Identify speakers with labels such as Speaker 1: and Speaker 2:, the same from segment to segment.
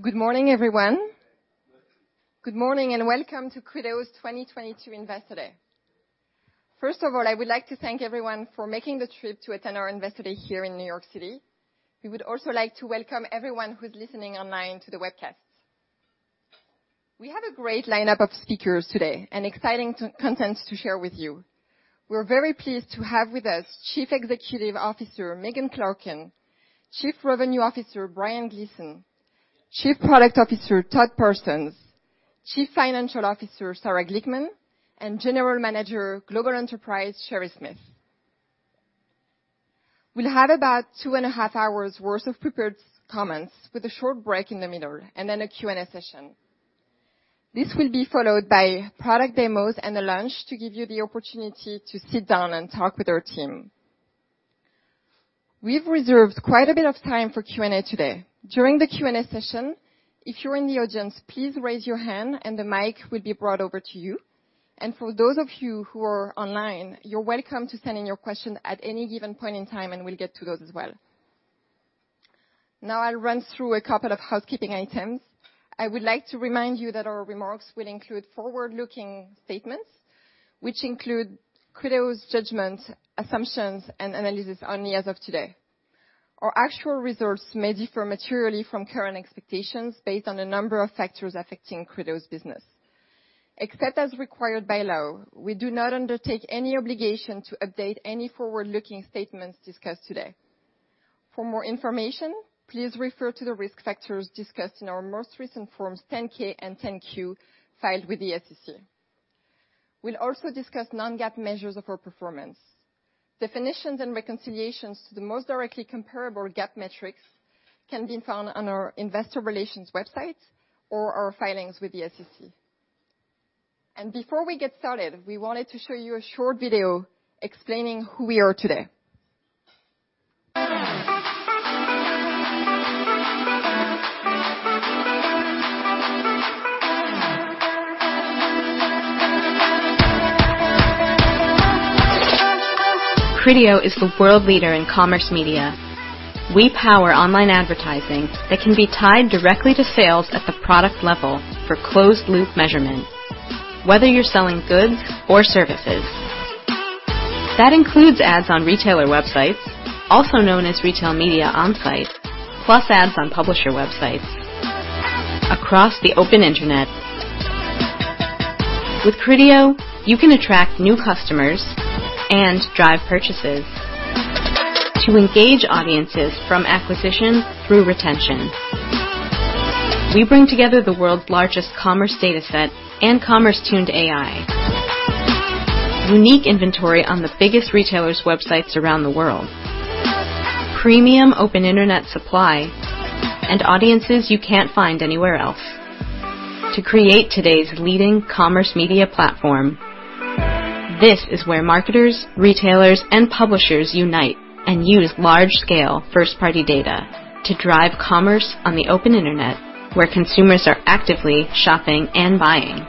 Speaker 1: Good morning, everyone. Good morning and welcome to Criteo's 2022 Investor Day. First of all, I would like to thank everyone for making the trip to attend our Investor Day here in New York City. We would also like to welcome everyone who is listening online to the webcast. We have a great lineup of speakers today and exciting content to share with you. We're very pleased to have with us Chief Executive Officer Megan Clarken, Chief Revenue Officer Brian Gleason, Chief Product Officer Todd Parsons, Chief Financial Officer Sarah Glickman, and General Manager, Global Enterprise, Sherry Smith. We'll have about two and a half hours worth of prepared comments with a short break in the middle and then a Q&A session. This will be followed by product demos and a lunch to give you the opportunity to sit down and talk with our team. We've reserved quite a bit of time for Q&A today. During the Q&A session, if you're in the audience, please raise your hand and the mic will be brought over to you, and for those of you who are online, you're welcome to send in your question at any given point in time, and we'll get to those as well. Now I'll run through a couple of housekeeping items. I would like to remind you that our remarks will include forward-looking statements, which include Criteo's judgments, assumptions and analyses only as of today. Our actual results may differ materially from current expectations based on a number of factors affecting Criteo's business. Except as required by law, we do not undertake any obligation to update any forward-looking statements discussed today. For more information, please refer to the risk factors discussed in our most recent Form 10-K and 10-Q filed with the SEC. We'll also discuss non-GAAP measures of our performance. Definitions and reconciliations to the most directly comparable GAAP metrics can be found on our investor relations website or our filings with the SEC. Before we get started, we wanted to show you a short video explaining who we are today.
Speaker 2: Criteo is the world leader in commerce media. We power online advertising that can be tied directly to sales at the product level for closed-loop measurement, whether you're selling goods or services. That includes ads on retailer websites, also known as retail media on-site, plus ads on publisher websites across the open internet. With Criteo, you can attract new customers and drive purchases to engage audiences from acquisition through retention. We bring together the world's largest commerce dataset and commerce-tuned AI, unique inventory on the biggest retailers' websites around the world, premium open internet supply, and audiences you can't find anywhere else to create today's leading commerce media platform. This is where marketers, retailers, and publishers unite and use large-scale first-party data to drive commerce on the open internet, where consumers are actively shopping and buying.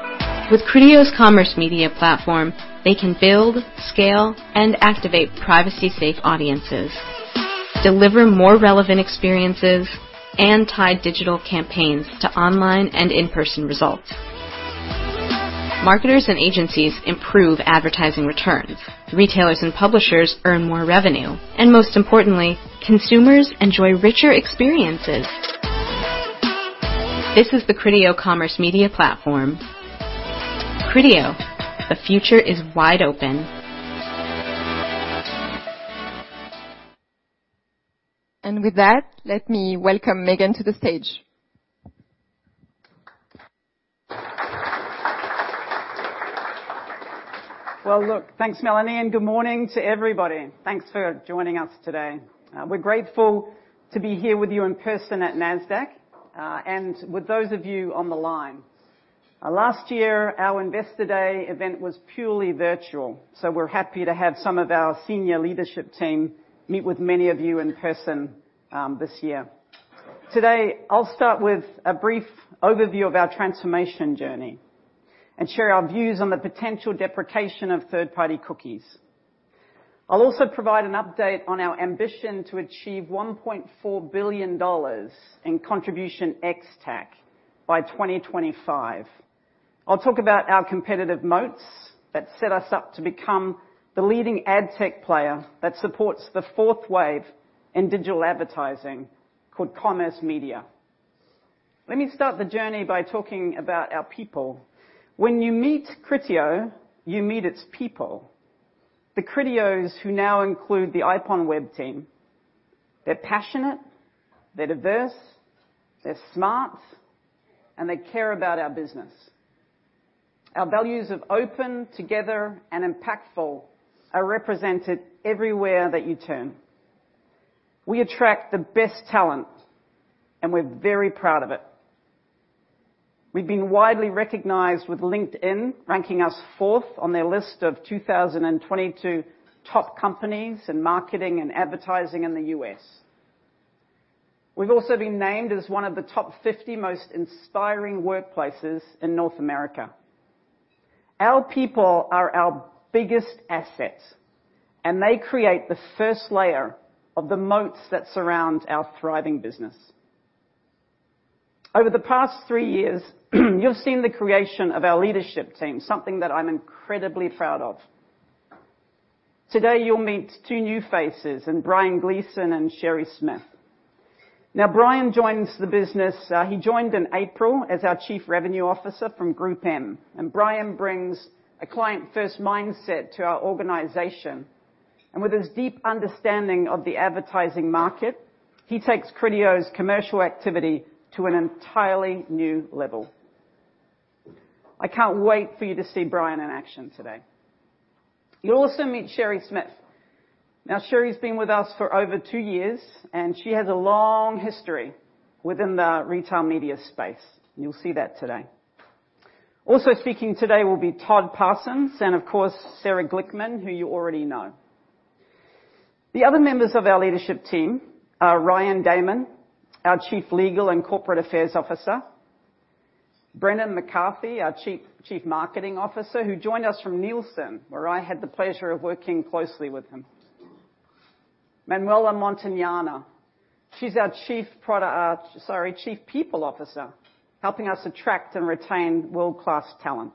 Speaker 2: With Criteo's Commerce Media Platform, they can build, scale, and activate privacy safe audiences, deliver more relevant experiences, and tie digital campaigns to online and in-person results. Marketers and agencies improve advertising returns. Retailers and publishers earn more revenue, and most importantly, consumers enjoy richer experiences. This is the Criteo Commerce Media Platform. Criteo, the future is wide open.
Speaker 1: With that, let me welcome Megan Clarken to the stage.
Speaker 3: Well, look, thanks, Melanie, and good morning to everybody. Thanks for joining us today. We're grateful to be here with you in person at Nasdaq, and with those of you on the line. Last year, our Investor Day event was purely virtual, so we're happy to have some of our senior leadership team meet with many of you in person, this year. Today, I'll start with a brief overview of our transformation journey and share our views on the potential deprecation of third-party cookies. I'll also provide an update on our ambition to achieve $1.4 billion in contribution ex-TAC by 2025. I'll talk about our competitive moats that set us up to become the leading ad tech player that supports the fourth wave in digital advertising called Commerce Media. Let me start the journey by talking about our people. When you meet Criteo, you meet its people. The Criteos who now include the IPONWEB team. They're passionate, they're diverse, they're smart, and they care about our business. Our values of open, together, and impactful are represented everywhere that you turn. We attract the best talent, and we're very proud of it. We've been widely recognized with LinkedIn ranking us fourth on their list of 2022 top companies in marketing and advertising in the U.S. We've also been named as one of the top 50 most inspiring workplaces in North America. Our people are our biggest assets, and they create the first layer of the moats that surround our thriving business. Over the past three years, you've seen the creation of our leadership team, something that I'm incredibly proud of. Today, you'll meet two new faces in Brian Gleason and Sherry Smith. Now, Brian joined in April as our Chief Revenue Officer from GroupM. Brian brings a client-first mindset to our organization. With his deep understanding of the advertising market, he takes Criteo's commercial activity to an entirely new level. I can't wait for you to see Brian in action today. You'll also meet Sherry Smith. Now, Sherry's been with us for over two years, and she has a long history within the retail media space. You'll see that today. Also speaking today will be Todd Parsons and of course, Sarah Glickman, who you already know. The other members of our leadership team are Ryan Damon, our Chief Legal and Corporate Affairs Officer, Brendan McCarthy, our Chief Marketing Officer, who joined us from Nielsen, where I had the pleasure of working closely with him, Manuela Montagnana, she's our Chief People Officer, helping us attract and retain world-class talent.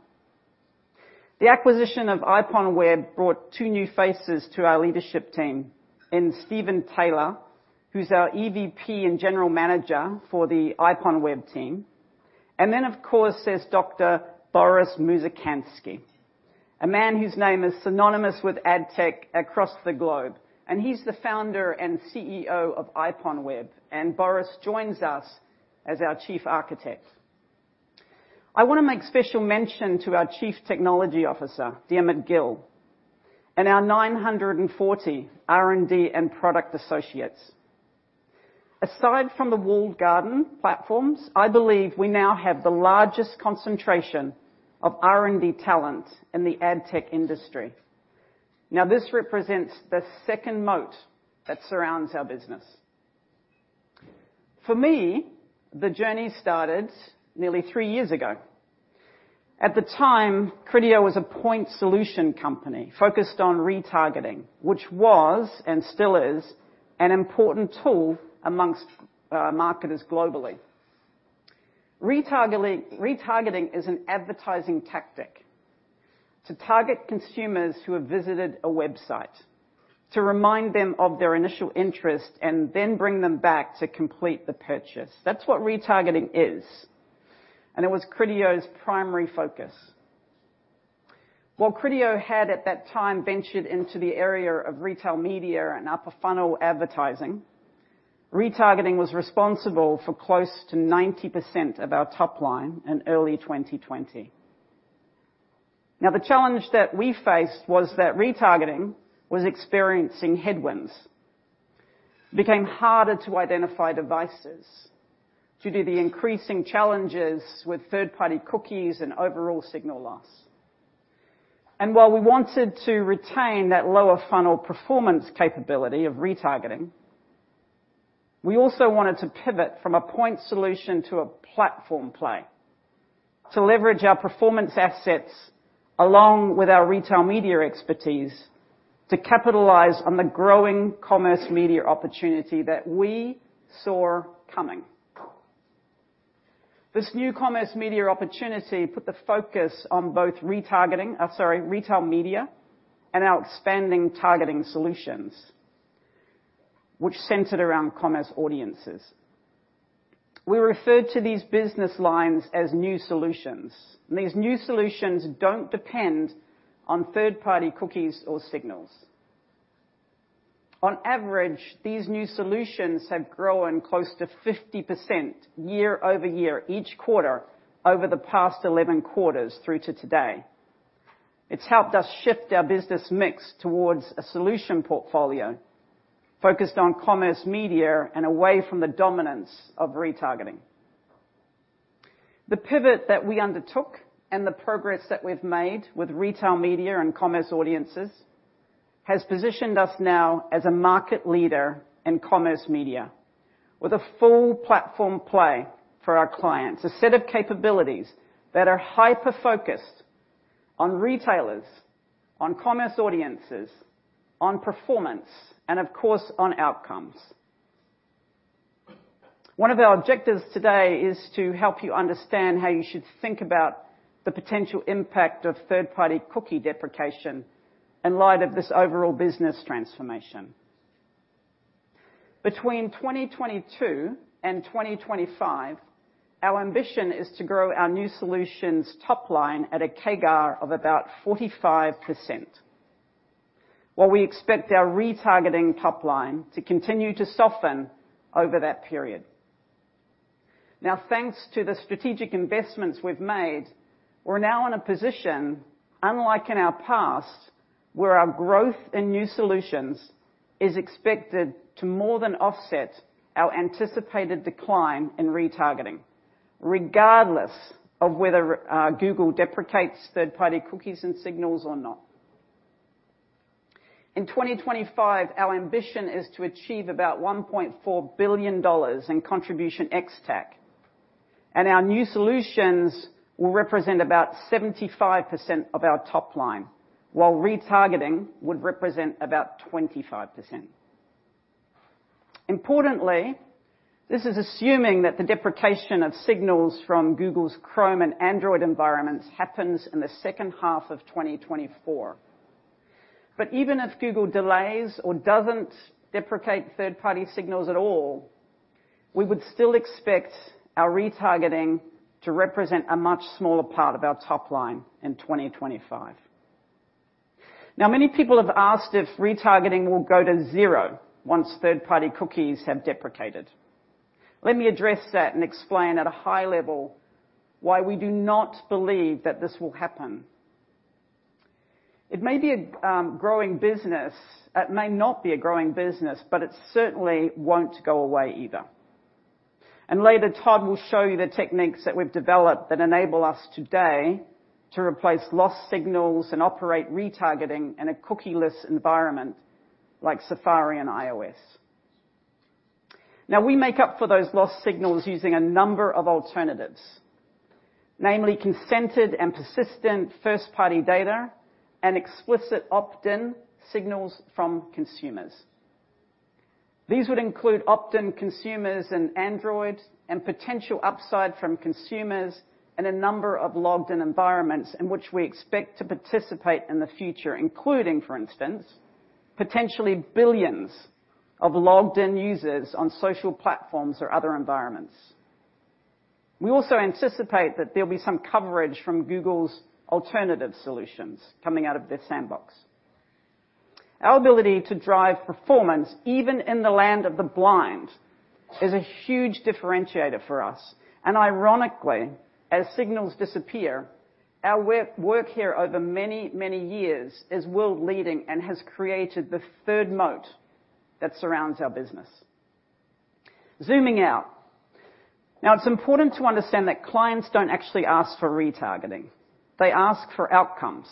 Speaker 3: The acquisition of IPONWEB brought two new faces to our leadership team in Stephen Taylor, who's our EVP and General Manager for the IPONWEB team, and then, of course, there's Dr. Boris Mouzykantskii, a man whose name is synonymous with ad tech across the globe, and he's the Founder and CEO of IPONWEB, and Boris joins us as our Chief Architect. I wanna make special mention to our Chief Technology Officer, Diarmuid Gill, and our 940 R&D and product associates. Aside from the walled garden platforms, I believe we now have the largest concentration of R&D talent in the ad tech industry. Now, this represents the second moat that surrounds our business. For me, the journey started nearly three years ago. At the time, Criteo was a point solution company focused on retargeting, which was and still is an important tool among marketers globally. Retargeting is an advertising tactic to target consumers who have visited a website, to remind them of their initial interest and then bring them back to complete the purchase. That's what retargeting is. It was Criteo's primary focus. While Criteo had at that time ventured into the area of retail media and upper funnel advertising, retargeting was responsible for close to 90% of our top line in early 2020. Now, the challenge that we faced was that retargeting was experiencing headwinds. It became harder to identify devices due to the increasing challenges with third-party cookies and overall signal loss. While we wanted to retain that lower funnel performance capability of retargeting, we also wanted to pivot from a point solution to a platform play to leverage our performance assets along with our retail media expertise to capitalize on the growing commerce media opportunity that we saw coming. This new Commerce Media opportunity put the focus on both retargeting, retail media and upper-funnel targeting solutions, which centered around commerce audiences. We referred to these business lines as new solutions. These new solutions don't depend on third-party cookies or signals. On average, these new solutions have grown close to 50% year-over-year, each quarter over the past 11 quarters through to today. It's helped us shift our business mix towards a solution portfolio focused on commerce media and away from the dominance of retargeting. The pivot that we undertook and the progress that we've made with retail media and commerce audiences has positioned us now as a market leader in commerce media with a full platform play for our clients, a set of capabilities that are hyper-focused on retailers, on commerce audiences, on performance, and of course, on outcomes. One of our objectives today is to help you understand how you should think about the potential impact of third-party cookie deprecation in light of this overall business transformation. Between 2022 and 2025, our ambition is to grow our new solutions top line at a CAGR of about 45%, while we expect our retargeting top line to continue to soften over that period. Now, thanks to the strategic investments we've made, we're now in a position, unlike in our past, where our growth in new solutions is expected to more than offset our anticipated decline in retargeting, regardless of whether Google deprecates third-party cookies and signals or not. In 2025, our ambition is to achieve about $1.4 billion in contribution ex-TAC. Our new solutions will represent about 75% of our top line, while retargeting would represent about 25%. Importantly, this is assuming that the deprecation of signals from Google's Chrome and Android environments happens in the second half of 2024. Even if Google delays or doesn't deprecate third-party signals at all, we would still expect our retargeting to represent a much smaller part of our top line in 2025. Now, many people have asked if retargeting will go to zero once third-party cookies have deprecated. Let me address that and explain at a high level why we do not believe that this will happen. It may be a growing business. It may not be a growing business, but it certainly won't go away either. Later, Todd will show you the techniques that we've developed that enable us today to replace lost signals and operate retargeting in a cookie-less environment like Safari and iOS. Now, we make up for those lost signals using a number of alternatives, namely consented and persistent first-party data and explicit opt-in signals from consumers. These would include opt-in consumers in Android and potential upside from consumers in a number of logged-in environments in which we expect to participate in the future, including, for instance, potentially billions of logged-in users on social platforms or other environments. We also anticipate that there'll be some coverage from Google's alternative solutions coming out of their sandbox. Our ability to drive performance, even in the land of the blind, is a huge differentiator for us. Ironically, as signals disappear, our work here over many, many years is world-leading and has created the third moat that surrounds our business. Zooming out. Now, it's important to understand that clients don't actually ask for retargeting. They ask for outcomes.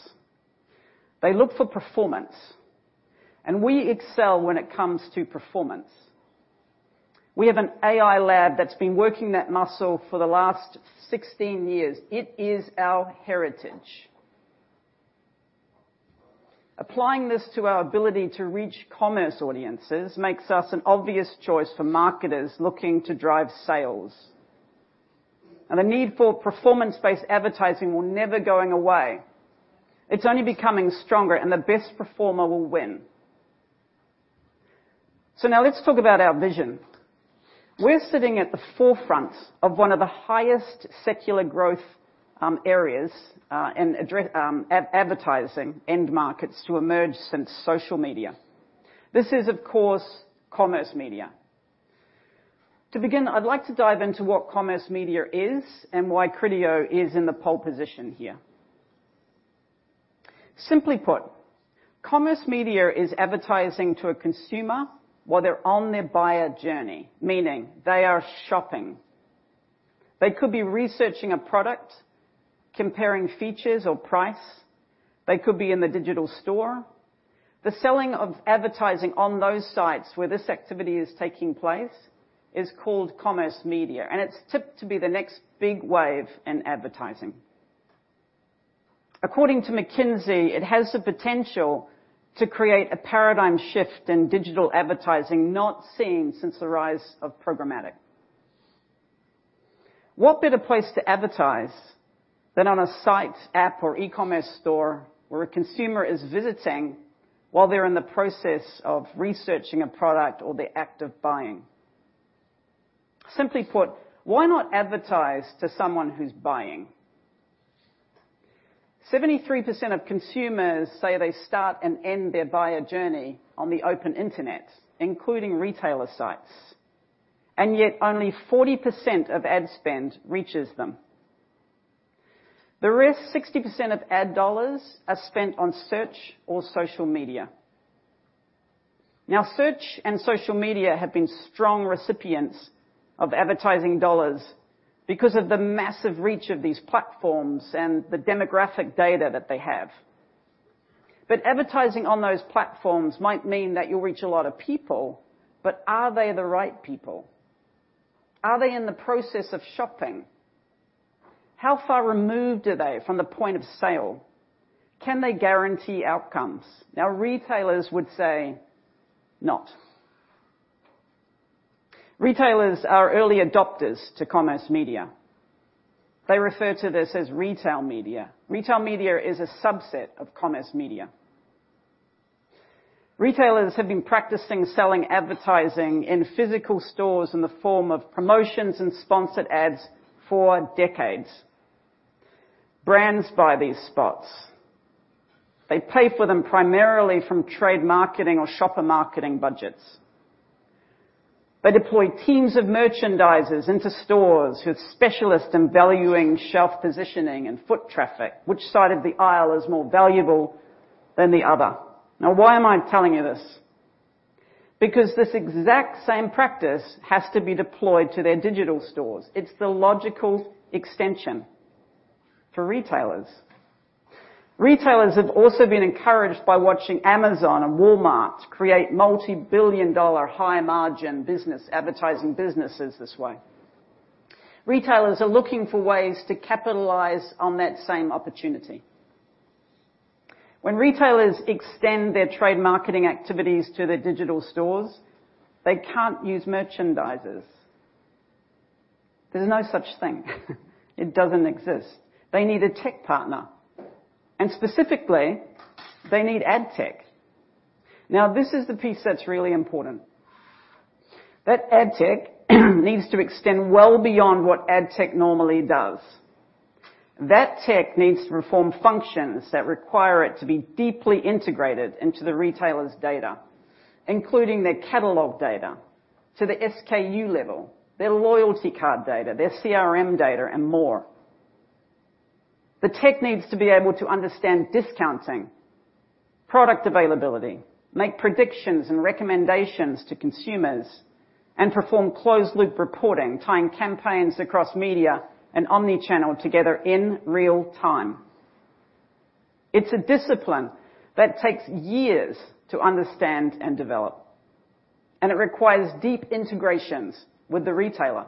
Speaker 3: They look for performance, and we excel when it comes to performance. We have an AI lab that's been working that muscle for the last 16 years. It is our heritage. Applying this to our ability to reach commerce audiences makes us an obvious choice for marketers looking to drive sales. The need for performance-based advertising will never go away. It's only becoming stronger, and the best performer will win. Now let's talk about our vision. We're sitting at the forefront of one of the highest secular growth areas in advertising end markets to emerge since social media. This is, of course, commerce media. To begin, I'd like to dive into what commerce media is and why Criteo is in the pole position here. Simply put, commerce media is advertising to a consumer while they're on their buyer journey, meaning they are shopping. They could be researching a product, comparing features or price. They could be in the digital store. The selling of advertising on those sites where this activity is taking place is called commerce media, and it's tipped to be the next big wave in advertising. According to McKinsey, it has the potential to create a paradigm shift in digital advertising not seen since the rise of programmatic. What better place to advertise than on a site, app, or e-commerce store where a consumer is visiting while they're in the process of researching a product or the act of buying? Simply put, why not advertise to someone who's buying? 73% of consumers say they start and end their buyer journey on the open internet, including retailer sites, and yet only 40% of ad spend reaches them. The rest, 60% of ad dollars are spent on search or social media. Now, search and social media have been strong recipients of advertising dollars because of the massive reach of these platforms and the demographic data that they have. Advertising on those platforms might mean that you'll reach a lot of people, but are they the right people? Are they in the process of shopping? How far removed are they from the point of sale? Can they guarantee outcomes? Now, retailers would say not. Retailers are early adopters to commerce media. They refer to this as retail media. Retail media is a subset of commerce media. Retailers have been practicing selling advertising in physical stores in the form of promotions and sponsored ads for decades. Brands buy these spots. They pay for them primarily from trade marketing or shopper marketing budgets. They deploy teams of merchandisers into stores who are specialists in valuing shelf positioning and foot traffic. Which side of the aisle is more valuable than the other? Now, why am I telling you this? Because this exact same practice has to be deployed to their digital stores. It's the logical extension for retailers. Retailers have also been encouraged by watching Amazon and Walmart create multibillion-dollar high margin business advertising businesses this way. Retailers are looking for ways to capitalize on that same opportunity. When retailers extend their trade marketing activities to their digital stores, they can't use merchandisers. There's no such thing. It doesn't exist. They need a tech partner, and specifically, they need ad tech. Now, this is the piece that's really important. That ad tech needs to extend well beyond what ad tech normally does. That tech needs to perform functions that require it to be deeply integrated into the retailer's data, including their catalog data to the SKU level, their loyalty card data, their CRM data, and more. The tech needs to be able to understand discounting, product availability, make predictions and recommendations to consumers, and perform closed loop reporting, tying campaigns across media and omni-channel together in real time. It's a discipline that takes years to understand and develop, and it requires deep integrations with the retailer,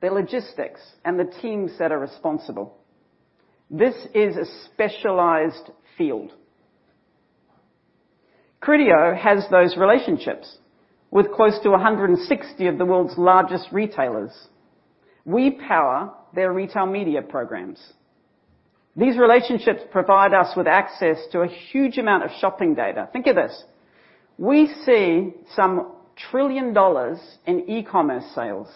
Speaker 3: their logistics, and the teams that are responsible. This is a specialized field. Criteo has those relationships with close to 160 of the world's largest retailers. We power their retail media programs. These relationships provide us with access to a huge amount of shopping data. Think of this. We see some $1 trillion in e-commerce sales.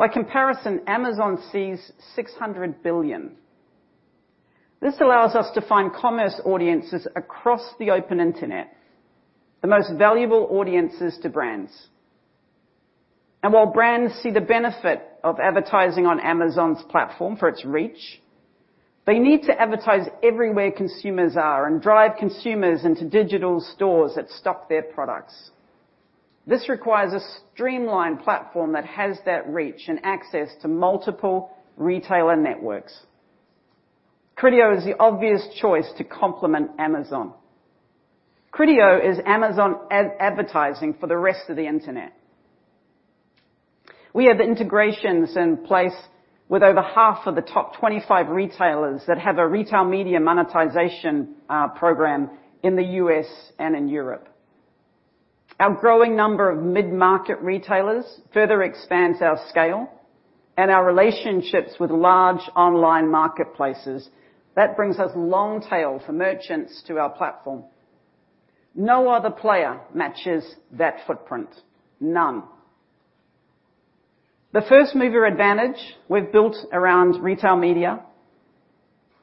Speaker 3: By comparison, Amazon sees $600 billion. This allows us to find commerce audiences across the open internet, the most valuable audiences to brands. While brands see the benefit of advertising on Amazon's platform for its reach, they need to advertise everywhere consumers are and drive consumers into digital stores that stock their products. This requires a streamlined platform that has that reach and access to multiple retailer networks. Criteo is the obvious choice to complement Amazon. Criteo is Amazon advertising for the rest of the internet. We have integrations in place with over half of the top 25 retailers that have a retail media monetization program in the U.S. and in Europe. Our growing number of mid-market retailers further expands our scale and our relationships with large online marketplaces. That brings us long tail for merchants to our platform. No other player matches that footprint. None. The first mover advantage we've built around retail media,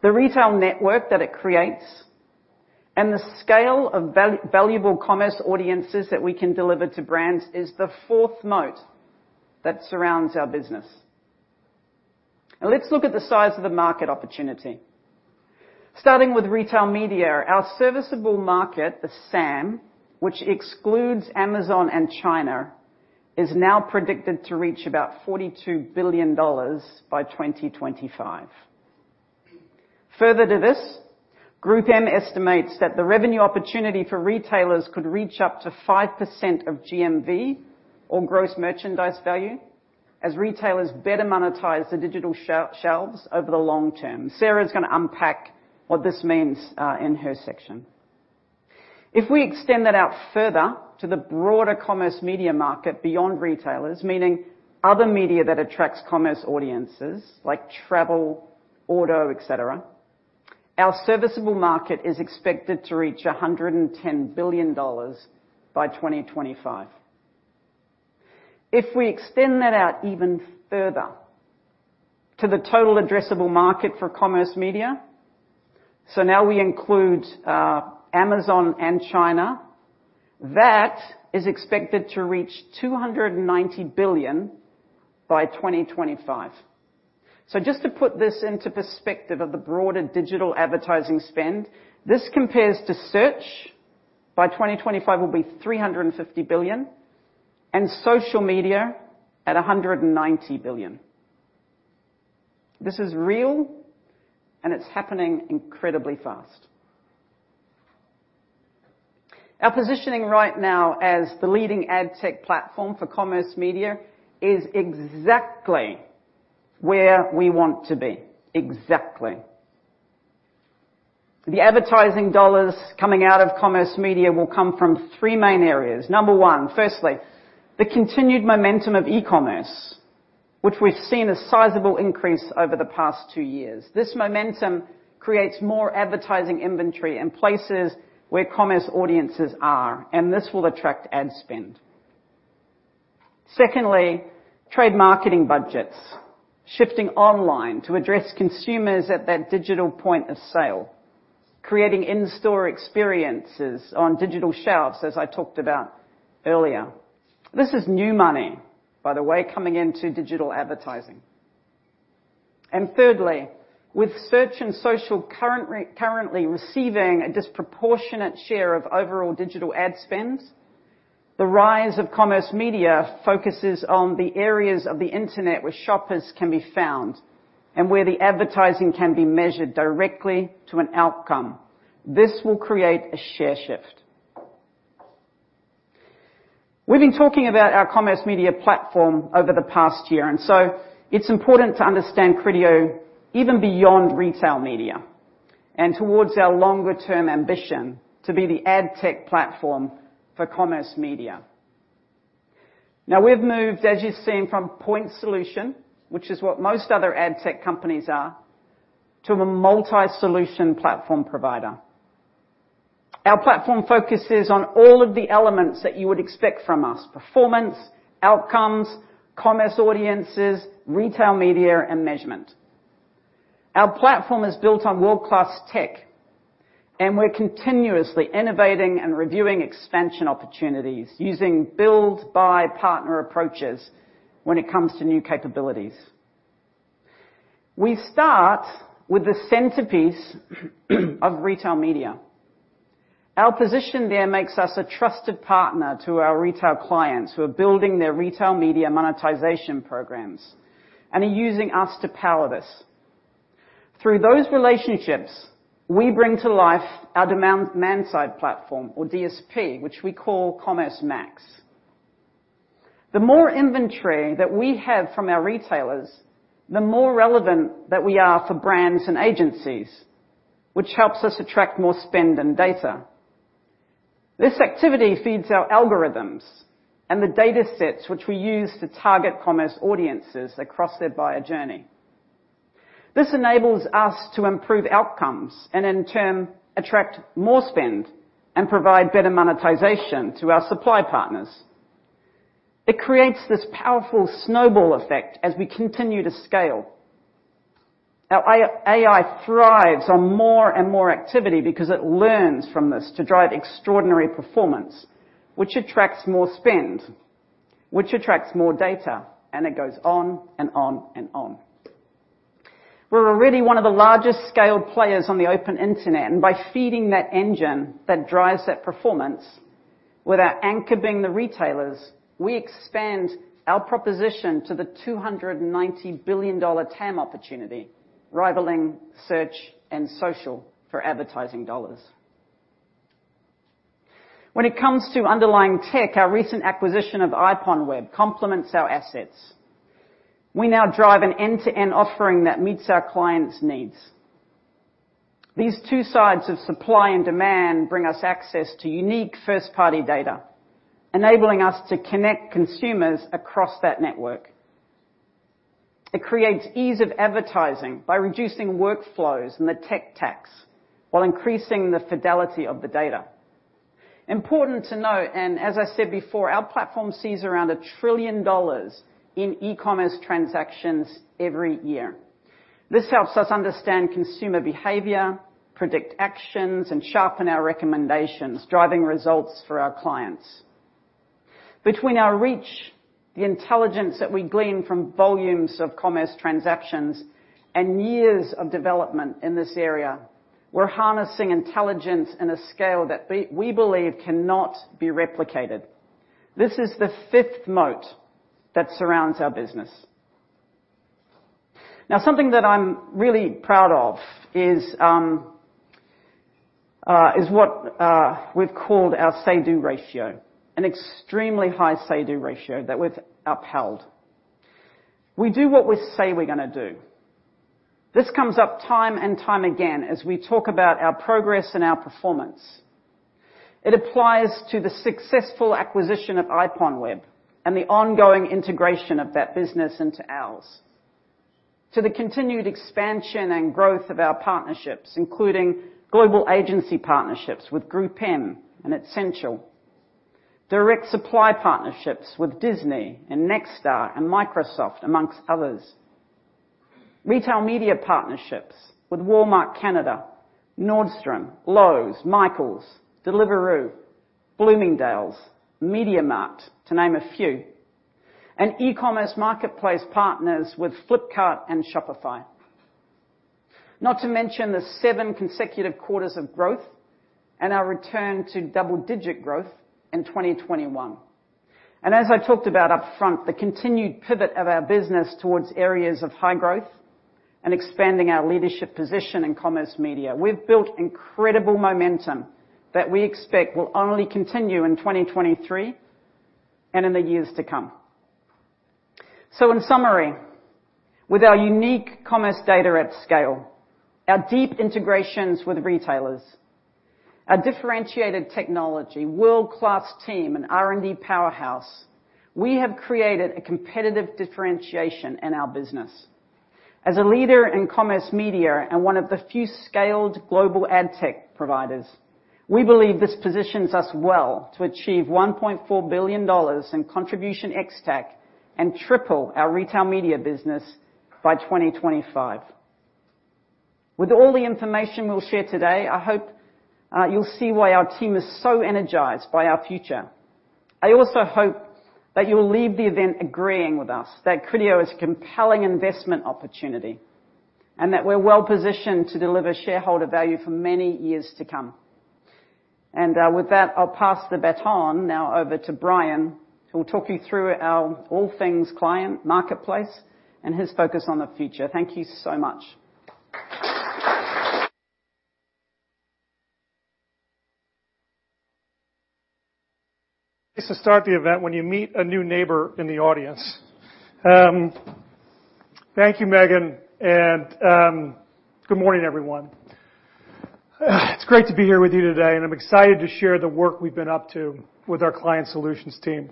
Speaker 3: the retail network that it creates, and the scale of valuable commerce audiences that we can deliver to brands is the fourth moat that surrounds our business. Now let's look at the size of the market opportunity. Starting with retail media, our serviceable market, the SAM, which excludes Amazon and China, is now predicted to reach about $42 billion by 2025. Further to this, GroupM estimates that the revenue opportunity for retailers could reach up to 5% of GMV or gross merchandise value as retailers better monetize the digital shelves over the long term. Sarah is gonna unpack what this means in her section. If we extend that out further to the broader commerce media market beyond retailers, meaning other media that attracts commerce audiences like travel, auto, et cetera, our serviceable market is expected to reach $110 billion by 2025. If we extend that out even further to the total addressable market for commerce media, so now we include Amazon and China, that is expected to reach $290 billion by 2025. Just to put this into perspective of the broader digital advertising spend, this compares to search. By 2025 will be $350 billion and social media at $190 billion. This is real, and it's happening incredibly fast. Our positioning right now as the leading ad tech platform for commerce media is exactly where we want to be. Exactly. The advertising dollars coming out of commerce media will come from three main areas. Number one, firstly, the continued momentum of e-commerce, which we've seen a sizable increase over the past two years. This momentum creates more advertising inventory in places where commerce audiences are, and this will attract ad spend. Secondly, trade marketing budgets shifting online to address consumers at that digital point of sale, creating in-store experiences on digital shelves, as I talked about earlier. This is new money, by the way, coming into digital advertising. Thirdly, with search and social currently receiving a disproportionate share of overall digital ad spends, the rise of commerce media focuses on the areas of the internet where shoppers can be found and where the advertising can be measured directly to an outcome. This will create a share shift. We've been talking about our Commerce Media Platform over the past year, and so it's important to understand Criteo even beyond retail media and towards our longer-term ambition to be the ad tech platform for commerce media. Now we've moved, as you've seen, from point solution, which is what most other ad tech companies are, to a multi-solution platform provider. Our platform focuses on all of the elements that you would expect from us, performance, outcomes, commerce audiences, retail media, and measurement. Our platform is built on world-class tech, and we're continuously innovating and reviewing expansion opportunities using build by partner approaches when it comes to new capabilities. We start with the centerpiece of retail media. Our position there makes us a trusted partner to our retail clients who are building their retail media monetization programs and are using us to power this. Through those relationships, we bring to life our demand side platform or DSP, which we call Commerce Max. The more inventory that we have from our retailers, the more relevant that we are for brands and agencies, which helps us attract more spend and data. This activity feeds our algorithms and the datasets which we use to target commerce audiences across their buyer journey. This enables us to improve outcomes and in turn, attract more spend and provide better monetization to our supply partners. It creates this powerful snowball effect as we continue to scale. Our AI thrives on more and more activity because it learns from this to drive extraordinary performance, which attracts more spend, which attracts more data, and it goes on and on and on. We're already one of the largest scale players on the open internet, and by feeding that engine that drives that performance, with our anchor being the retailers, we expand our proposition to the $290 billion TAM opportunity, rivaling search and social for advertising dollars. When it comes to underlying tech, our recent acquisition of IPONWEB complements our assets. We now drive an end-to-end offering that meets our clients' needs. These two sides of supply and demand bring us access to unique first-party data, enabling us to connect consumers across that network. It creates ease of advertising by reducing workflows and the tech tax while increasing the fidelity of the data. Important to note, and as I said before, our platform sees around $1 trillion in e-commerce transactions every year. This helps us understand consumer behavior, predict actions, and sharpen our recommendations, driving results for our clients. Between our reach, the intelligence that we glean from volumes of commerce transactions, and years of development in this area, we're harnessing intelligence in a scale that we believe cannot be replicated. This is the fifth moat that surrounds our business. Now, something that I'm really proud of is what we've called our say-do ratio, an extremely high say-do ratio that we've upheld. We do what we say we're gonna do. This comes up time and again as we talk about our progress and our performance. It applies to the successful acquisition of IPONWEB and the ongoing integration of that business into ours. To the continued expansion and growth of our partnerships, including global agency partnerships with GroupM and Ascential. Direct supply partnerships with Disney and Nexstar and Microsoft, among others. Retail media partnerships with Walmart Canada, Nordstrom, Lowe's, Michaels, Deliveroo, Bloomingdale's, MediaMarkt, to name a few, and e-commerce marketplace partners with Flipkart and Shopify. Not to mention the seven consecutive quarters of growth and our return to double-digit growth in 2021. As I talked about upfront, the continued pivot of our business towards areas of high growth and expanding our leadership position in commerce media. We've built incredible momentum that we expect will only continue in 2023 and in the years to come. In summary, with our unique commerce data at scale, our deep integrations with retailers, our differentiated technology, world-class team, and R&D powerhouse, we have created a competitive differentiation in our business. As a leader in commerce media and one of the few scaled global ad tech providers, we believe this positions us well to achieve $1.4 billion in contribution ex-TAC and triple our retail media business by 2025. With all the information we'll share today, I hope you'll see why our team is so energized by our future. I also hope that you'll leave the event agreeing with us that Criteo is a compelling investment opportunity, and that we're well-positioned to deliver shareholder value for many years to come. With that, I'll pass the baton now over to Brian, who will talk you through our all things client, marketplace and his focus on the future. Thank you so much.
Speaker 4: This'll start the event when you meet a new neighbor in the audience. Thank you, Megan, and good morning, everyone. It's great to be here with you today, and I'm excited to share the work we've been up to with our client solutions team.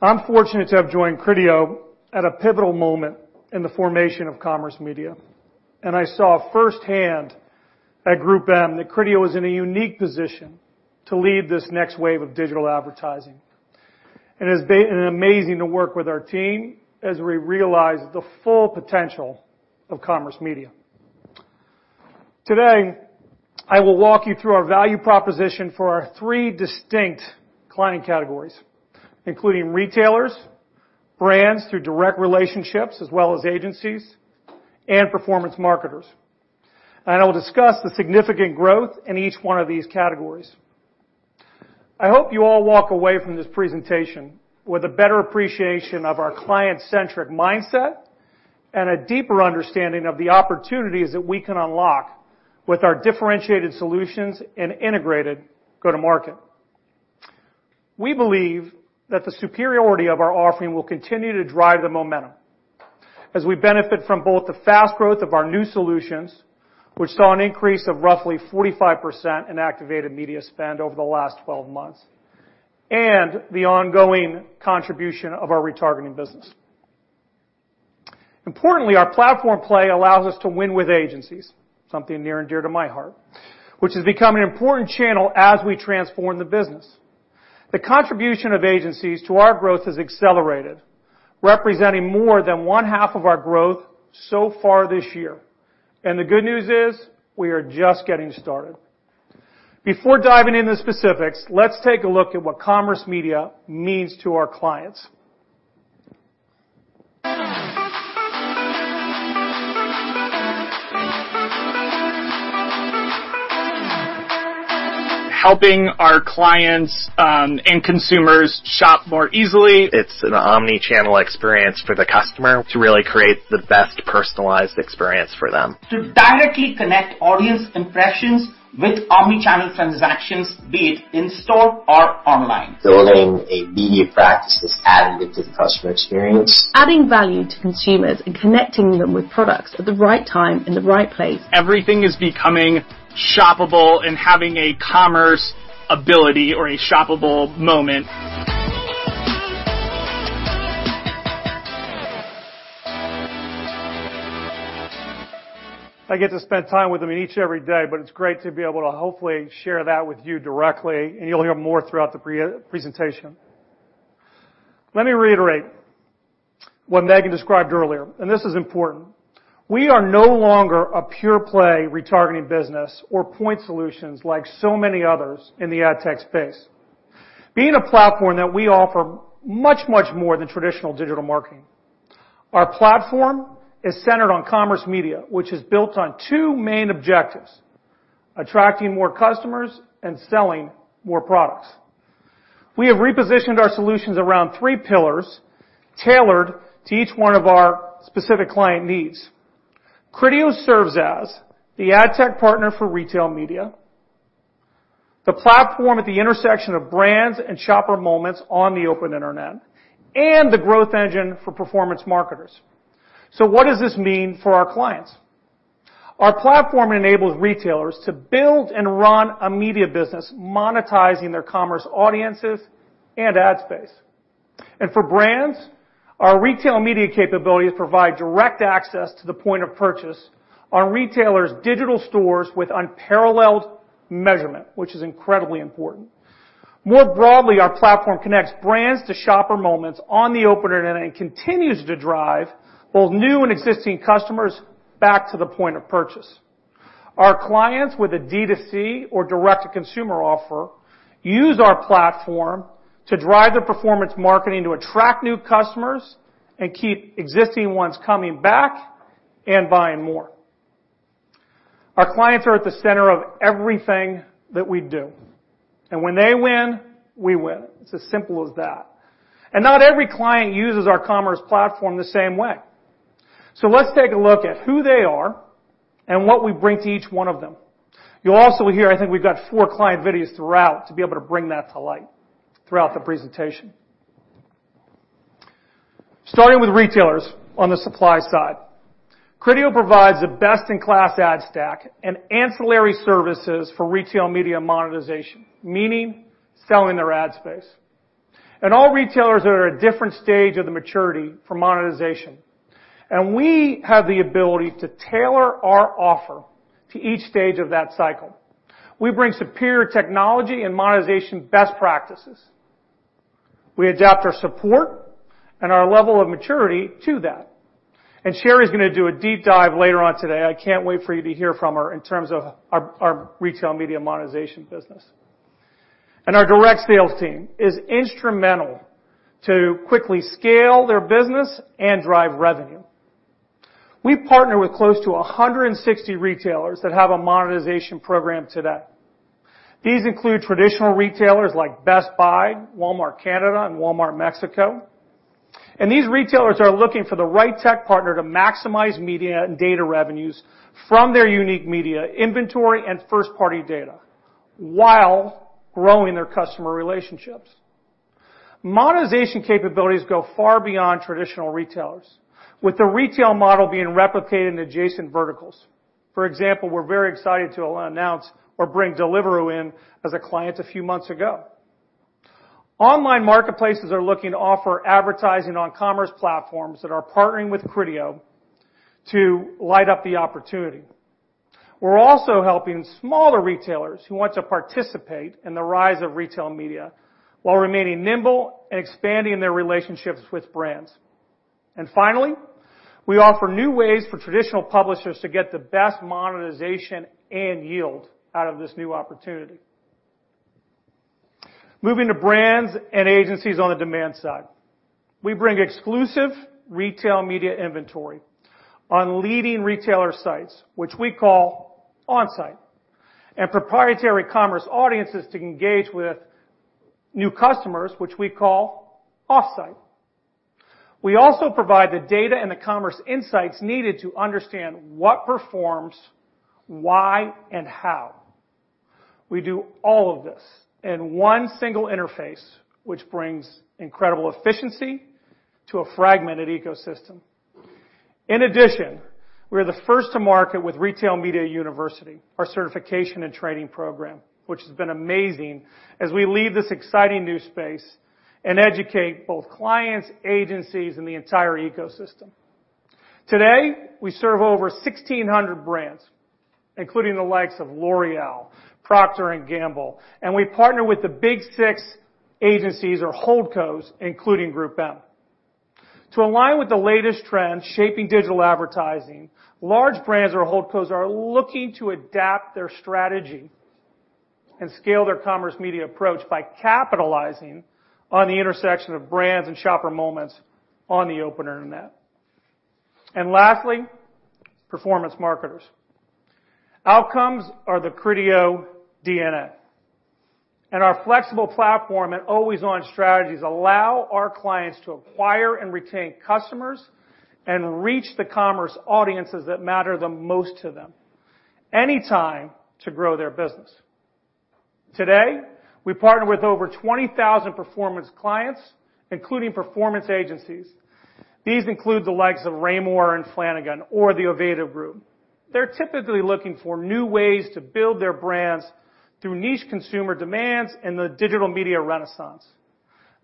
Speaker 4: I'm fortunate to have joined Criteo at a pivotal moment in the formation of commerce media, and I saw firsthand at GroupM that Criteo is in a unique position to lead this next wave of digital advertising. It has been amazing to work with our team as we realize the full potential of commerce media. Today, I will walk you through our value proposition for our three distinct client categories, including retailers, brands through direct relationships, as well as agencies and performance marketers. I will discuss the significant growth in each one of these categories. I hope you all walk away from this presentation with a better appreciation of our client-centric mindset and a deeper understanding of the opportunities that we can unlock with our differentiated solutions and integrated go-to market. We believe that the superiority of our offering will continue to drive the momentum as we benefit from both the fast growth of our new solutions, which saw an increase of roughly 45% in activated media spend over the last 12 months, and the ongoing contribution of our retargeting business. Importantly, our platform play allows us to win with agencies, something near and dear to my heart, which has become an important channel as we transform the business. The contribution of agencies to our growth has accelerated, representing more than one half of our growth so far this year. The good news is, we are just getting started. Before diving into the specifics, let's take a look at what commerce media means to our clients.
Speaker 2: Helping our clients and consumers shop more easily. It's an omnichannel experience for the customer to really create the best personalized experience for them. To directly connect audience impressions with omnichannel transactions, be it in-store or online. Building a media practice that's added to the customer experience. Adding value to consumers and connecting them with products at the right time, in the right place. Everything is becoming shoppable and having a commerce ability or a shoppable moment.
Speaker 4: I get to spend time with them each and every day, but it's great to be able to hopefully share that with you directly, and you'll hear more throughout the pre-presentation. Let me reiterate what Megan described earlier, and this is important. We are no longer a pure play retargeting business or point solutions like so many others in the ad tech space. Being a platform that we offer much, much more than traditional digital marketing, our platform is centered on commerce media, which is built on two main objectives, attracting more customers and selling more products. We have repositioned our solutions around three pillars tailored to each one of our specific client needs. Criteo serves as the ad tech partner for retail media, the platform at the intersection of brands and shopper moments on the open internet, and the growth engine for performance marketers. What does this mean for our clients? Our platform enables retailers to build and run a media business, monetizing their commerce audiences and ad space. For brands, our retail media capabilities provide direct access to the point of purchase on retailers' digital stores with unparalleled measurement, which is incredibly important. More broadly, our platform connects brands to shopper moments on the open internet and continues to drive both new and existing customers back to the point of purchase. Our clients with a D2C or direct-to-consumer offer use our platform to drive their performance marketing to attract new customers and keep existing ones coming back and buying more. Our clients are at the center of everything that we do, and when they win, we win. It's as simple as that. Not every client uses our commerce platform the same way. Let's take a look at who they are and what we bring to each one of them. You'll also hear, I think we've got four client videos throughout, to be able to bring that to light throughout the presentation. Starting with retailers on the supply side. Criteo provides a best-in-class ad stack and ancillary services for retail media monetization, meaning selling their ad space. All retailers are at a different stage of the maturity for monetization, and we have the ability to tailor our offer to each stage of that cycle. We bring superior technology and monetization best practices. We adapt our support and our level of maturity to that. Sherry's gonna do a deep dive later on today. I can't wait for you to hear from her in terms of our retail media monetization business. Our direct sales team is instrumental to quickly scale their business and drive revenue. We partner with close to 160 retailers that have a monetization program today. These include traditional retailers like Best Buy, Walmart Canada, and Walmart Mexico. These retailers are looking for the right tech partner to maximize media and data revenues from their unique media inventory and first-party data while growing their customer relationships. Monetization capabilities go far beyond traditional retailers, with the retail model being replicated in adjacent verticals. For example, we're very excited to announce or bring Deliveroo in as a client a few months ago. Online marketplaces are looking to offer advertising on commerce platforms that are partnering with Criteo to light up the opportunity. We're also helping smaller retailers who want to participate in the rise of retail media while remaining nimble and expanding their relationships with brands. Finally, we offer new ways for traditional publishers to get the best monetization and yield out of this new opportunity. Moving to brands and agencies on the demand side. We bring exclusive retail media inventory on leading retailer sites, which we call on-site, and proprietary commerce audiences to engage with new customers, which we call off-site. We also provide the data and the commerce insights needed to understand what performs, why, and how. We do all of this in one single interface, which brings incredible efficiency to a fragmented ecosystem. In addition, we are the first to market with Retail Media University, our certification and training program, which has been amazing as we lead this exciting new space and educate both clients, agencies, and the entire ecosystem. Today, we serve over 1,600 brands, including the likes of L'Oréal, Procter & Gamble, and we partner with the Big 6 agencies or holdcos, including GroupM. To align with the latest trends shaping digital advertising, large brands or holdcos are looking to adapt their strategy and scale their commerce media approach by capitalizing on the intersection of brands and shopper moments on the open internet. Lastly, performance marketers. Outcomes are the Criteo DNA, and our flexible platform and always-on strategies allow our clients to acquire and retain customers and reach the commerce audiences that matter the most to them anytime to grow their business. Today, we partner with over 20,000 performance clients, including performance agencies. These include the likes of Raymour & Flanigan or the Ovative Group. They're typically looking for new ways to build their brands through niche consumer demands and the digital media renaissance.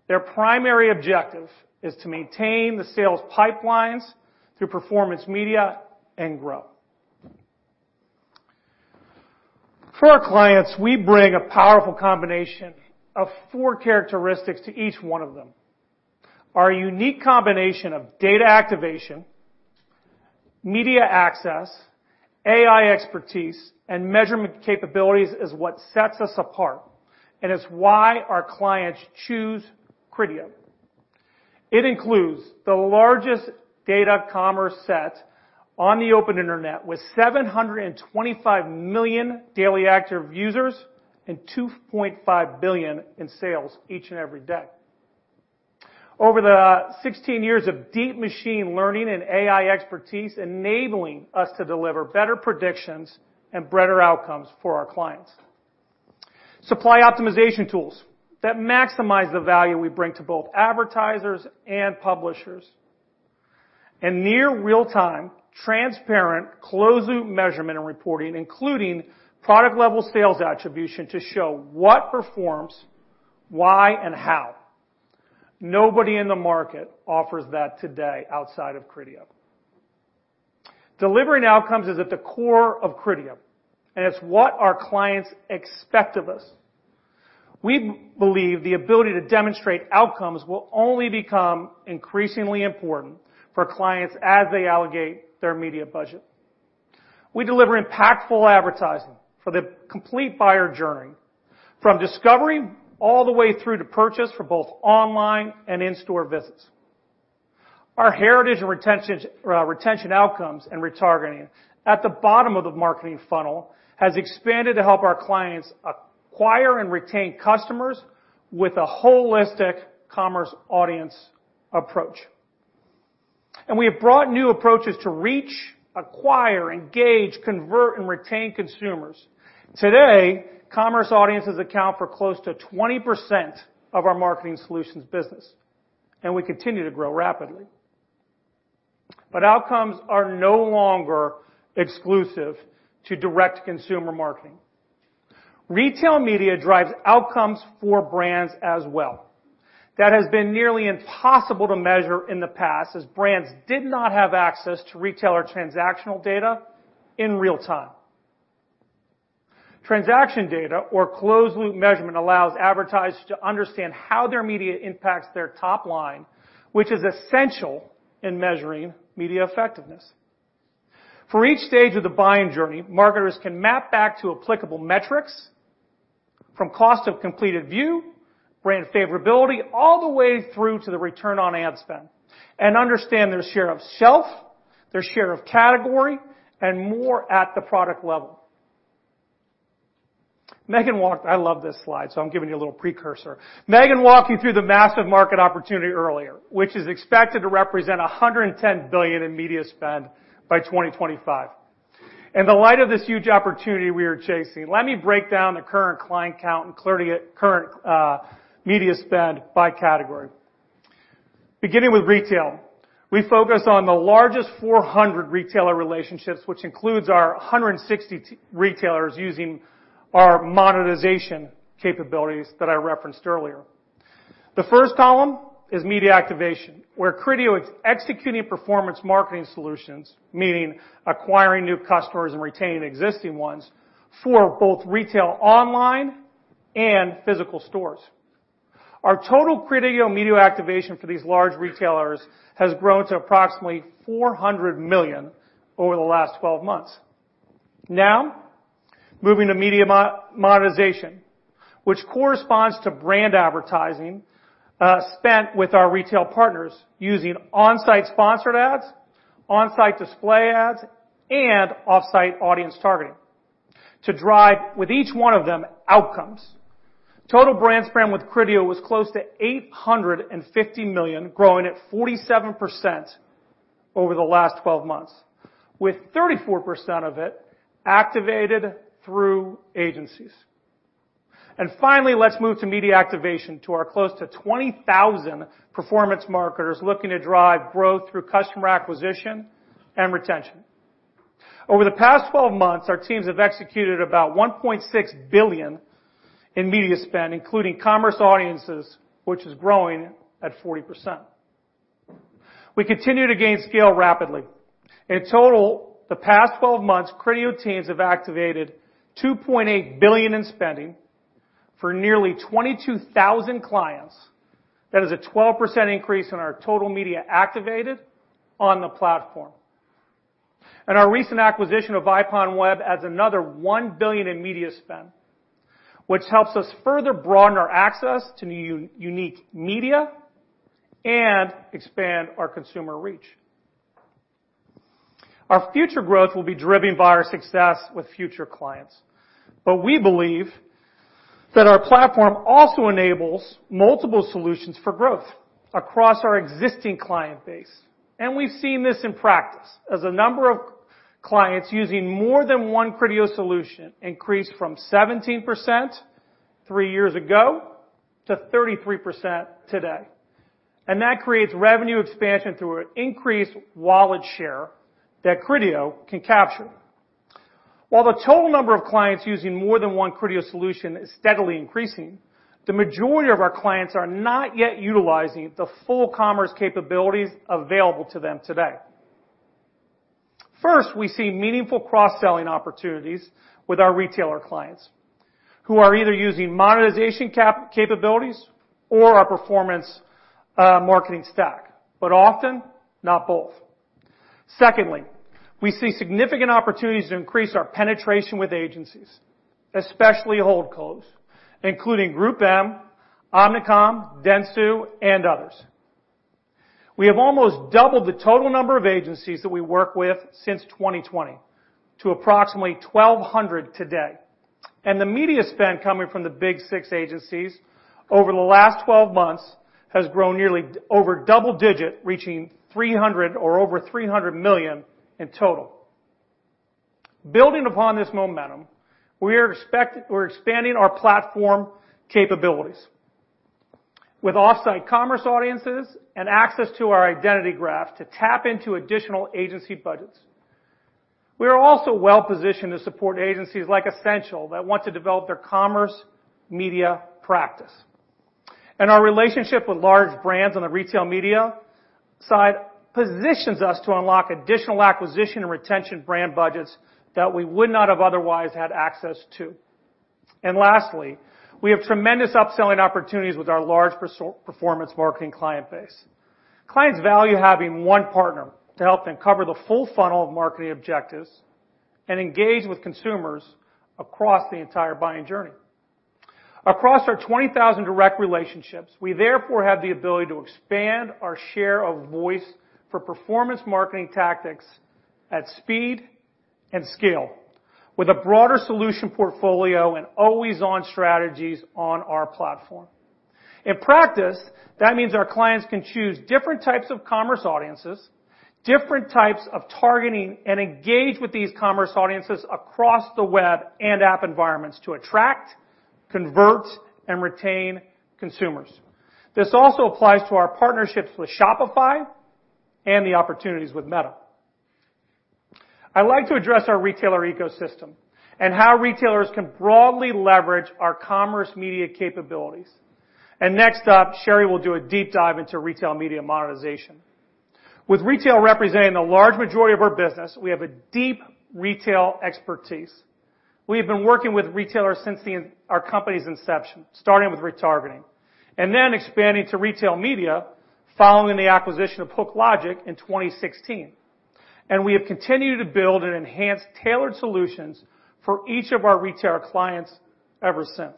Speaker 4: Their primary objective is to maintain the sales pipelines through performance media and grow. For our clients, we bring a powerful combination of four characteristics to each one of them. Our unique combination of data activation, media access, AI expertise, and measurement capabilities is what sets us apart and is why our clients choose Criteo. It includes the largest data commerce set on the open internet with 725 million daily active users and $2.5 billion in sales each and every day. Over the 16 years of deep machine learning and AI expertise enabling us to deliver better predictions and better outcomes for our clients. Supply optimization tools that maximize the value we bring to both advertisers and publishers. Near real-time, transparent, closed-loop measurement and reporting, including product-level sales attribution to show what performs, why, and how. Nobody in the market offers that today outside of Criteo. Delivering outcomes is at the core of Criteo, and it's what our clients expect of us. We believe the ability to demonstrate outcomes will only become increasingly important for clients as they allocate their media budget. We deliver impactful advertising for the complete buyer journey, from discovery all the way through to purchase for both online and in-store visits. Our heritage in retentions, retention outcomes and retargeting at the bottom of the marketing funnel has expanded to help our clients acquire and retain customers with a holistic commerce audience approach. We have brought new approaches to reach, acquire, engage, convert, and retain consumers. Today, commerce audiences account for close to 20% of our marketing solutions business, and we continue to grow rapidly. Outcomes are no longer exclusive to direct consumer marketing. Retail media drives outcomes for brands as well. That has been nearly impossible to measure in the past, as brands did not have access to retailer transactional data in real time. Transaction data or closed loop measurement allows advertisers to understand how their media impacts their top line, which is essential in measuring media effectiveness. For each stage of the buying journey, marketers can map back to applicable metrics from cost of completed view, brand favorability, all the way through to the return on ad spend, and understand their share of shelf, their share of category, and more at the product level. I love this slide, so I'm giving you a little precursor. Megan walked you through the massive market opportunity earlier, which is expected to represent $110 billion in media spend by 2025. In the light of this huge opportunity we are chasing, let me break down the current client count and current media spend by category. Beginning with retail, we focus on the largest 400 retailer relationships, which includes our 160 retailers using our monetization capabilities that I referenced earlier. The first column is media activation, where Criteo is executing performance marketing solutions, meaning acquiring new customers and retaining existing ones for both retail, online, and physical stores. Our total Criteo media activation for these large retailers has grown to approximately $400 million over the last 12 months. Now, moving to media monetization, which corresponds to brand advertising spent with our retail partners using on-site sponsored ads, on-site display ads, and off-site audience targeting to drive, with each one of them, outcomes. Total brand spend with Criteo was close to $850 million, growing at 47% over the last 12 months, with 34% of it activated through agencies. Finally, let's move to media activation to our close to 20,000 performance marketers looking to drive growth through customer acquisition and retention. Over the past 12 months, our teams have executed about $1.6 billion in media spend, including commerce audiences, which is growing at 40%. We continue to gain scale rapidly. In total, over the past 12 months, Criteo teams have activated $2.8 billion in spending for nearly 22,000 clients. That is a 12% increase in our total media activated on the platform. Our recent acquisition of IPONWEB adds another $1 billion in media spend, which helps us further broaden our access to unique media and expand our consumer reach. Our future growth will be driven by our success with future clients, but we believe that our platform also enables multiple solutions for growth across our existing client base. We've seen this in practice as a number of clients using more than one Criteo solution increased from 17% three years ago to 33% today. That creates revenue expansion through an increased wallet share that Criteo can capture. While the total number of clients using more than one Criteo solution is steadily increasing, the majority of our clients are not yet utilizing the full commerce capabilities available to them today. First, we see meaningful cross-selling opportunities with our retailer clients who are either using monetization capabilities or our performance marketing stack, but often not both. Secondly, we see significant opportunities to increase our penetration with agencies, especially holdcos, including GroupM, Omnicom, dentsu, and others. We have almost doubled the total number of agencies that we work with since 2020 to approximately 1,200 today. The media spend coming from the Big 6 agencies over the last 12 months has grown nearly over double-digit, reaching $300 million or over $300 million in total. Building upon this momentum, we're expanding our platform capabilities with off-site commerce audiences and access to our identity graph to tap into additional agency budgets. We are also well positioned to support agencies like Ascential that want to develop their commerce media practice. Our relationship with large brands on the retail media side positions us to unlock additional acquisition and retention brand budgets that we would not have otherwise had access to. Lastly, we have tremendous upselling opportunities with our large performance marketing client base. Clients value having one partner to help them cover the full funnel of marketing objectives and engage with consumers across the entire buying journey. Across our 20,000 direct relationships, we therefore have the ability to expand our share of voice for performance marketing tactics at speed and scale with a broader solution portfolio and always on strategies on our platform. In practice, that means our clients can choose different types of commerce audiences, different types of targeting, and engage with these commerce audiences across the web and app environments to attract, convert, and retain consumers. This also applies to our partnerships with Shopify and the opportunities with Meta. I'd like to address our retailer ecosystem and how retailers can broadly leverage our commerce media capabilities. Next up, Sherry will do a deep dive into retail media monetization. With retail representing the large majority of our business, we have a deep retail expertise. We have been working with retailers since our company's inception, starting with retargeting, and then expanding to retail media, following the acquisition of HookLogic in 2016. We have continued to build and enhance tailored solutions for each of our retail clients ever since.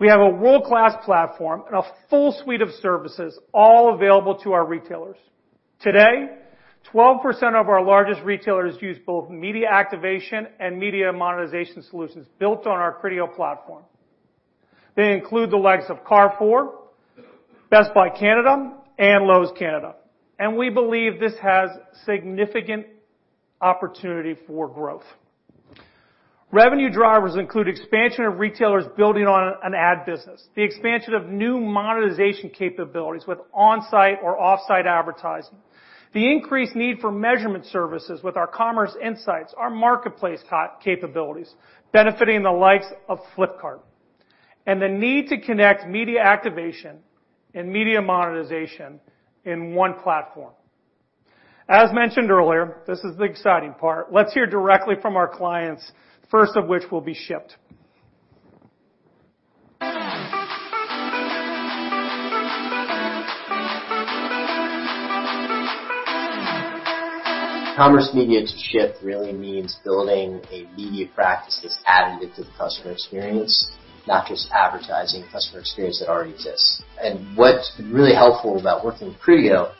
Speaker 4: We have a world-class platform and a full suite of services all available to our retailers. Today, 12% of our largest retailers use both media activation and media monetization solutions built on our Criteo platform. They include the likes of Carrefour, Best Buy Canada, and Lowe's Canada, and we believe this has significant opportunity for growth. Revenue drivers include expansion of retailers building on an ad business, the expansion of new monetization capabilities with on-site or off-site advertising, the increased need for measurement services with our commerce insights, our marketplace capabilities benefiting the likes of Flipkart, and the need to connect media activation and media monetization in one platform. As mentioned earlier, this is the exciting part. Let's hear directly from our clients, first of which will be Shipt.
Speaker 5: Commerce media to Shipt really means building a media practice that's additive to the customer experience, not just advertising customer experience that already exists. What's been really helpful about working with Criteo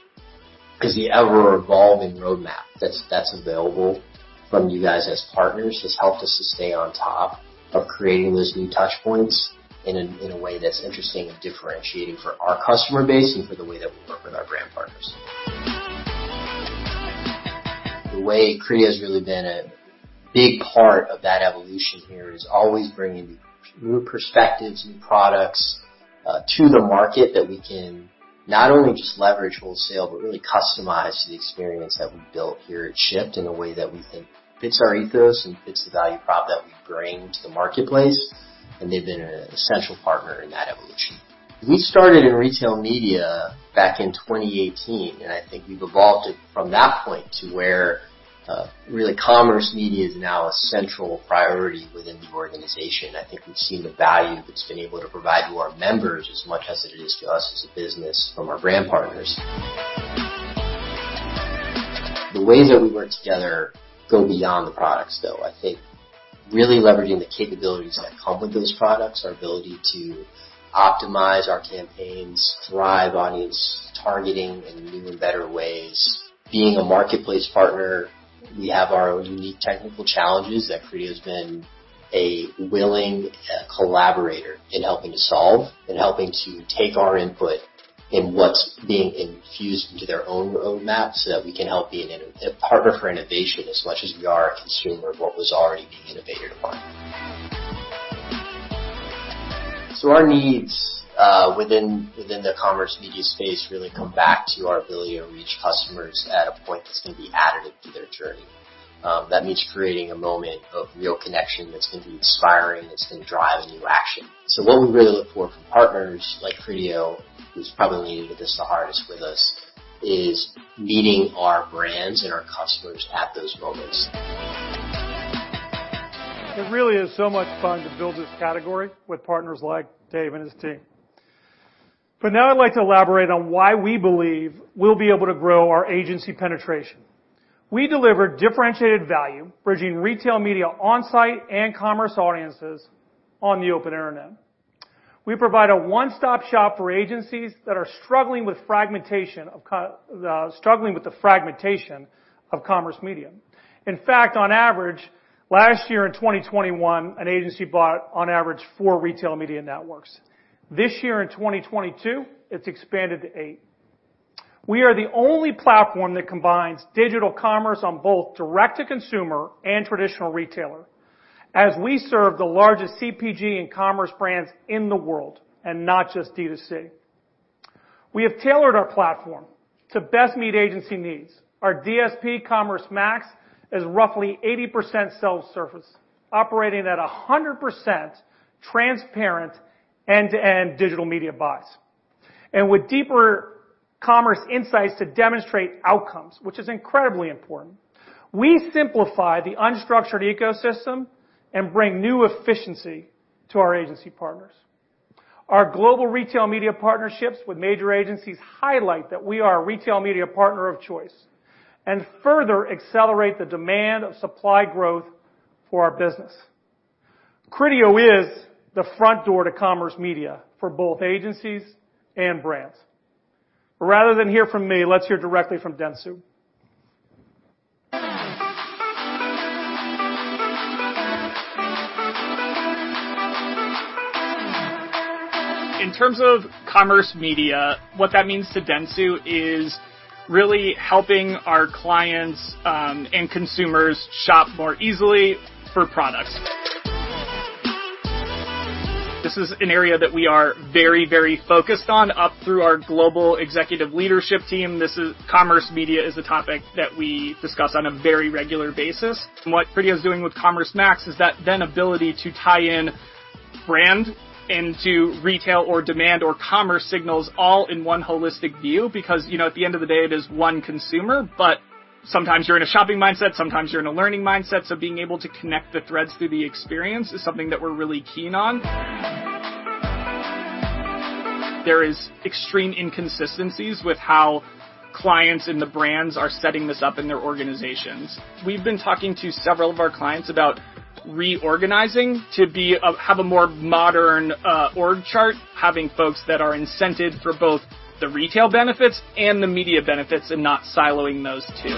Speaker 5: is the ever-evolving roadmap that's available from you guys as partners has helped us to stay on top of creating those new touch points in a way that's interesting and differentiating for our customer base and for the way that we work with our brand partners. The way Criteo has really been a big part of that evolution here is always bringing new perspectives, new products, to the market that we can not only just leverage wholesale, but really customize the experience that we've built here at Shipt in a way that we think fits our ethos and fits the value prop that we bring to the marketplace, and they've been an essential partner in that evolution. We started in retail media back in 2018, and I think we've evolved it from that point to where really commerce media is now a central priority within the organization. I think we've seen the value that it's been able to provide to our members as much as it is to us as a business from our brand partners. The ways that we work together go beyond the products, though. I think really leveraging the capabilities that come with those products, our ability to optimize our campaigns, thrive audience targeting in new and better ways. Being a marketplace partner, we have our own unique technical challenges that Criteo has been a willing collaborator in helping to solve and helping to take our input in what's being infused into their own roadmaps, so that we can help be a partner for innovation as much as we are a consumer of what was already being innovated upon. Our needs within the commerce media space really come back to our ability to reach customers at a point that's gonna be additive to their journey. That means creating a moment of real connection that's gonna be inspiring, that's gonna drive new action. What we really look for from partners like Criteo, who's probably leaned into this the hardest with us, is meeting our brands and our customers at those moments.
Speaker 4: It really is so much fun to build this category with partners like Dave and his team. Now I'd like to elaborate on why we believe we'll be able to grow our agency penetration. We deliver differentiated value, bridging retail media on-site and commerce audiences on the open internet. We provide a one-stop shop for agencies that are struggling with the fragmentation of commerce media. In fact, on average, last year in 2021, an agency bought on average four retail media networks. This year in 2022, it's expanded to eight. We are the only platform that combines digital commerce on both direct to consumer and traditional retailer, as we serve the largest CPG and commerce brands in the world, and not just D2C. We have tailored our platform to best meet agency needs. Our DSP Commerce Max is roughly 80% self-service, operating at 100% transparent end-to-end digital media buys, and with deeper commerce insights to demonstrate outcomes, which is incredibly important. We simplify the unstructured ecosystem and bring new efficiency to our agency partners. Our global retail media partnerships with major agencies highlight that we are a retail media partner of choice and further accelerate the demand of supply growth for our business. Criteo is the front door to commerce media for both agencies and brands. Rather than hear from me, let's hear directly from dentsu.
Speaker 6: In terms of commerce media, what that means to dentsu is really helping our clients and consumers shop more easily for products. This is an area that we are very, very focused on up through our global executive leadership team. This is commerce media is a topic that we discuss on a very regular basis. What Criteo is doing with Commerce Max is that then ability to tie in brand into retail or demand or commerce signals all in one holistic view. Because, you know, at the end of the day, it is one consumer, but sometimes you're in a shopping mindset, sometimes you're in a learning mindset. Being able to connect the threads through the experience is something that we're really keen on. There is extreme inconsistencies with how clients and the brands are setting this up in their organizations. We've been talking to several of our clients about reorganizing to have a more modern org chart, having folks that are incented for both the retail benefits and the media benefits and not siloing those two.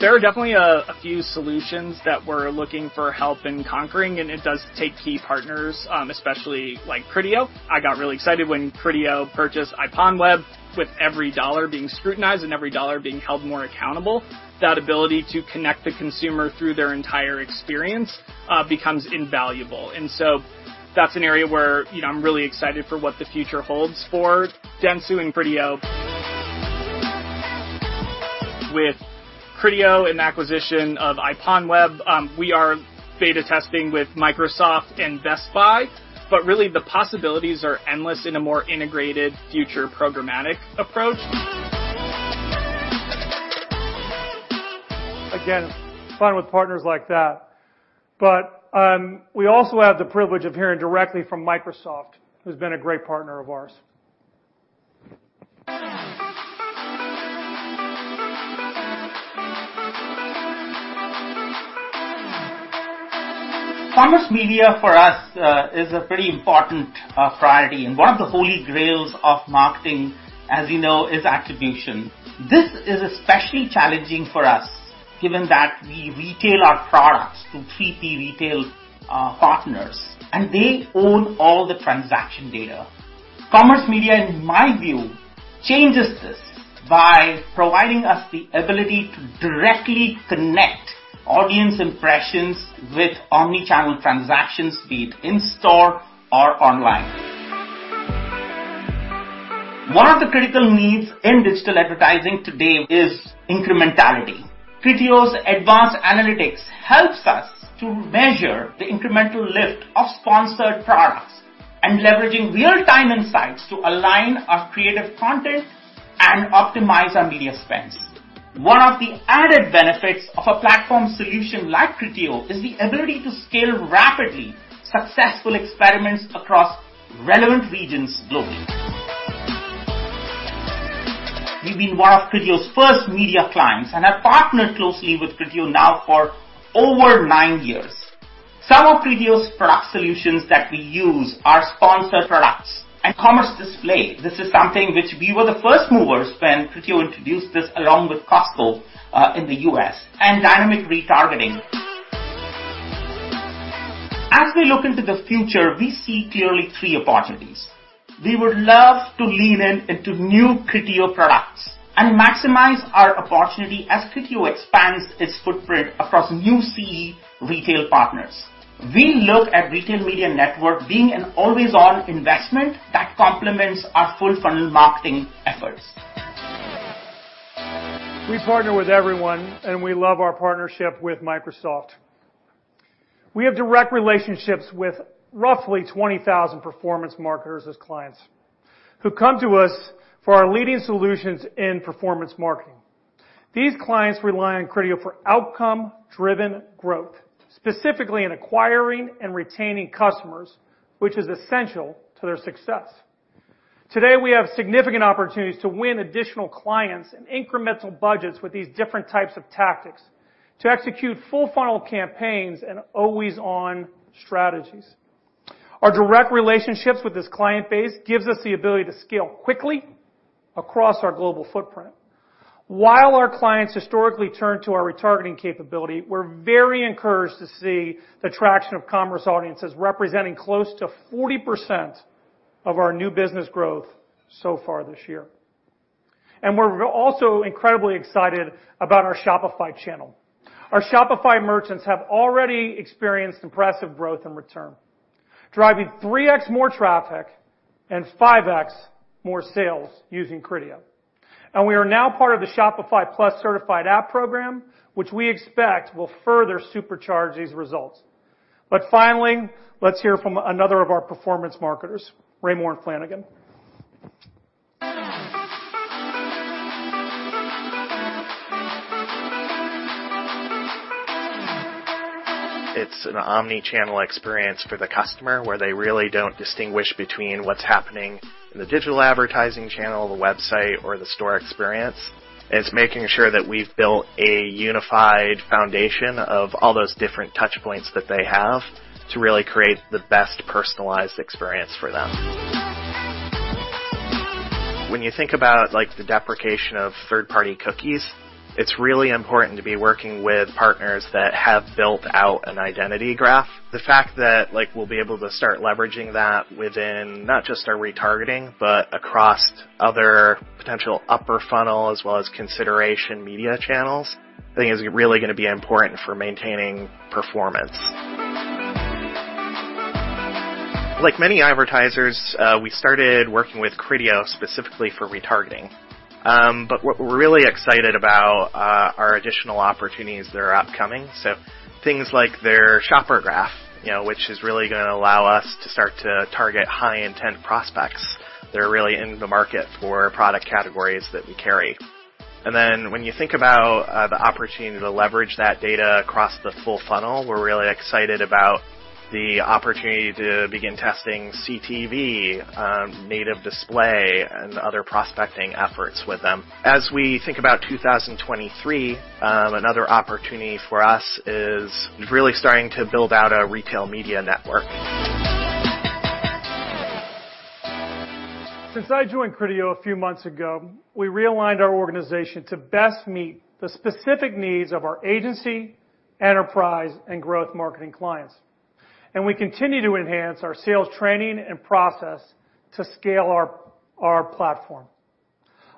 Speaker 6: There are definitely a few solutions that we're looking for help in conquering, and it does take key partners, especially like Criteo. I got really excited when Criteo purchased IPONWEB. With every dollar being scrutinized and every dollar being held more accountable, that ability to connect the consumer through their entire experience, becomes invaluable. That's an area where, you know, I'm really excited for what the future holds for dentsu and Criteo. With Criteo's acquisition of IPONWEB, we are beta testing with Microsoft and Best Buy, but really the possibilities are endless in a more integrated future programmatic approach.
Speaker 4: Again, it's fun with partners like that. We also have the privilege of hearing directly from Microsoft, who's been a great partner of ours.
Speaker 7: Commerce media for us is a pretty important priority, and one of the holy grails of marketing, as you know, is attribution. This is especially challenging for us, given that we retail our products to 3P retail partners, and they own all the transaction data. Commerce media, in my view, changes this by providing us the ability to directly connect audience impressions with omnichannel transaction spend in-store or online. One of the critical needs in digital advertising today is incrementality. Criteo's advanced analytics helps us to measure the incremental lift of sponsored products and leveraging real-time insights to align our creative content and optimize our media spends. One of the added benefits of a platform solution like Criteo is the ability to scale rapidly successful experiments across relevant regions globally. We've been one of Criteo's first media clients and have partnered closely with Criteo now for over nine years. Some of Criteo's product solutions that we use are sponsored products and commerce display. This is something which we were the first movers when Criteo introduced this along with Costco, in the U.S., and dynamic retargeting. As we look into the future, we see clearly three opportunities. We would love to lean in into new Criteo products and maximize our opportunity as Criteo expands its footprint across new CE retail partners. We look at retail media network being an always-on investment that complements our full funnel marketing efforts.
Speaker 4: We partner with everyone, and we love our partnership with Microsoft. We have direct relationships with roughly 20,000 performance marketers as clients who come to us for our leading solutions in performance marketing. These clients rely on Criteo for outcome-driven growth, specifically in acquiring and retaining customers, which is essential to their success. Today, we have significant opportunities to win additional clients and incremental budgets with these different types of tactics to execute full funnel campaigns and always-on strategies. Our direct relationships with this client base gives us the ability to scale quickly across our global footprint. While our clients historically turn to our retargeting capability, we're very encouraged to see the traction of commerce audiences representing close to 40% of our new business growth so far this year. We're also incredibly excited about our Shopify channel. Our Shopify merchants have already experienced impressive growth in return, driving 3x more traffic and 5x more sales using Criteo. We are now part of the Shopify Plus certified app program, which we expect will further supercharge these results. Finally, let's hear from another of our performance marketers, Raymour & Flanigan.
Speaker 8: It's an omni-channel experience for the customer, where they really don't distinguish between what's happening in the digital advertising channel, the website or the store experience. It's making sure that we've built a unified foundation of all those different touch points that they have to really create the best personalized experience for them. When you think about, like, the deprecation of third-party cookies, it's really important to be working with partners that have built out an identity graph. The fact that, like, we'll be able to start leveraging that within not just our retargeting, but across other potential upper funnel as well as consideration media channels, I think is really gonna be important for maintaining performance. Like many advertisers, we started working with Criteo specifically for retargeting. What we're really excited about are our additional opportunities that are upcoming. Things like their shopper graph, you know, which is really gonna allow us to start to target high-intent prospects that are really in the market for product categories that we carry. When you think about the opportunity to leverage that data across the full funnel, we're really excited about the opportunity to begin testing CTV, native display, and other prospecting efforts with them. As we think about 2023, another opportunity for us is really starting to build out a retail media network.
Speaker 4: Since I joined Criteo a few months ago, we realigned our organization to best meet the specific needs of our agency, enterprise, and growth marketing clients. We continue to enhance our sales training and process to scale our platform.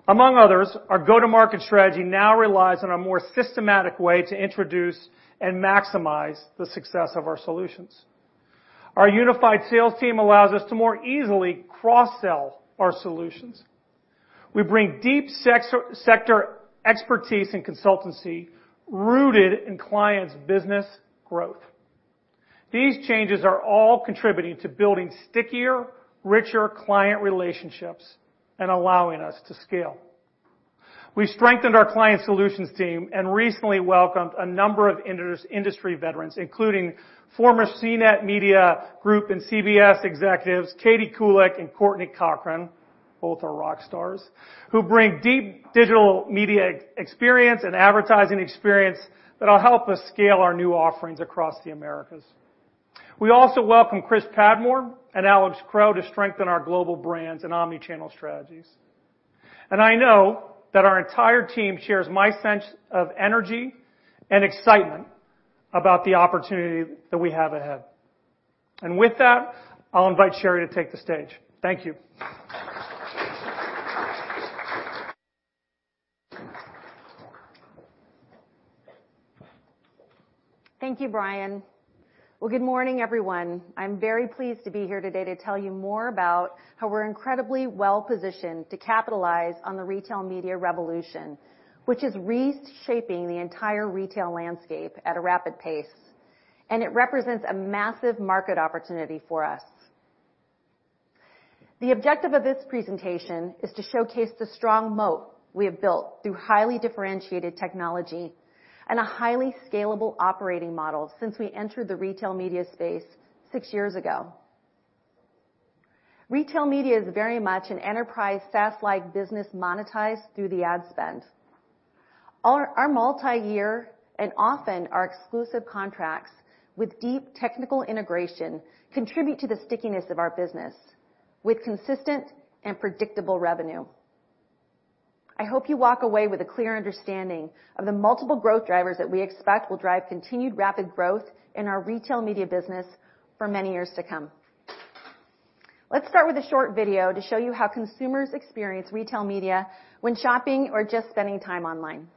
Speaker 4: Among others, our go-to-market strategy now relies on a more systematic way to introduce and maximize the success of our solutions. Our unified sales team allows us to more easily cross-sell our solutions. We bring deep sector expertise and consultancy rooted in clients' business growth. These changes are all contributing to building stickier, richer client relationships and allowing us to scale. We strengthened our client solutions team and recently welcomed a number of industry veterans, including former CNET Media Group and CBS executives, Katie Kulick and Courtney Cochrane, both are rock stars, who bring deep digital media experience and advertising experience that'll help us scale our new offerings across the Americas. We also welcome Chris Padmore and Alex Crowe to strengthen our global brands and omnichannel strategies. I know that our entire team shares my sense of energy and excitement about the opportunity that we have ahead. With that, I'll invite Sherry to take the stage. Thank you.
Speaker 9: Thank you, Brian. Well, good morning, everyone. I'm very pleased to be here today to tell you more about how we're incredibly well-positioned to capitalize on the retail media revolution, which is reshaping the entire retail landscape at a rapid pace, and it represents a massive market opportunity for us. The objective of this presentation is to showcase the strong moat we have built through highly differentiated technology and a highly scalable operating model since we entered the retail media space six years ago. Retail media is very much an enterprise SaaS-like business monetized through the ad spend. Our multi-year, and often our exclusive contracts with deep technical integration contribute to the stickiness of our business with consistent and predictable revenue. I hope you walk away with a clear understanding of the multiple growth drivers that we expect will drive continued rapid growth in our retail media business for many years to come. Let's start with a short video to show you how consumers experience retail media when shopping or just spending time online.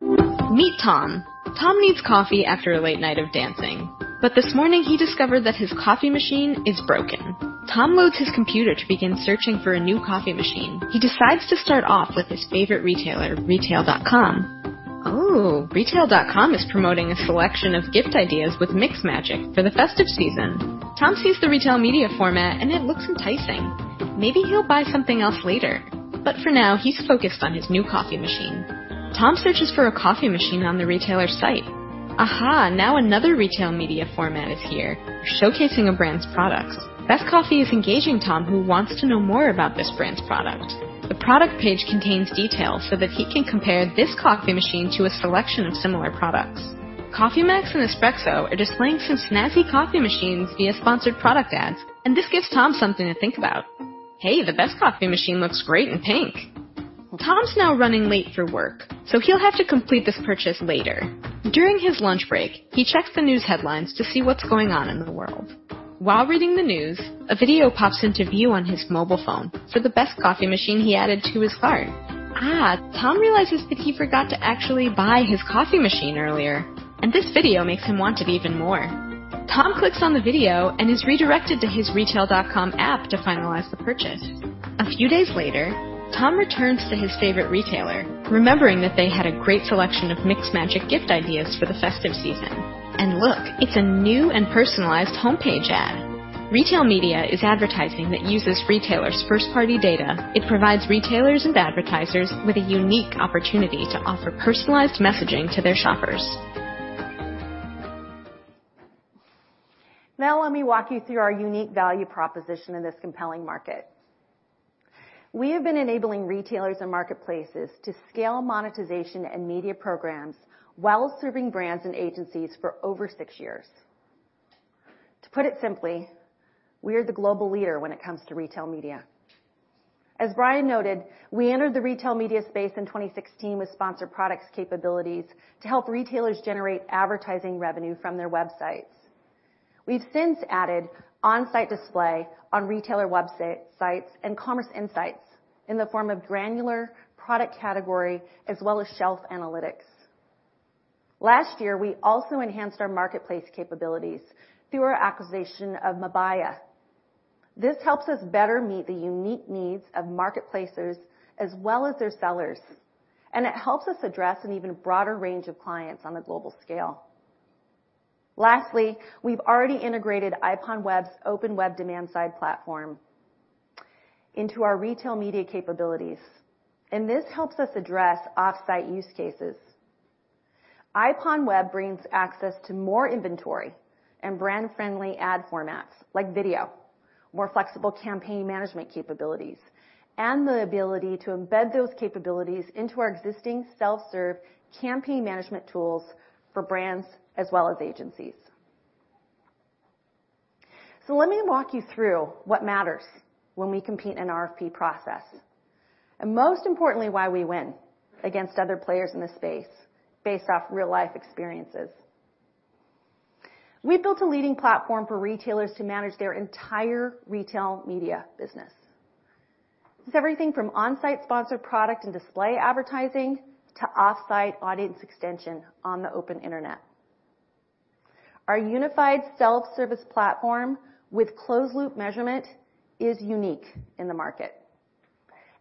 Speaker 2: Meet Tom. Tom needs coffee after a late night of dancing. This morning, he discovered that his coffee machine is broken. Tom loads his computer to begin searching for a new coffee machine. He decides to start off with his favorite retailer, retail.com. Oh, retail.com is promoting a selection of gift ideas with Mixed Magic for the festive season. Tom sees the retail media format, and it looks enticing. Maybe he'll buy something else later, but for now, he's focused on his new coffee machine. Tom searches for a coffee machine on the retailer site. Aha, now another retail media format is here showcasing a brand's products. Best Coffee is engaging Tom, who wants to know more about this brand's product. The product page contains details so that he can compare this coffee machine to a selection of similar products. Coffee Max and Expresso are displaying some snazzy coffee machines via sponsored product ads, and this gives Tom something to think about. Hey, the Best Coffee machine looks great in pink. Tom's now running late for work, so he'll have to complete this purchase later. During his lunch break, he checks the news headlines to see what's going on in the world. While reading the news, a video pops into view on his mobile phone for the Best Coffee machine he added to his cart. Tom realizes that he forgot to actually buy his coffee machine earlier, and this video makes him want it even more. Tom clicks on the video and is redirected to his retail.com app to finalize the purchase. A few days later, Tom returns to his favorite retailer, remembering that they had a great selection of Mixed Magic gift ideas for the festive season. Look, it's a new and personalized homepage ad. Retail media is advertising that uses retailers' first-party data. It provides retailers and advertisers with a unique opportunity to offer personalized messaging to their shoppers.
Speaker 9: Now let me walk you through our unique value proposition in this compelling market. We have been enabling retailers and marketplaces to scale monetization and media programs while serving brands and agencies for over six years. To put it simply, we are the global leader when it comes to retail media. As Brian noted, we entered the retail media space in 2016 with sponsored products capabilities to help retailers generate advertising revenue from their websites. We've since added on-site display on retailer websites and commerce insights in the form of granular product category as well as shelf analytics. Last year, we also enhanced our marketplace capabilities through our acquisition of Mabaya. This helps us better meet the unique needs of marketplaces as well as their sellers, and it helps us address an even broader range of clients on a global scale. Lastly, we've already integrated IPONWEB's open web demand side platform into our retail media capabilities, and this helps us address off-site use cases. IPONWEB brings access to more inventory and brand-friendly ad formats like video, more flexible campaign management capabilities, and the ability to embed those capabilities into our existing self-serve campaign management tools for brands as well as agencies. Let me walk you through what matters when we compete in an RFP process, and most importantly, why we win against other players in this space based off real-life experiences. We've built a leading platform for retailers to manage their entire retail media business. It's everything from on-site sponsored product and display advertising to off-site audience extension on the open internet. Our unified self-service platform with closed loop measurement is unique in the market,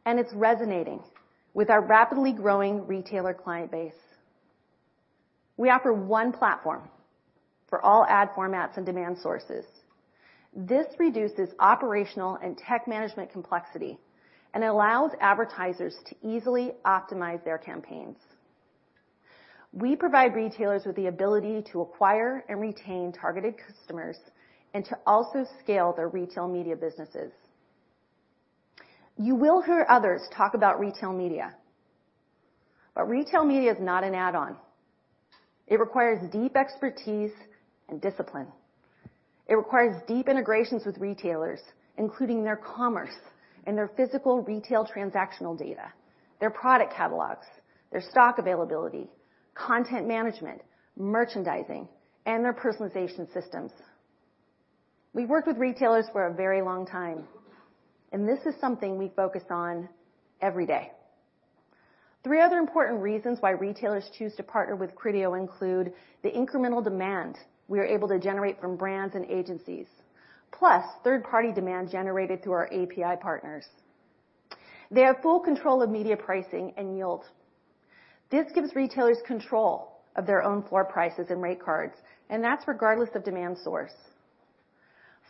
Speaker 9: and it's resonating with our rapidly growing retailer client base. We offer one platform for all ad formats and demand sources. This reduces operational and tech management complexity and allows advertisers to easily optimize their campaigns. We provide retailers with the ability to acquire and retain targeted customers and to also scale their retail media businesses. You will hear others talk about retail media, but retail media is not an add-on. It requires deep expertise and discipline. It requires deep integrations with retailers, including their commerce and their physical retail transactional data, their product catalogs, their stock availability, content management, merchandising, and their personalization systems. We've worked with retailers for a very long time, and this is something we focus on every day. Three other important reasons why retailers choose to partner with Criteo include the incremental demand we are able to generate from brands and agencies, plus third-party demand generated through our API partners. They have full control of media pricing and yield. This gives retailers control of their own floor prices and rate cards, and that's regardless of demand source.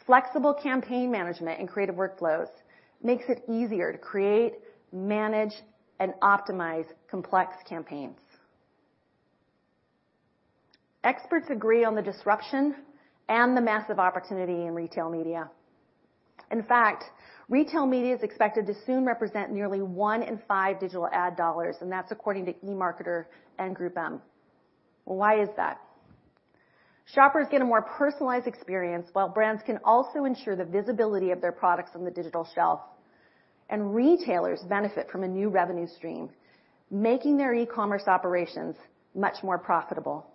Speaker 9: Flexible campaign management and creative workflows makes it easier to create, manage, and optimize complex campaigns. Experts agree on the disruption and the massive opportunity in retail media. In fact, retail media is expected to soon represent nearly one in five digital ad dollars, and that's according to eMarketer and GroupM. Why is that? Shoppers get a more personalized experience while brands can also ensure the visibility of their products on the digital shelf, and retailers benefit from a new revenue stream, making their e-commerce operations much more profitable.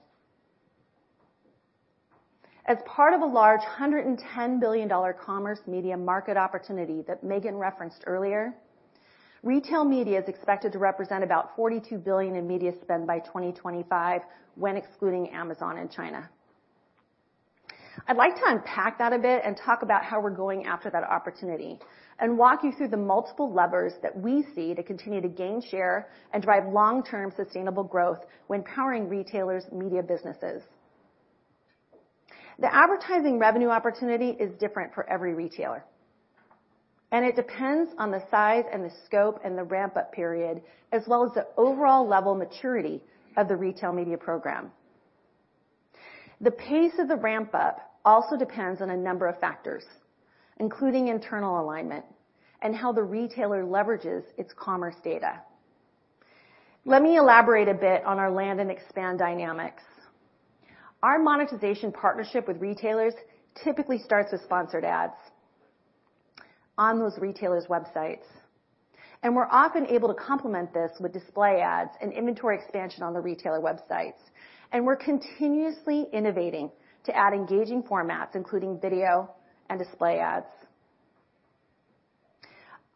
Speaker 9: As part of a large $110 billion commerce media market opportunity that Megan referenced earlier, retail media is expected to represent about $42 billion in media spend by 2025 when excluding Amazon and China. I'd like to unpack that a bit and talk about how we're going after that opportunity and walk you through the multiple levers that we see to continue to gain share and drive long-term sustainable growth when powering retailers' media businesses. The advertising revenue opportunity is different for every retailer, and it depends on the size and the scope and the ramp-up period, as well as the overall level of maturity of the retail media program. The pace of the ramp-up also depends on a number of factors, including internal alignment and how the retailer leverages its commerce data. Let me elaborate a bit on our land and expand dynamics. Our monetization partnership with retailers typically starts with sponsored ads on those retailers' websites, and we're often able to complement this with display ads and inventory expansion on the retailer websites, and we're continuously innovating to add engaging formats, including video and display ads.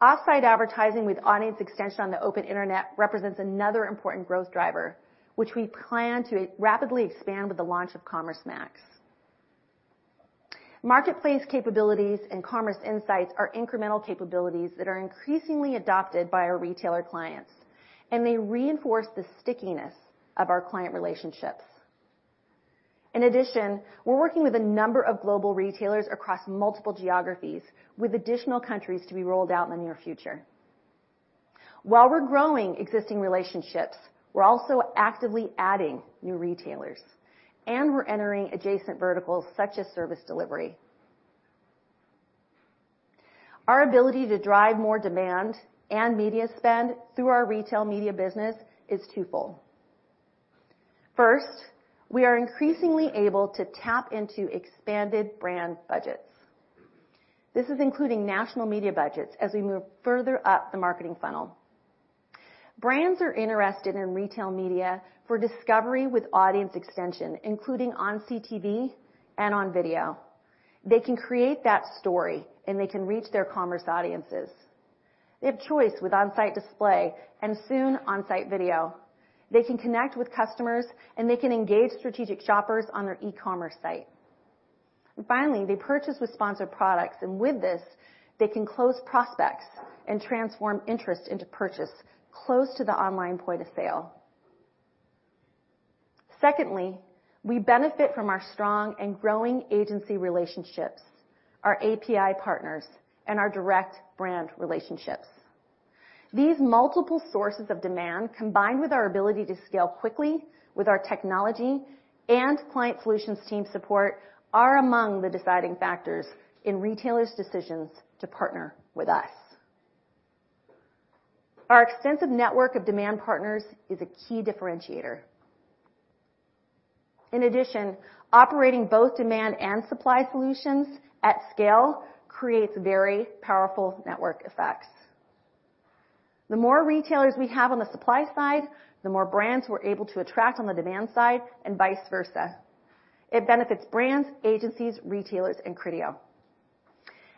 Speaker 9: Off-site advertising with audience extension on the open Internet represents another important growth driver, which we plan to rapidly expand with the launch of Commerce Max. Marketplace capabilities and commerce insights are incremental capabilities that are increasingly adopted by our retailer clients, and they reinforce the stickiness of our client relationships. In addition, we're working with a number of global retailers across multiple geographies, with additional countries to be rolled out in the near future. While we're growing existing relationships, we're also actively adding new retailers, and we're entering adjacent verticals such as service delivery. Our ability to drive more demand and media spend through our retail media business is twofold. First, we are increasingly able to tap into expanded brand budgets. This is including national media budgets as we move further up the marketing funnel. Brands are interested in retail media for discovery with audience extension, including on CTV and on video. They can create that story, and they can reach their commerce audiences. They have choice with on-site display and soon on-site video. They can connect with customers, and they can engage strategic shoppers on their e-commerce site. Finally, they purchase with sponsored products, and with this, they can close prospects and transform interest into purchase close to the online point of sale. Secondly, we benefit from our strong and growing agency relationships, our API partners, and our direct brand relationships. These multiple sources of demand, combined with our ability to scale quickly with our technology and client solutions team support, are among the deciding factors in retailers' decisions to partner with us. Our extensive network of demand partners is a key differentiator. In addition, operating both demand and supply solutions at scale creates very powerful network effects. The more retailers we have on the supply side, the more brands we're able to attract on the demand side, and vice versa. It benefits brands, agencies, retailers, and Criteo.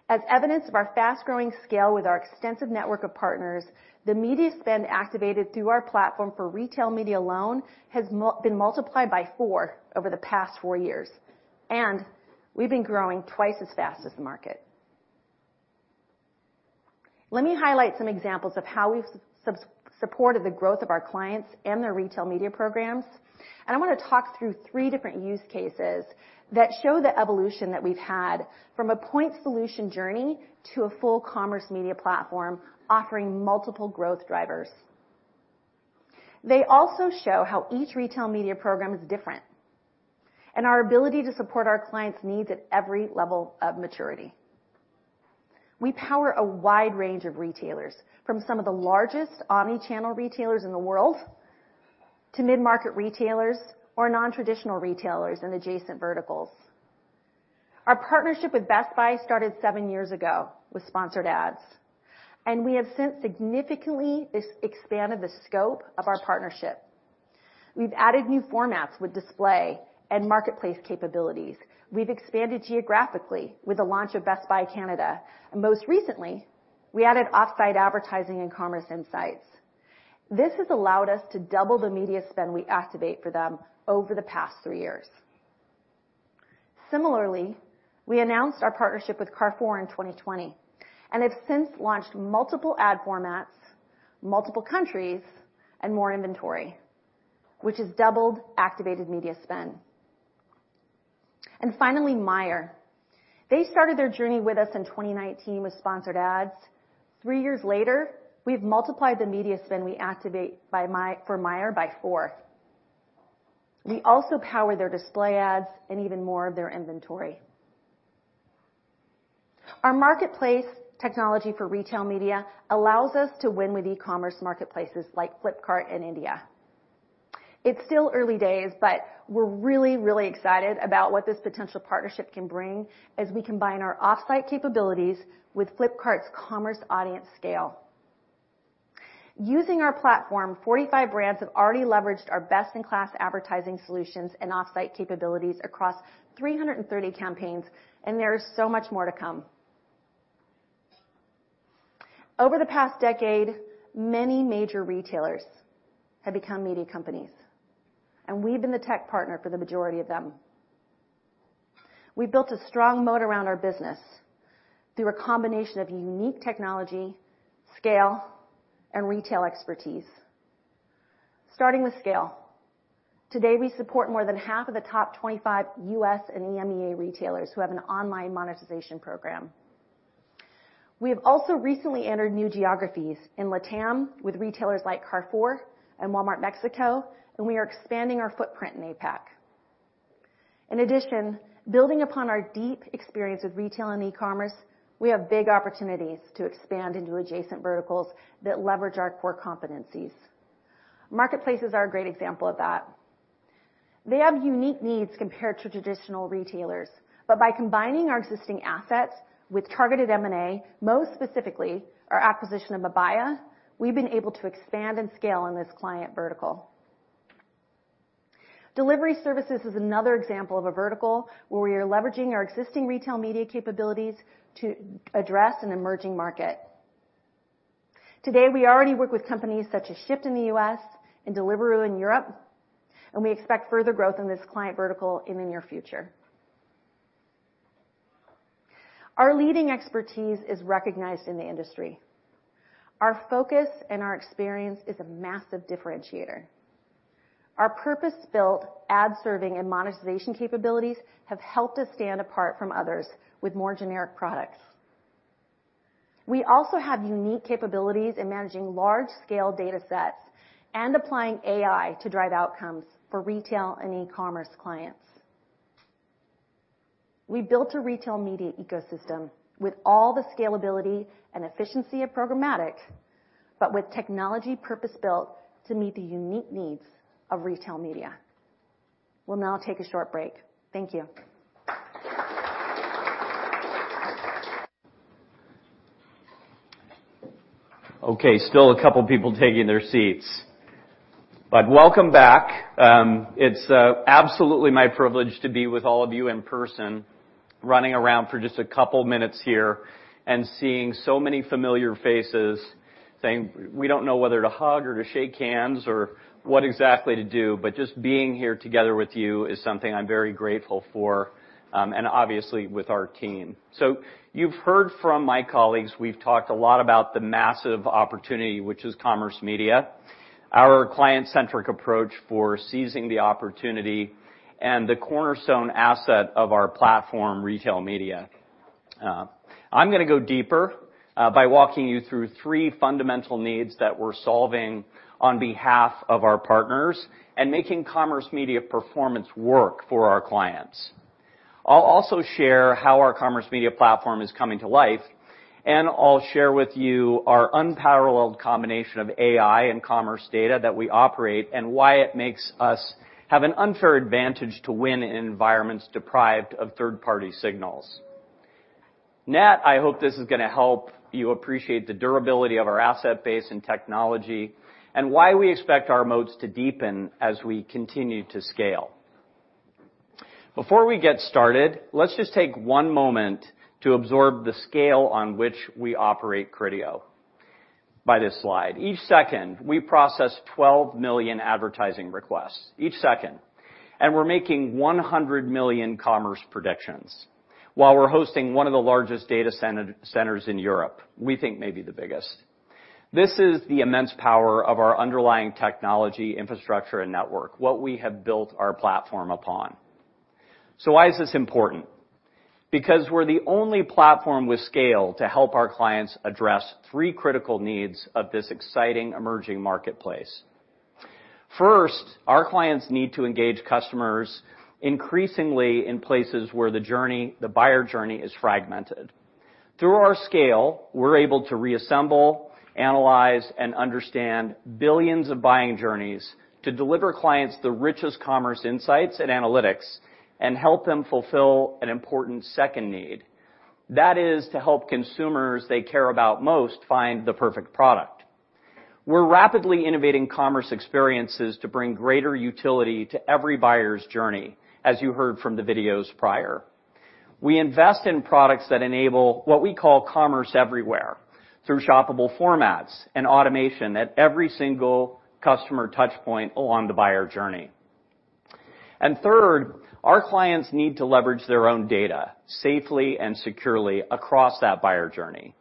Speaker 9: As evidence of our fast-growing scale with our extensive network of partners, the media spend activated through our platform for retail media alone has been multiplied by four over the past four years, and we've been growing twice as fast as the market. Let me highlight some examples of how we've supported the growth of our clients and their retail media programs. I wanna talk through three different use cases that show the evolution that we've had from a point solution journey to a full Commerce Media Platform offering multiple growth drivers. They also show how each retail media program is different and our ability to support our clients' needs at every level of maturity. We power a wide range of retailers, from some of the largest omnichannel retailers in the world to mid-market retailers or non-traditional retailers in adjacent verticals. Our partnership with Best Buy started seven years ago with sponsored ads, and we have since significantly expanded the scope of our partnership. We've added new formats with display and marketplace capabilities. We've expanded geographically with the launch of Best Buy Canada. Most recently, we added off-site advertising and commerce insights. This has allowed us to double the media spend we activate for them over the past three years. Similarly, we announced our partnership with Carrefour in 2020, and have since launched multiple ad formats, multiple countries, and more inventory, which has doubled activated media spend. Finally, Meijer. They started their journey with us in 2019 with sponsored ads. Three years later, we've multiplied the media spend we activate for Meijer by four. We also power their display ads and even more of their inventory. Our marketplace technology for retail media allows us to win with e-commerce marketplaces like Flipkart in India. It's still early days, but we're really, really excited about what this potential partnership can bring as we combine our off-site capabilities with Flipkart's commerce audience scale. Using our platform, 45 brands have already leveraged our best-in-class advertising solutions and off-site capabilities across 330 campaigns, and there is so much more to come. Over the past decade, many major retailers have become media companies, and we've been the tech partner for the majority of them. We've built a strong moat around our business through a combination of unique technology, scale, and retail expertise. Starting with scale, today, we support more than half of the top 25 U.S. and EMEA retailers who have an online monetization program. We have also recently entered new geographies in LATAM with retailers like Carrefour and Walmart Mexico, and we are expanding our footprint in APAC. In addition, building upon our deep experience with retail and e-commerce, we have big opportunities to expand into adjacent verticals that leverage our core competencies. Marketplaces are a great example of that. They have unique needs compared to traditional retailers, but by combining our existing assets with targeted M&A, most specifically our acquisition of Mabaya, we've been able to expand and scale in this client vertical. Delivery services is another example of a vertical where we are leveraging our existing retail media capabilities to address an emerging market. Today, we already work with companies such as Shipt in the U.S. and Deliveroo in Europe, and we expect further growth in this client vertical in the near future. Our leading expertise is recognized in the industry. Our focus and our experience is a massive differentiator. Our purpose-built ad serving and monetization capabilities have helped us stand apart from others with more generic products. We also have unique capabilities in managing large-scale datasets and applying AI to drive outcomes for retail and e-commerce clients. We built a retail media ecosystem with all the scalability and efficiency of programmatic, but with technology purpose-built to meet the unique needs of retail media. We'll now take a short break. Thank you.
Speaker 10: Okay, still a couple people taking their seats. Welcome back. It's absolutely my privilege to be with all of you in person, running around for just a couple minutes here and seeing so many familiar faces, saying we don't know whether to hug or to shake hands or what exactly to do, but just being here together with you is something I'm very grateful for, and obviously with our team. You've heard from my colleagues, we've talked a lot about the massive opportunity, which is commerce media. Our client-centric approach for seizing the opportunity and the cornerstone asset of our platform, Retail Media. I'm gonna go deeper by walking you through three fundamental needs that we're solving on behalf of our partners and making commerce media performance work for our clients. I'll also share how our Commerce Media Platform is coming to life, and I'll share with you our unparalleled combination of AI and commerce data that we operate and why it makes us have an unfair advantage to win in environments deprived of third-party signals. Net, I hope this is gonna help you appreciate the durability of our asset base and technology, and why we expect our moats to deepen as we continue to scale. Before we get started, let's just take one moment to absorb the scale on which we operate at Criteo by this slide. Each second, we process 12 million advertising requests. Each second. We're making 100 million commerce predictions while we're hosting one of the largest data centers in Europe. We think maybe the biggest. This is the immense power of our underlying technology, infrastructure and network, what we have built our platform upon. Why is this important? Because we're the only platform with scale to help our clients address three critical needs of this exciting emerging marketplace. First, our clients need to engage customers increasingly in places where the journey, the buyer journey is fragmented. Through our scale, we're able to reassemble, analyze, and understand billions of buying journeys to deliver clients the richest commerce insights and analytics, and help them fulfill an important second need. That is to help consumers they care about most find the perfect product. We're rapidly innovating commerce experiences to bring greater utility to every buyer's journey, as you heard from the videos prior. We invest in products that enable what we call commerce everywhere through shoppable formats and automation at every single customer touch point along the buyer journey. Third, our clients need to leverage their own data safely and securely across that buyer journey.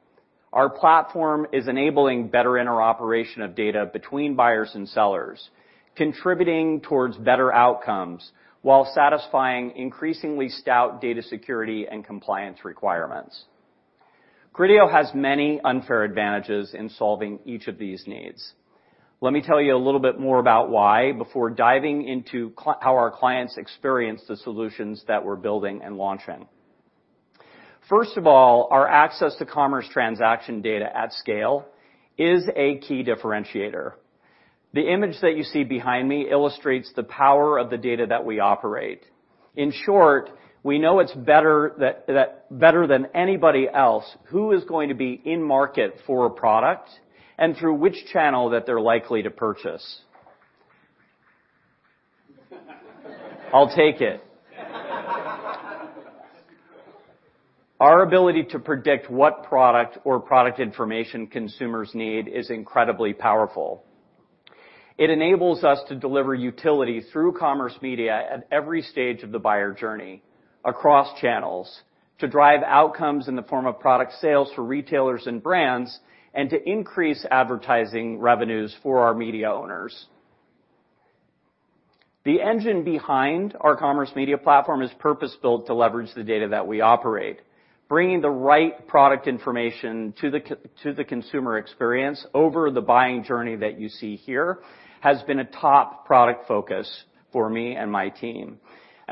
Speaker 10: Our platform is enabling better interoperation of data between buyers and sellers, contributing towards better outcomes while satisfying increasingly stout data security and compliance requirements. Criteo has many unfair advantages in solving each of these needs. Let me tell you a little bit more about why before diving into how our clients experience the solutions that we're building and launching. First of all, our access to commerce transaction data at scale is a key differentiator. The image that you see behind me illustrates the power of the data that we operate. In short, we know it's better data than anybody else who is going to be in market for a product and through which channel that they're likely to purchase. I'll take it. Our ability to predict what product or product information consumers need is incredibly powerful. It enables us to deliver utility through commerce media at every stage of the buyer journey across channels to drive outcomes in the form of product sales for retailers and brands, and to increase advertising revenues for our media owners. The engine behind our Commerce Media Platform is purpose-built to leverage the data that we operate. Bringing the right product information to the consumer experience over the buying journey that you see here has been a top product focus for me and my team.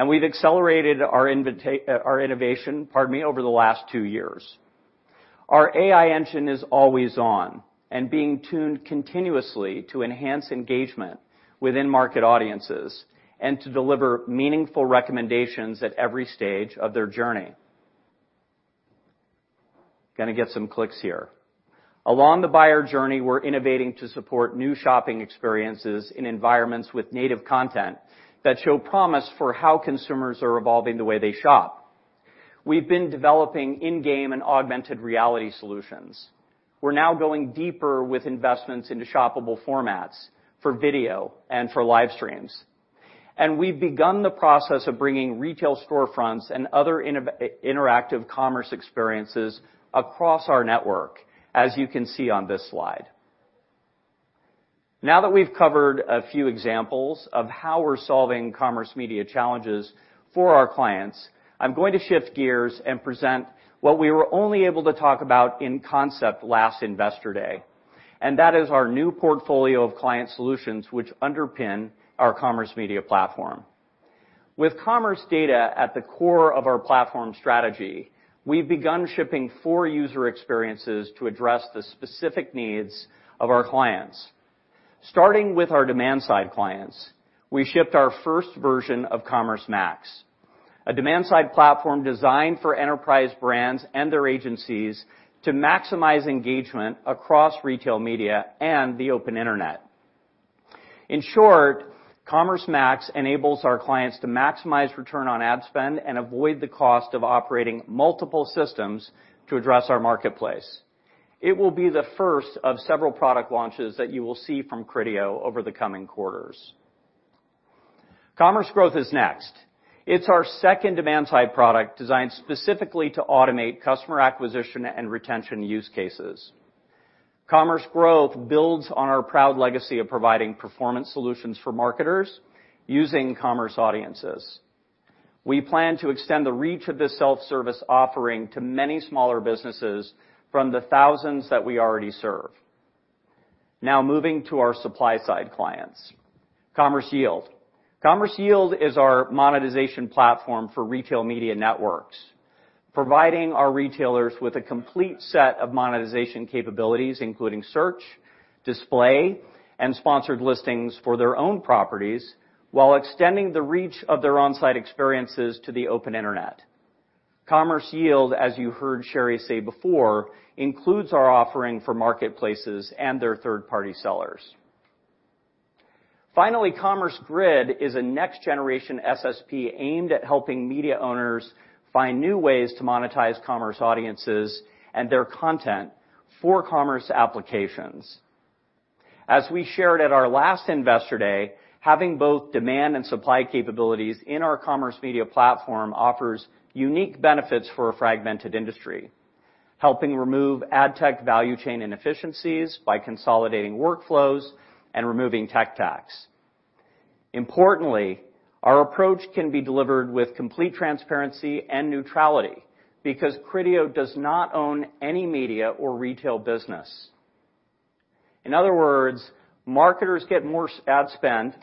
Speaker 10: We've accelerated our innovation, pardon me, over the last two years. Our AI engine is always on and being tuned continuously to enhance engagement within market audiences and to deliver meaningful recommendations at every stage of their journey. Gonna get some clicks here. Along the buyer journey, we're innovating to support new shopping experiences in environments with native content that show promise for how consumers are evolving the way they shop. We've been developing in-game and augmented reality solutions. We're now going deeper with investments into shoppable formats for video and for live streams. We've begun the process of bringing retail storefronts and other interactive commerce experiences across our network, as you can see on this slide. Now that we've covered a few examples of how we're solving commerce media challenges for our clients, I'm going to shift gears and present what we were only able to talk about in concept last Investor Day. That is our new portfolio of client solutions which underpin our Commerce Media Platform. With commerce data at the core of our platform strategy, we've begun shipping four user experiences to address the specific needs of our clients. Starting with our demand-side clients, we shipped our first version of Commerce Max. A demand-side platform designed for enterprise brands and their agencies to maximize engagement across retail media and the open internet. In short, Commerce Max enables our clients to maximize return on ad spend and avoid the cost of operating multiple systems to address our marketplace. It will be the first of several product launches that you will see from Criteo over the coming quarters. Commerce Growth is next. It's our second demand-side product designed specifically to automate customer acquisition and retention use cases. Commerce Growth builds on our proud legacy of providing performance solutions for marketers using commerce audiences. We plan to extend the reach of this self-service offering to many smaller businesses from the thousands that we already serve. Now moving to our supply-side clients. Commerce Yield. Commerce Yield is our monetization platform for retail media networks, providing our retailers with a complete set of monetization capabilities, including search, display, and sponsored listings for their own properties while extending the reach of their on-site experiences to the open internet. Commerce Yield, as you heard Sherry say before, includes our offering for marketplaces and their third-party sellers. Finally, Commerce Grid is a next-generation SSP aimed at helping media owners find new ways to monetize commerce audiences and their content for commerce applications. As we shared at our last Investor Day, having both demand and supply capabilities in our commerce media platform offers unique benefits for a fragmented industry, helping remove ad tech value chain inefficiencies by consolidating workflows and removing tech tax. Importantly, our approach can be delivered with complete transparency and neutrality because Criteo does not own any media or retail business. In other words, marketers get more ad spend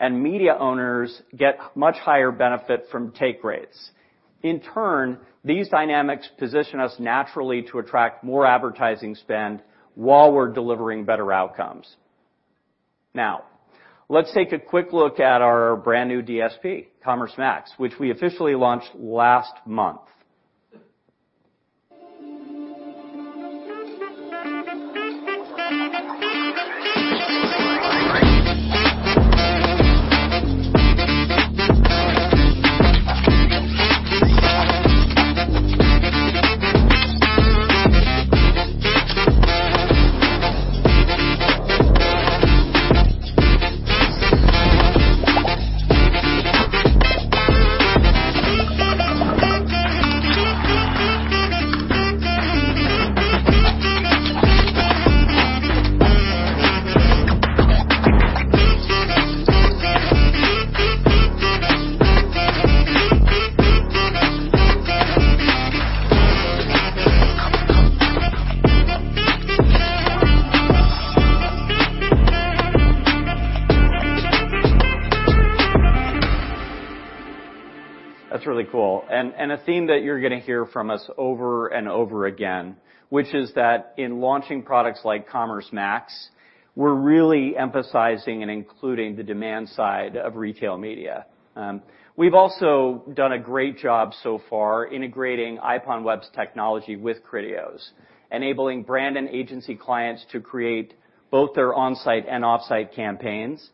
Speaker 10: and media owners get much higher benefit from take rates. In turn, these dynamics position us naturally to attract more advertising spend while we're delivering better outcomes. Now, let's take a quick look at our brand new DSP, Commerce Max, which we officially launched last month. That's really cool. A theme that you're gonna hear from us over and over again, which is that in launching products like Commerce Max, we're really emphasizing and including the demand side of retail media. We've also done a great job so far integrating IPONWEB's technology with Criteo's, enabling brand and agency clients to create both their on-site and off-site campaigns,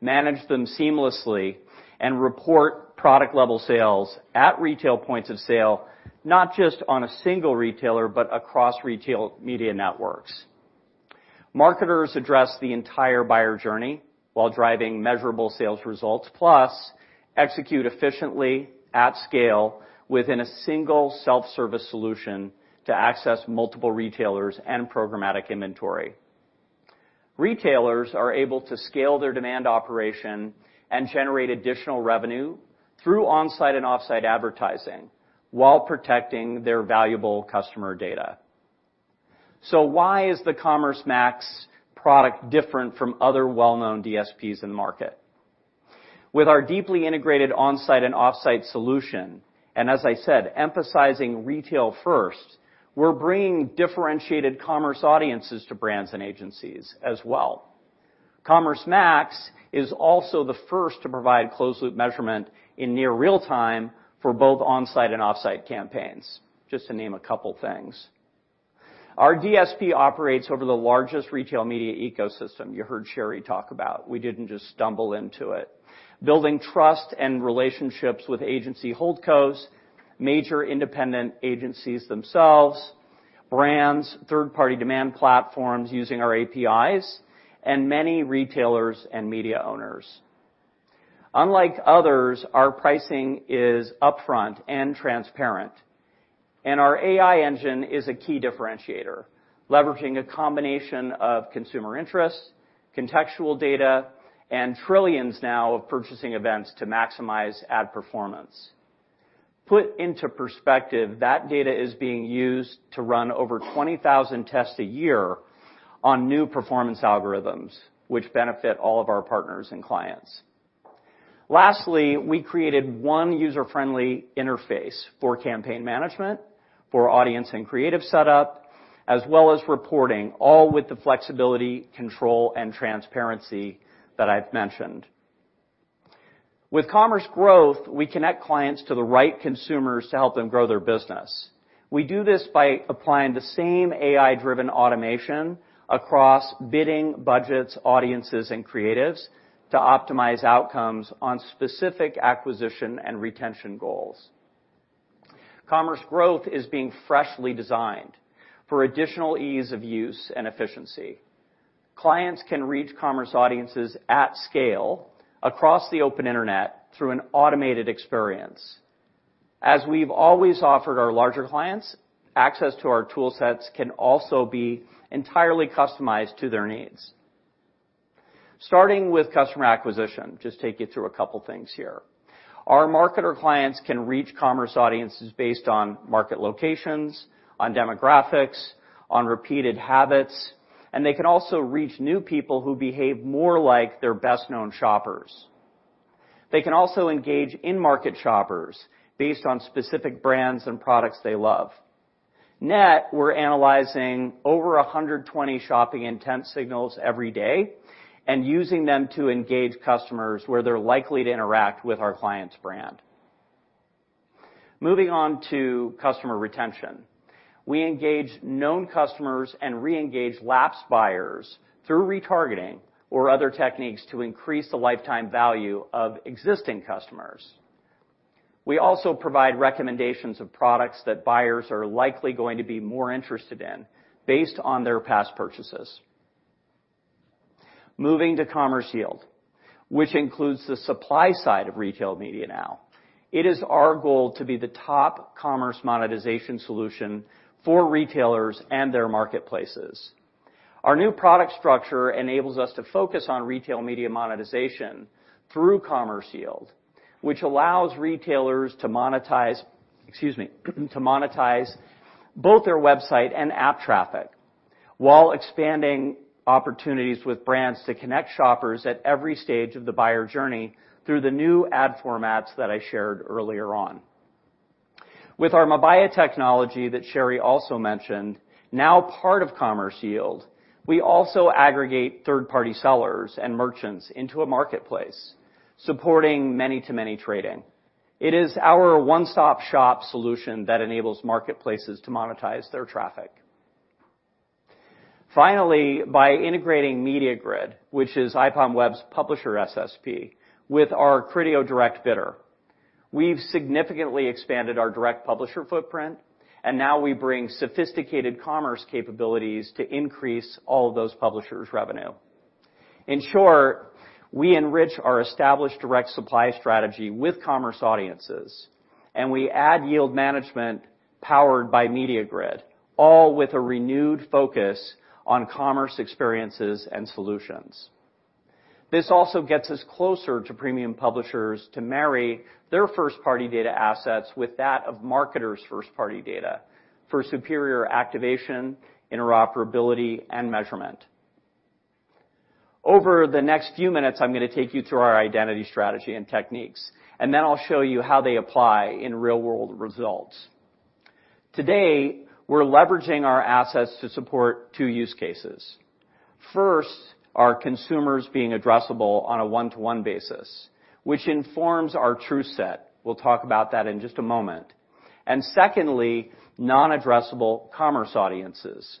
Speaker 10: manage them seamlessly, and report product-level sales at retail points of sale, not just on a single retailer, but across retail media networks. Marketers address the entire buyer journey while driving measurable sales results, plus execute efficiently at scale within a single self-service solution to access multiple retailers and programmatic inventory. Retailers are able to scale their demand operation and generate additional revenue through on-site and off-site advertising while protecting their valuable customer data. Why is the Commerce Max product different from other well-known DSPs in the market? With our deeply integrated on-site and off-site solution, and as I said, emphasizing retail first, we're bringing differentiated commerce audiences to brands and agencies as well. Commerce Max is also the first to provide closed loop measurement in near real-time for both on-site and off-site campaigns, just to name a couple things. Our DSP operates over the largest retail media ecosystem you heard Sherry talk about. We didn't just stumble into it. Building trust and relationships with agency holdcos, major independent agencies themselves, brands, third-party demand platforms using our APIs, and many retailers and media owners. Unlike others, our pricing is upfront and transparent, and our AI engine is a key differentiator, leveraging a combination of consumer interests, contextual data, and trillions now of purchasing events to maximize ad performance. Put into perspective, that data is being used to run over 20,000 tests a year on new performance algorithms, which benefit all of our partners and clients. Lastly, we created one user-friendly interface for campaign management. For audience and creative setup, as well as reporting, all with the flexibility, control, and transparency that I've mentioned. With Commerce Growth, we connect clients to the right consumers to help them grow their business. We do this by applying the same AI-driven automation across bidding, budgets, audiences, and creatives to optimize outcomes on specific acquisition and retention goals. Commerce Growth is being freshly designed for additional ease of use and efficiency. Clients can reach commerce audiences at scale across the open internet through an automated experience. As we've always offered our larger clients, access to our tool sets can also be entirely customized to their needs. Starting with customer acquisition, just take you through a couple things here. Our marketer clients can reach commerce audiences based on market locations, on demographics, on repeated habits, and they can also reach new people who behave more like their best-known shoppers. They can also engage in-market shoppers based on specific brands and products they love. Net, we're analyzing over 120 shopping intent signals every day and using them to engage customers where they're likely to interact with our client's brand. Moving on to customer retention. We engage known customers and re-engage lapsed buyers through retargeting or other techniques to increase the lifetime value of existing customers. We also provide recommendations of products that buyers are likely going to be more interested in based on their past purchases. Moving to Commerce Yield, which includes the supply side of retail media now. It is our goal to be the top commerce monetization solution for retailers and their marketplaces. Our new product structure enables us to focus on retail media monetization through Commerce Yield, which allows retailers to monetize both their website and app traffic while expanding opportunities with brands to connect shoppers at every stage of the buyer journey through the new ad formats that I shared earlier on. With our Mabaya technology that Sherry also mentioned, now part of Commerce Yield, we also aggregate third-party sellers and merchants into a marketplace, supporting many-to-many trading. It is our one-stop-shop solution that enables marketplaces to monetize their traffic. Finally, by integrating MediaGrid, which is IPONWEB's publisher SSP, with our Criteo Direct Bidder, we've significantly expanded our direct publisher footprint, and now we bring sophisticated commerce capabilities to increase all of those publishers' revenue. In short, we enrich our established direct supply strategy with commerce audiences, and we add yield management powered by MediaGrid, all with a renewed focus on commerce experiences and solutions. This also gets us closer to premium publishers to marry their first-party data assets with that of marketers' first-party data for superior activation, interoperability, and measurement. Over the next few minutes, I'm gonna take you through our identity strategy and techniques, and then I'll show you how they apply in real-world results. Today, we're leveraging our assets to support two use cases. First, our consumers being addressable on a one-to-one basis, which informs our truth set. We'll talk about that in just a moment. Secondly, non-addressable commerce audiences.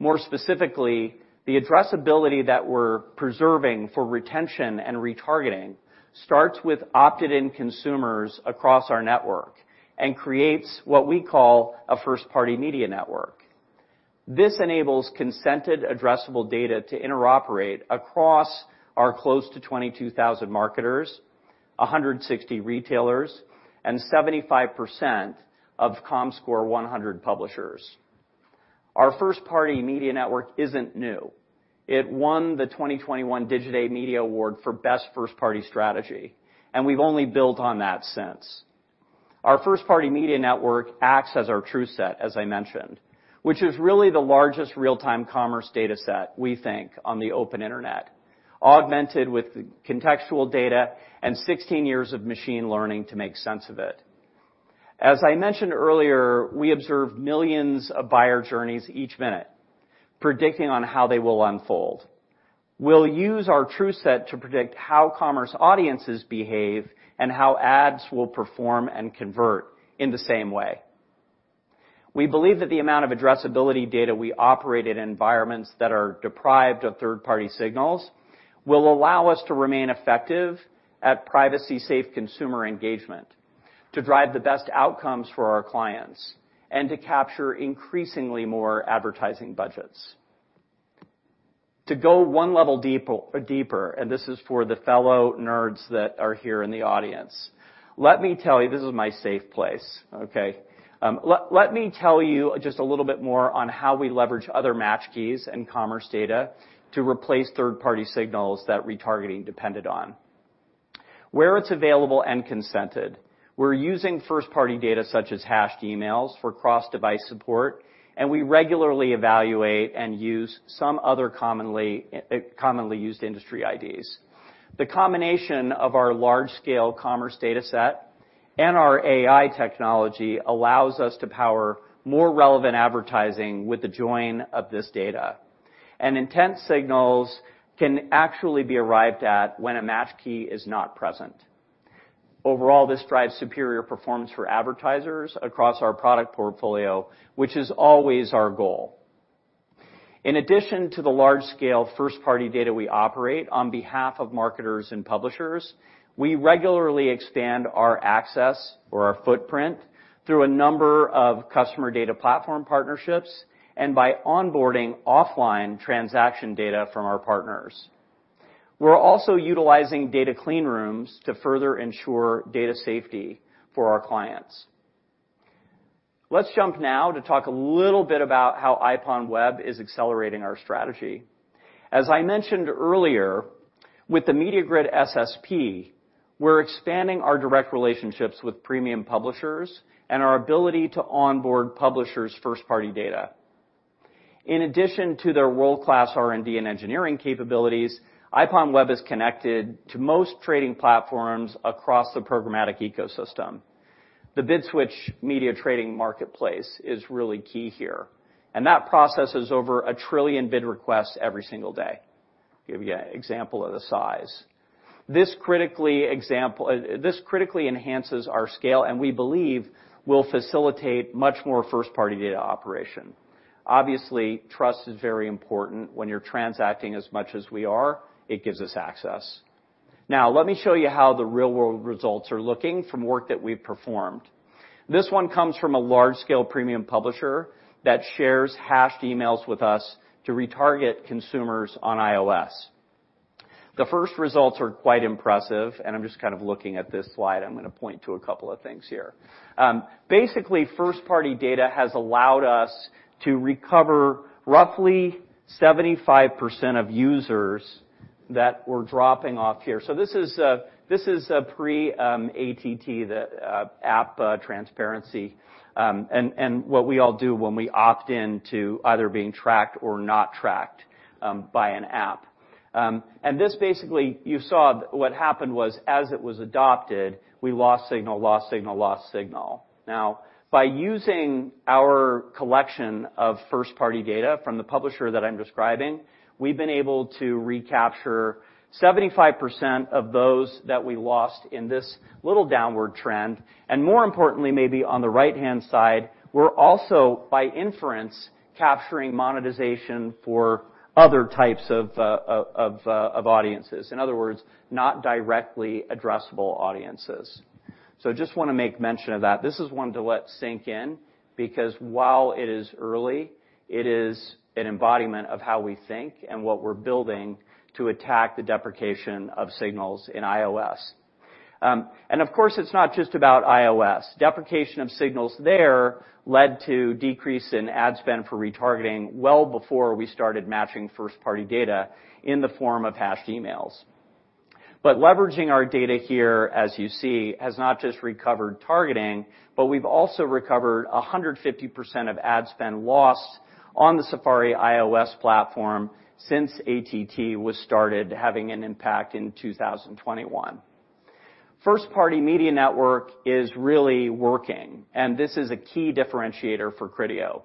Speaker 10: More specifically, the addressability that we're preserving for retention and retargeting starts with opted-in consumers across our network and creates what we call a First-Party Media Network. This enables consented addressable data to interoperate across our close to 22,000 marketers, 160 retailers, and 75% of Comscore 100 publishers. Our First-Party Media Network isn't new. It won the 2021 Digiday Media Award for best first-party strategy, and we've only built on that since. Our First-Party Media Network acts as our truth set, as I mentioned, which is really the largest real-time commerce dataset, we think, on the open internet, augmented with contextual data and 16 years of machine learning to make sense of it. As I mentioned earlier, we observe millions of buyer journeys each minute, predicting on how they will unfold. We'll use our truth set to predict how commerce audiences behave and how ads will perform and convert in the same way. We believe that the amount of addressability data we operate in environments that are deprived of third-party signals will allow us to remain effective at privacy-safe consumer engagement, to drive the best outcomes for our clients, and to capture increasingly more advertising budgets. To go one level deeper, and this is for the fellow nerds that are here in the audience, let me tell you, this is my safe place, okay? Let me tell you just a little bit more on how we leverage other match keys and commerce data to replace third-party signals that retargeting depended on. Where it's available and consented, we're using first-party data such as hashed emails for cross-device support, and we regularly evaluate and use some other commonly used industry IDs. The combination of our large-scale commerce dataset and our AI technology allows us to power more relevant advertising with the join of this data. Intent signals can actually be arrived at when a match key is not present. Overall, this drives superior performance for advertisers across our product portfolio, which is always our goal. In addition to the large-scale first-party data we operate on behalf of marketers and publishers, we regularly expand our access or our footprint through a number of customer data platform partnerships and by onboarding offline transaction data from our partners. We're also utilizing data clean rooms to further ensure data safety for our clients. Let's jump now to talk a little bit about how IPONWEB is accelerating our strategy. As I mentioned earlier, with the MediaGrid SSP, we're expanding our direct relationships with premium publishers and our ability to onboard publishers' first-party data. In addition to their world-class R&D and engineering capabilities, IPONWEB is connected to most trading platforms across the programmatic ecosystem. The BidSwitch media trading marketplace is really key here, and that processes over 1 trillion bid requests every single day. To give you an example of the size. This critically enhances our scale, and we believe will facilitate much more first-party data operation. Obviously, trust is very important when you're transacting as much as we are, it gives us access. Now, let me show you how the real-world results are looking from work that we've performed. This one comes from a large-scale premium publisher that shares hashed emails with us to retarget consumers on iOS. The first results are quite impressive, and I'm just kind of looking at this slide. I'm gonna point to a couple of things here. Basically, first-party data has allowed us to recover roughly 75% of users that were dropping off here. This is pre-ATT, the app transparency and what we all do when we opt in to either being tracked or not tracked by an app. This basically you saw what happened was as it was adopted we lost signal. Now, by using our collection of first-party data from the publisher that I'm describing, we've been able to recapture 75% of those that we lost in this little downward trend. More importantly, maybe on the right-hand side, we're also by inference capturing monetization for other types of audiences. In other words, not directly addressable audiences. Just wanna make mention of that. This is one to let sink in because while it is early, it is an embodiment of how we think and what we're building to attack the deprecation of signals in iOS. Of course, it's not just about iOS. Deprecation of signals there led to decrease in ad spend for retargeting well before we started matching first-party data in the form of hashed emails. Leveraging our data here, as you see, has not just recovered targeting, but we've also recovered 150% of ad spend lost on the Safari iOS platform since ATT was started having an impact in 2021. First-Party Media Network is really working, and this is a key differentiator for Criteo.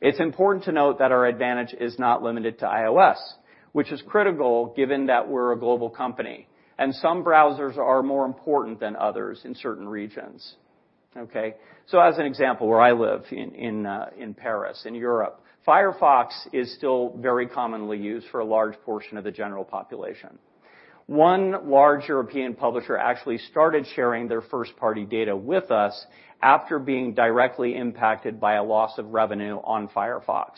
Speaker 10: It's important to note that our advantage is not limited to iOS, which is critical given that we're a global company, and some browsers are more important than others in certain regions. Okay? As an example, where I live in Paris, in Europe, Firefox is still very commonly used for a large portion of the general population. One large European publisher actually started sharing their first-party data with us after being directly impacted by a loss of revenue on Firefox.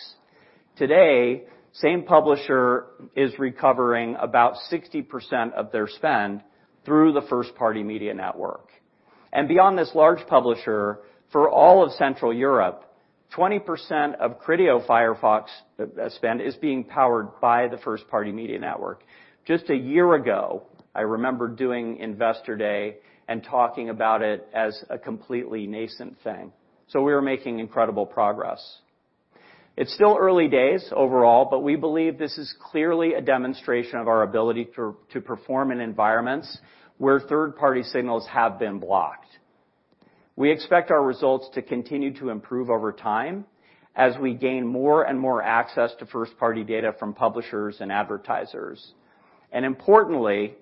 Speaker 10: Today, same publisher is recovering about 60% of their spend through the First-Party Media Network. Beyond this large publisher, for all of Central Europe, 20% of Criteo Firefox spend is being powered by the First-Party Media Network. Just a year ago, I remember doing Investor Day and talking about it as a completely nascent thing. We're making incredible progress. It's still early days overall, but we believe this is clearly a demonstration of our ability to perform in environments where third-party signals have been blocked. We expect our results to continue to improve over time as we gain more and more access to first-party data from publishers and advertisers. Importantly,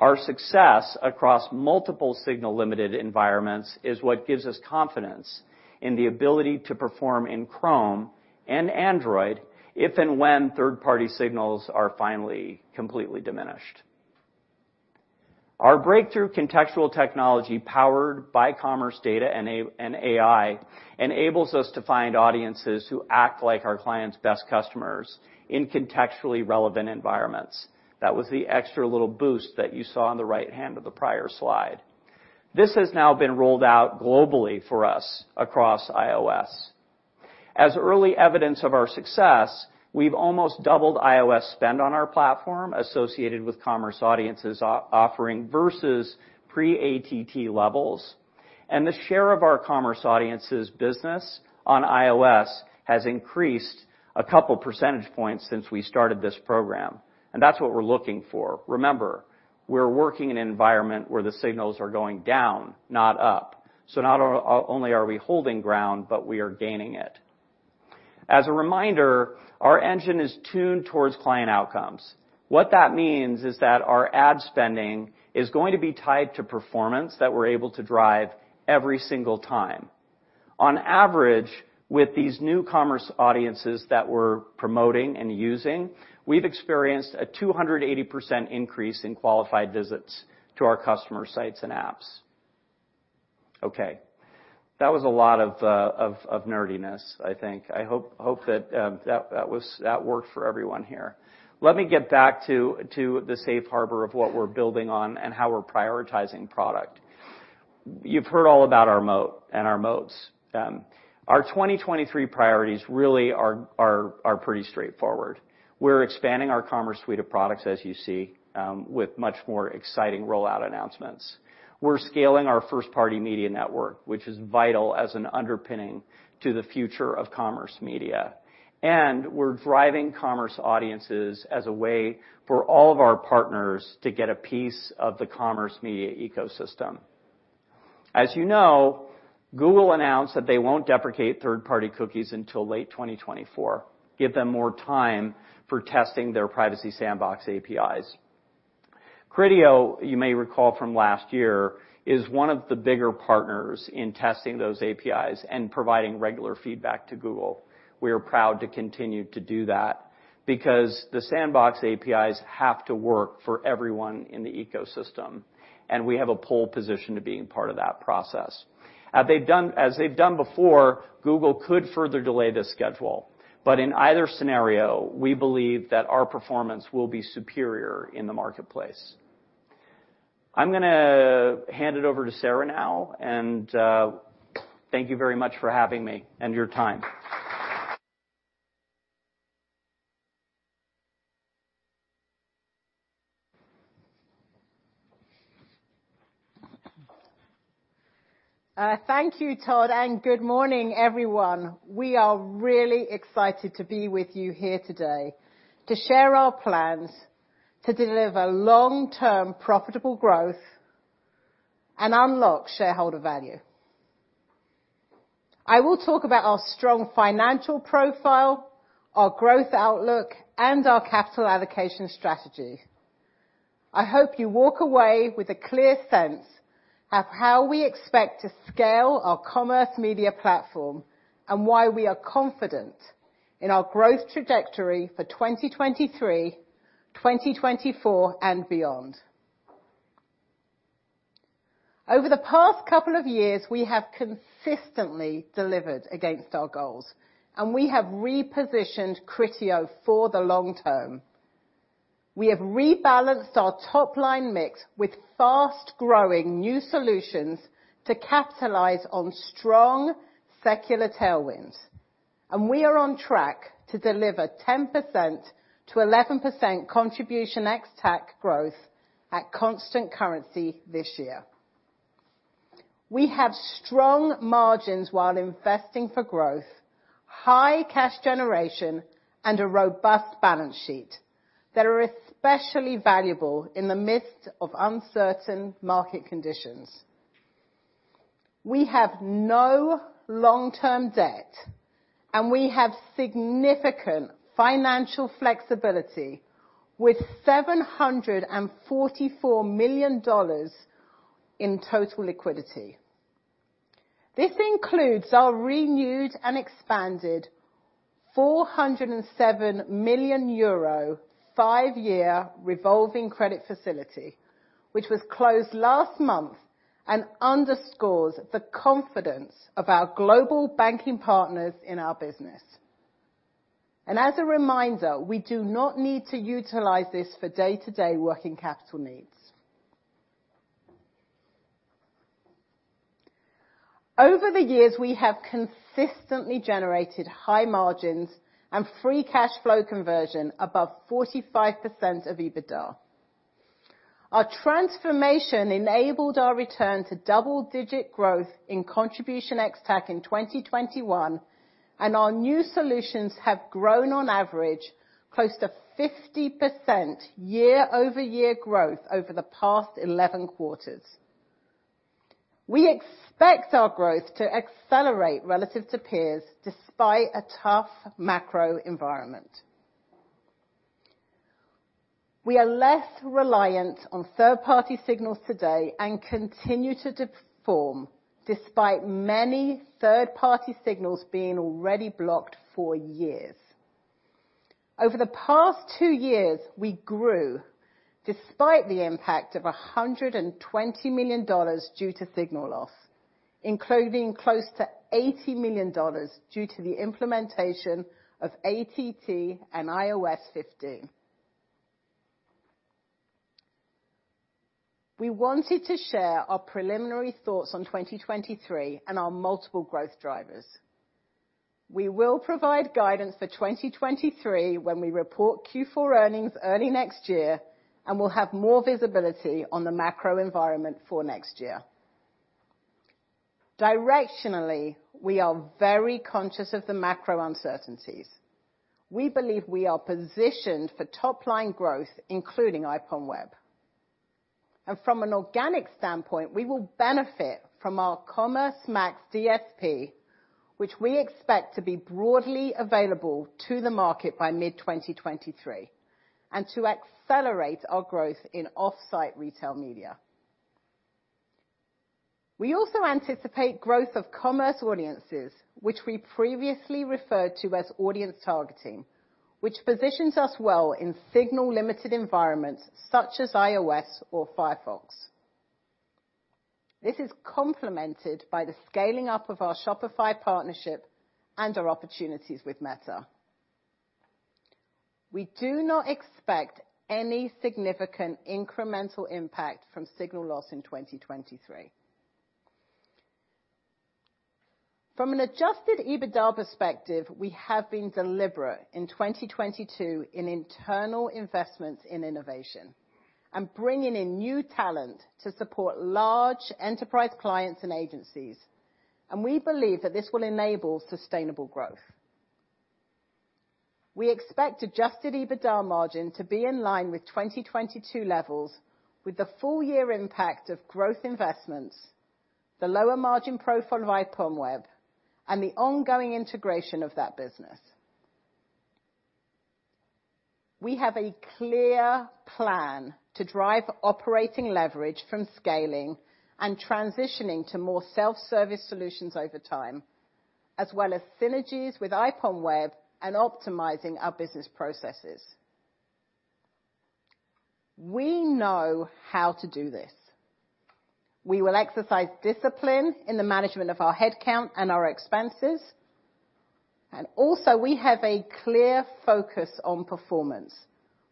Speaker 10: our success across multiple signal-limited environments is what gives us confidence in the ability to perform in Chrome and Android if and when third-party signals are finally completely diminished. Our breakthrough contextual technology powered by commerce data and AI enables us to find audiences who act like our clients' best customers in contextually relevant environments. That was the extra little boost that you saw on the right hand of the prior slide. This has now been rolled out globally for us across iOS. As early evidence of our success, we've almost doubled iOS spend on our platform associated with commerce audiences offering versus pre-ATT levels. The share of our commerce audiences business on iOS has increased a couple percentage points since we started this program, and that's what we're looking for. Remember, we're working in an environment where the signals are going down, not up. Not only are we holding ground, but we are gaining it. As a reminder, our engine is tuned towards client outcomes. What that means is that our ad spending is going to be tied to performance that we're able to drive every single time. On average, with these new commerce audiences that we're promoting and using, we've experienced a 280% increase in qualified visits to our customer sites and apps. Okay, that was a lot of nerdiness, I think. I hope that worked for everyone here. Let me get back to the safe harbor of what we're building on and how we're prioritizing product. You've heard all about our moat and our moats. Our 2023 priorities really are pretty straightforward. We're expanding our commerce suite of products, as you see, with much more exciting rollout announcements. We're scaling our First-Party Media Network, which is vital as an underpinning to the future of commerce media. We're driving commerce audiences as a way for all of our partners to get a piece of the commerce media ecosystem. As you know, Google announced that they won't deprecate third-party cookies until late 2024, give them more time for testing their Privacy Sandbox APIs. Criteo, you may recall from last year, is one of the bigger partners in testing those APIs and providing regular feedback to Google. We are proud to continue to do that because the sandbox APIs have to work for everyone in the ecosystem, and we have a pole position to being part of that process. As they've done before, Google could further delay this schedule. In either scenario, we believe that our performance will be superior in the marketplace. I'm gonna hand it over to Sarah now, and thank you very much for having me and your time.
Speaker 11: Thank you, Todd, and good morning, everyone. We are really excited to be with you here today to share our plans to deliver long-term profitable growth and unlock shareholder value. I will talk about our strong financial profile, our growth outlook, and our capital allocation strategy. I hope you walk away with a clear sense of how we expect to scale our commerce media platform and why we are confident in our growth trajectory for 2023, 2024, and beyond. Over the past couple of years, we have consistently delivered against our goals, and we have repositioned Criteo for the long term. We have rebalanced our top-line mix with fast-growing new solutions to capitalize on strong secular tailwinds, and we are on track to deliver 10%-11% contribution ex-TAC growth at constant currency this year. We have strong margins while investing for growth, high cash generation, and a robust balance sheet that are especially valuable in the midst of uncertain market conditions. We have no long-term debt, and we have significant financial flexibility with $744 million in total liquidity. This includes our renewed and expanded 407 million euro five-year revolving credit facility, which was closed last month and underscores the confidence of our global banking partners in our business. As a reminder, we do not need to utilize this for day-to-day working capital needs. Over the years, we have consistently generated high margins and free cash flow conversion above 45% of EBITDA. Our transformation enabled our return to double-digit growth in contribution ex-TAC in 2021, and our new solutions have grown on average close to 50% year-over-year growth over the past 11 quarters. We expect our growth to accelerate relative to peers despite a tough macro environment. We are less reliant on third-party signals today and continue to perform despite many third-party signals being already blocked for years. Over the past two years, we grew despite the impact of $120 million due to signal loss, including close to $80 million due to the implementation of ATT and iOS 15. We wanted to share our preliminary thoughts on 2023 and our multiple growth drivers. We will provide guidance for 2023 when we report Q4 earnings early next year, and we'll have more visibility on the macro environment for next year. Directionally, we are very conscious of the macro uncertainties. We believe we are positioned for top-line growth, including IPONWEB. From an organic standpoint, we will benefit from our Commerce Max DSP, which we expect to be broadly available to the market by mid-2023, and to accelerate our growth in off-site retail media. We also anticipate growth of commerce audiences, which we previously referred to as audience targeting, which positions us well in signal-limited environments such as iOS or Firefox. This is complemented by the scaling up of our Shopify partnership and our opportunities with Meta. We do not expect any significant incremental impact from signal loss in 2023. From an adjusted EBITDA perspective, we have been deliberate in 2022 in internal investments in innovation and bringing in new talent to support large enterprise clients and agencies, and we believe that this will enable sustainable growth. We expect adjusted EBITDA margin to be in line with 2022 levels with the full year impact of growth investments, the lower margin profile of IPONWEB, and the ongoing integration of that business. We have a clear plan to drive operating leverage from scaling and transitioning to more self-service solutions over time, as well as synergies with IPONWEB and optimizing our business processes. We know how to do this. We will exercise discipline in the management of our head count and our expenses, and also we have a clear focus on performance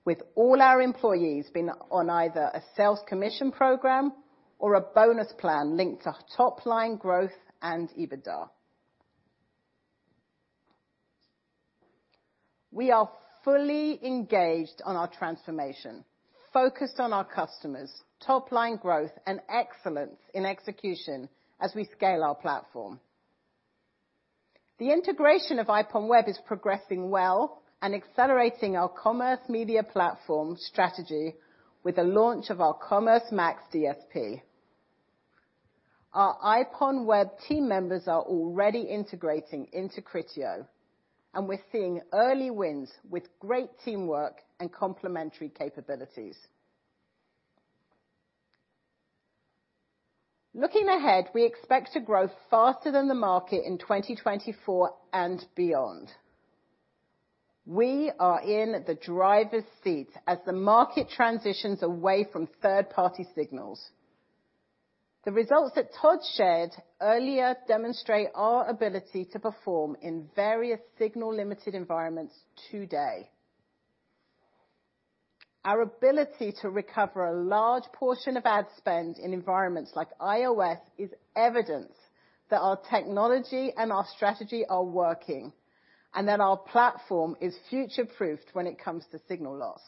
Speaker 11: with all our employees being on either a sales commission program or a bonus plan linked to top line growth and EBITDA. We are fully engaged on our transformation, focused on our customers, top-line growth, and excellence in execution as we scale our platform. The integration of IPONWEB is progressing well and accelerating our Commerce Media Platform strategy with the launch of our Commerce Max DSP. Our IPONWEB team members are already integrating into Criteo, and we're seeing early wins with great teamwork and complementary capabilities. Looking ahead, we expect to grow faster than the market in 2024 and beyond. We are in the driver's seat as the market transitions away from third-party signals. The results that Todd shared earlier demonstrate our ability to perform in various signal-limited environments today. Our ability to recover a large portion of ad spend in environments like iOS is evidence that our technology and our strategy are working, and that our platform is future-proofed when it comes to signal loss.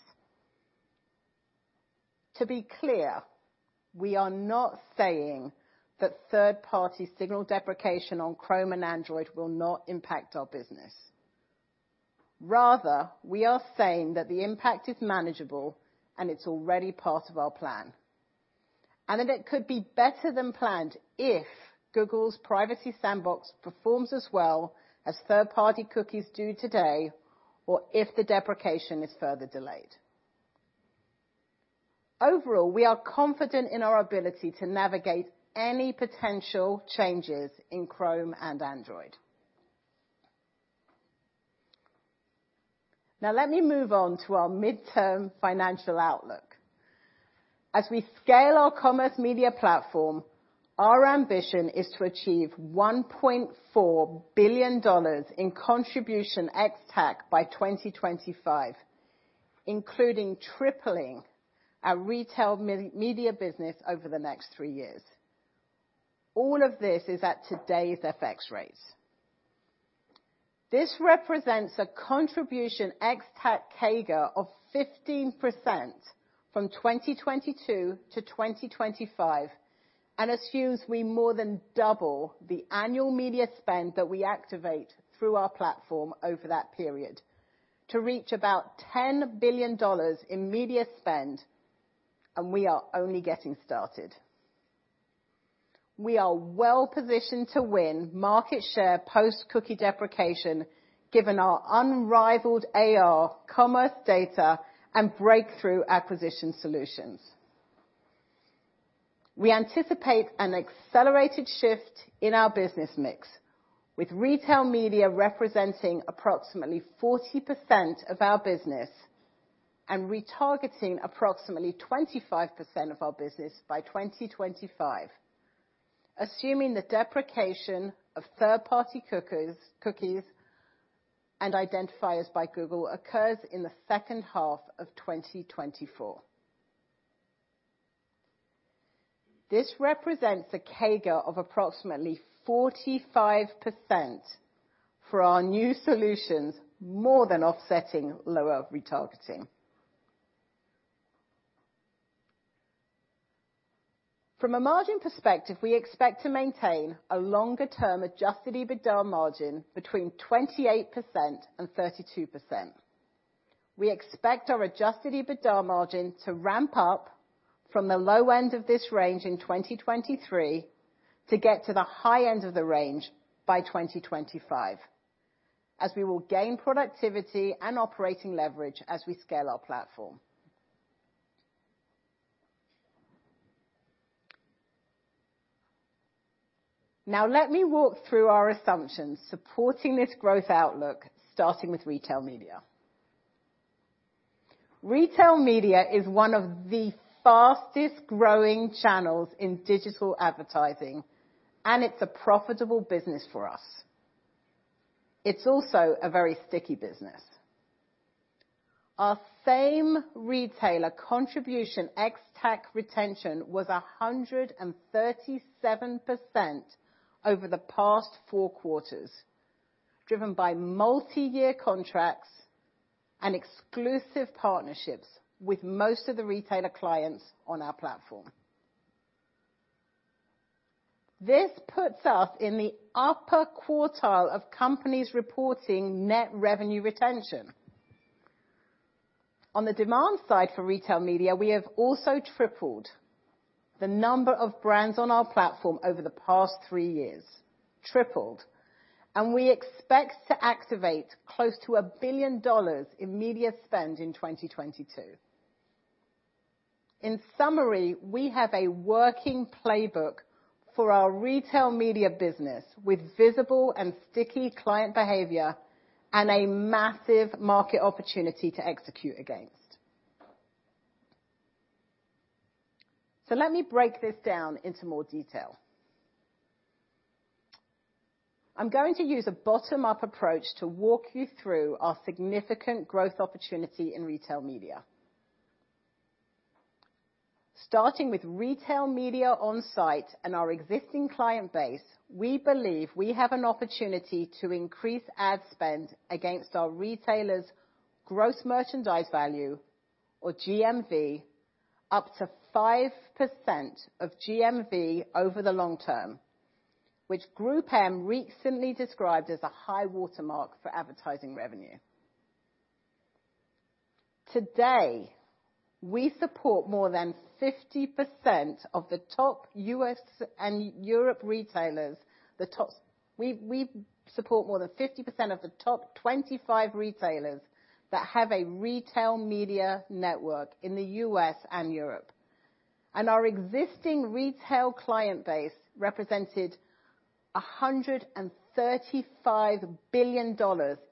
Speaker 11: To be clear, we are not saying that third-party signal deprecation on Chrome and Android will not impact our business. Rather, we are saying that the impact is manageable, and it's already part of our plan, and that it could be better than planned if Google's Privacy Sandbox performs as well as third-party cookies do today, or if the deprecation is further delayed. Overall, we are confident in our ability to navigate any potential changes in Chrome and Android. Now let me move on to our midterm financial outlook. As we scale our Commerce Media Platform, our ambition is to achieve $1.4 billion in contribution ex-TAC by 2025, including tripling our retail media business over the next three years. All of this is at today's FX rates. This represents a Contribution ex-TAC CAGR of 15% from 2022 to 2025 and assumes we more than double the annual media spend that we activate through our platform over that period to reach about $10 billion in media spend, and we are only getting started. We are well-positioned to win market share post cookie deprecation given our unrivaled ad commerce data and breakthrough acquisition solutions. We anticipate an accelerated shift in our business mix with retail media representing approximately 40% of our business and retargeting approximately 25% of our business by 2025, assuming the deprecation of third-party cookies and identifiers by Google occurs in the second half of 2024. This represents a CAGR of approximately 45% for our new solutions, more than offsetting lower retargeting. From a margin perspective, we expect to maintain a longer-term adjusted EBITDA margin between 28% and 32%. We expect our adjusted EBITDA margin to ramp up from the low end of this range in 2023 to get to the high end of the range by 2025, as we will gain productivity and operating leverage as we scale our platform. Now let me walk through our assumptions supporting this growth outlook, starting with retail media. Retail media is one of the fastest-growing channels in digital advertising, and it's a profitable business for us. It's also a very sticky business. Our same retailer contribution ex-TAC retention was 137% over the past four quarters, driven by multiyear contracts and exclusive partnerships with most of the retailer clients on our platform. This puts us in the upper quartile of companies reporting net revenue retention. On the demand side for retail media, we have also tripled the number of brands on our platform over the past three years. Tripled. We expect to activate close to $1 billion in media spend in 2022. In summary, we have a working playbook for our retail media business with visible and sticky client behavior and a massive market opportunity to execute against. Let me break this down into more detail. I'm going to use a bottom-up approach to walk you through our significant growth opportunity in retail media. Starting with retail media on site and our existing client base, we believe we have an opportunity to increase ad spend against our retailers' gross merchandise value, or GMV, up to 5% of GMV over the long term, which GroupM recently described as a high watermark for advertising revenue. Today, we support more than 50% of the top U.S. and Europe retailers. We support more than 50% of the top 25 retailers that have a retail media network in the U.S. and Europe. Our existing retail client base represented $135 billion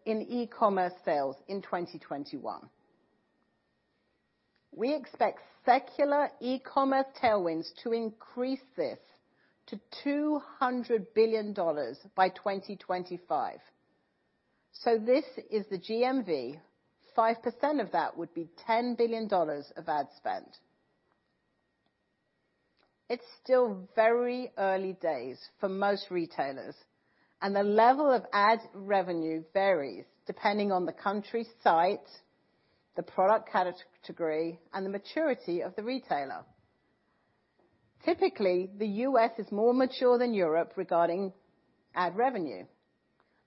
Speaker 11: in e-commerce sales in 2021. We expect secular e-commerce tailwinds to increase this to $200 billion by 2025. This is the GMV. 5% of that would be $10 billion of ad spend. It's still very early days for most retailers, and the level of ad revenue varies depending on the country site, the product category, and the maturity of the retailer. Typically, the U.S. is more mature than Europe regarding ad revenue.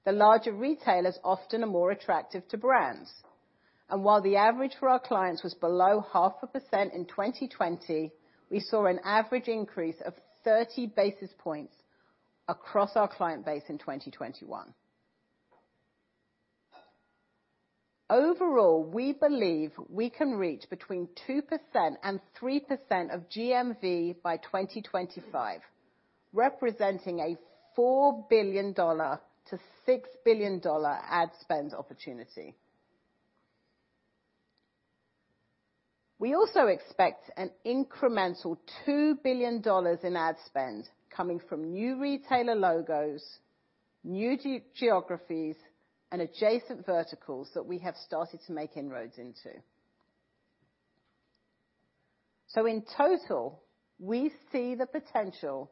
Speaker 11: The larger retailers often are more attractive to brands, and while the average for our clients was below 0.5% in 2020, we saw an average increase of 30 basis points across our client base in 2021. Overall, we believe we can reach between 2% and 3% of GMV by 2025, representing a $4 billion-$6 billion ad spend opportunity. We also expect an incremental $2 billion in ad spend coming from new retailer logos, new geo-geographies and adjacent verticals that we have started to make inroads into. In total, we see the potential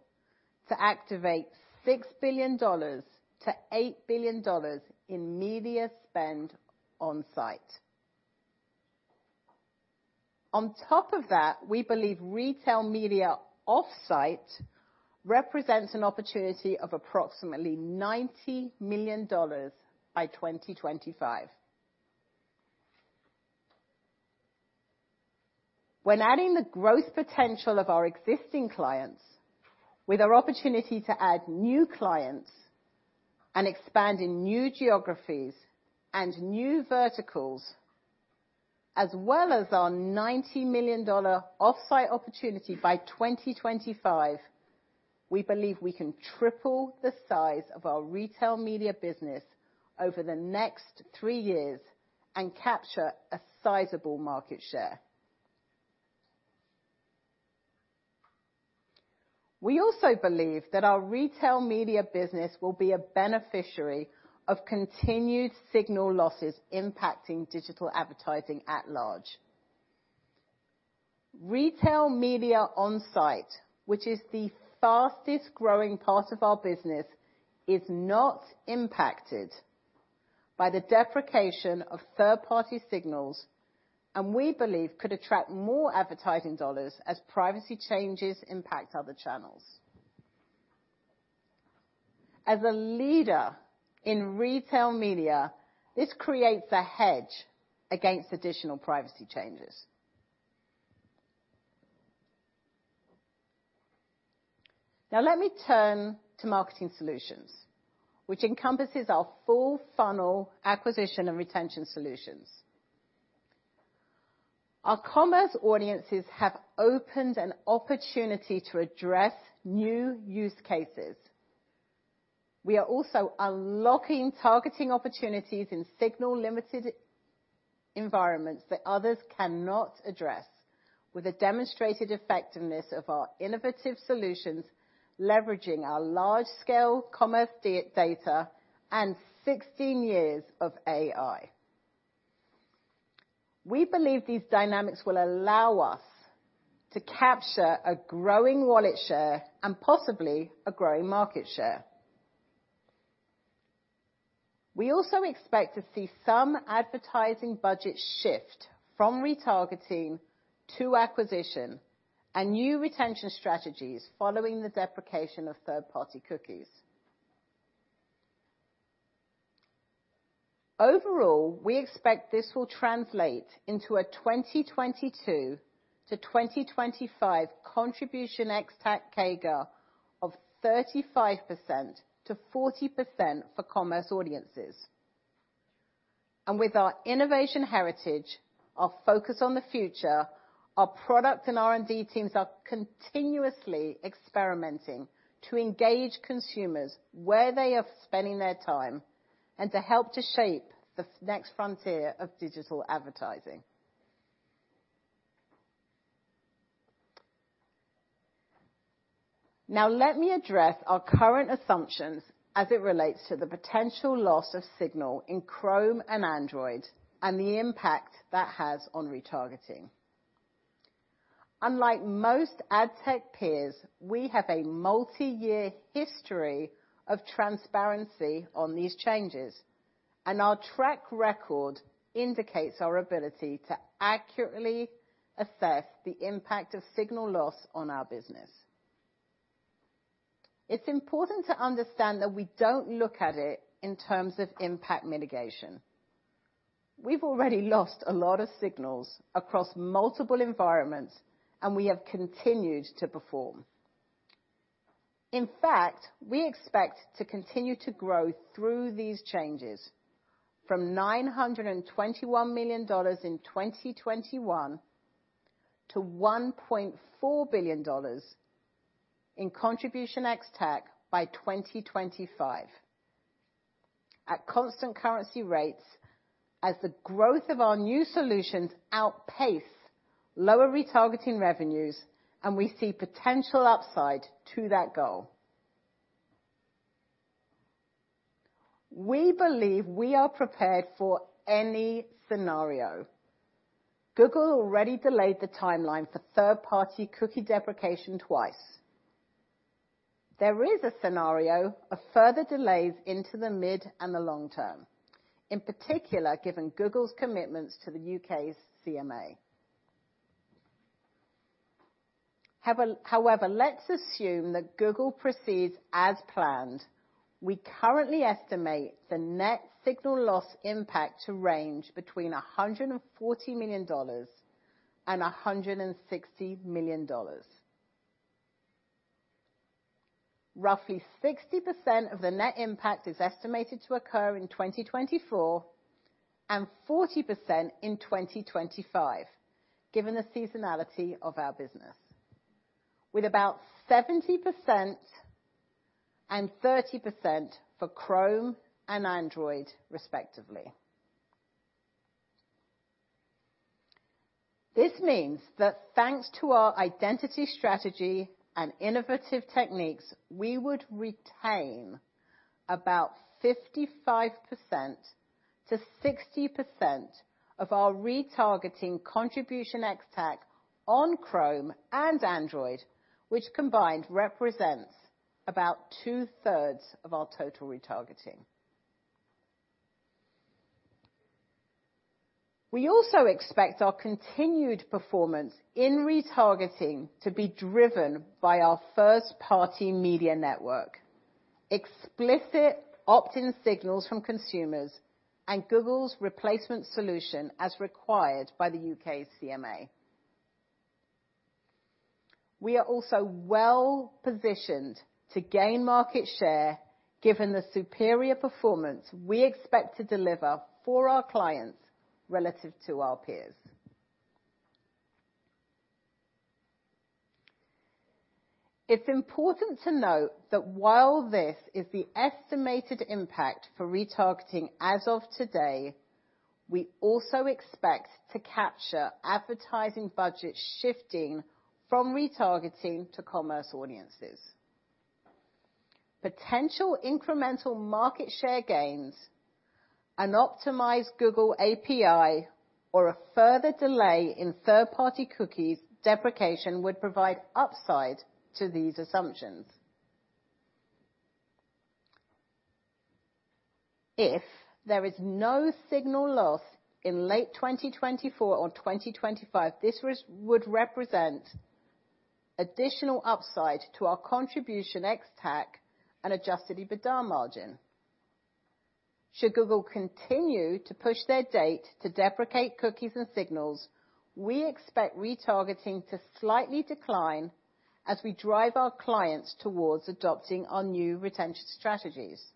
Speaker 11: to activate $6 billion-$8 billion in media spend on site. On top of that, we believe retail media off-site represents an opportunity of approximately $90 million by 2025. When adding the growth potential of our existing clients with our opportunity to add new clients and expand in new geographies and new verticals, as well as our $90 million off-site opportunity by 2025, we believe we can triple the size of our retail media business over the next three years and capture a sizable market share. We also believe that our retail media business will be a beneficiary of continued signal losses impacting digital advertising at large. Retail media on site, which is the fastest-growing part of our business, is not impacted by the deprecation of third-party signals, and we believe could attract more advertising dollars as privacy changes impact other channels. As a leader in retail media, this creates a hedge against additional privacy changes. Now let me turn to marketing solutions, which encompasses our full funnel acquisition and retention solutions. Our commerce audiences have opened an opportunity to address new use cases. We are also unlocking targeting opportunities in signal-limited environments that others cannot address, with the demonstrated effectiveness of our innovative solutions, leveraging our large-scale commerce data and 16 years of AI. We believe these dynamics will allow us to capture a growing wallet share and possibly a growing market share. We also expect to see some advertising budget shift from retargeting to acquisition and new retention strategies following the deprecation of third-party cookies. Overall, we expect this will translate into a 2022-2025 contribution ex-TAC CAGR of 35%-40% for commerce audiences. With our innovation heritage, our focus on the future, our product and R&D teams are continuously experimenting to engage consumers where they are spending their time, and to help shape the next frontier of digital advertising. Now let me address our current assumptions as it relates to the potential loss of signal in Chrome and Android and the impact that has on retargeting. Unlike most ad tech peers, we have a multiyear history of transparency on these changes, and our track record indicates our ability to accurately assess the impact of signal loss on our business. It's important to understand that we don't look at it in terms of impact mitigation. We've already lost a lot of signals across multiple environments, and we have continued to perform. In fact, we expect to continue to grow through these changes from $921 million in 2021 to $1.4 billion in contribution ex-TAC by 2025 at constant currency rates as the growth of our new solutions outpace lower retargeting revenues, and we see potential upside to that goal. We believe we are prepared for any scenario. Google already delayed the timeline for third-party cookie deprecation twice. There is a scenario of further delays into the mid and the long term, in particular, given Google's commitments to the U.K.'s CMA. However, let's assume that Google proceeds as planned. We currently estimate the net signal loss impact to range between $140 million and $160 million. Roughly 60% of the net impact is estimated to occur in 2024 and 40% in 2025, given the seasonality of our business. With about 70% and 30% for Chrome and Android respectively. This means that thanks to our identity strategy and innovative techniques, we would retain about 55%-60% of our retargeting contribution ex-TAC on Chrome and Android, which combined represents about two-thirds of our total retargeting. We also expect our continued performance in retargeting to be driven by our first-party media network, explicit opt-in signals from consumers and Google's replacement solution as required by the U.K.'s CMA. We are also well-positioned to gain market share given the superior performance we expect to deliver for our clients relative to our peers. It's important to note that while this is the estimated impact for retargeting as of today, we also expect to capture advertising budget shifting from retargeting to commerce audiences. Potential incremental market share gains, an optimized Google API or a further delay in third-party cookies deprecation would provide upside to these assumptions. If there is no signal loss in late 2024 or 2025, this would represent additional upside to our contribution ex-TAC and adjusted EBITDA margin. Should Google continue to push their date to deprecate cookies and signals, we expect retargeting to slightly decline as we drive our clients towards adopting our new retention strategies.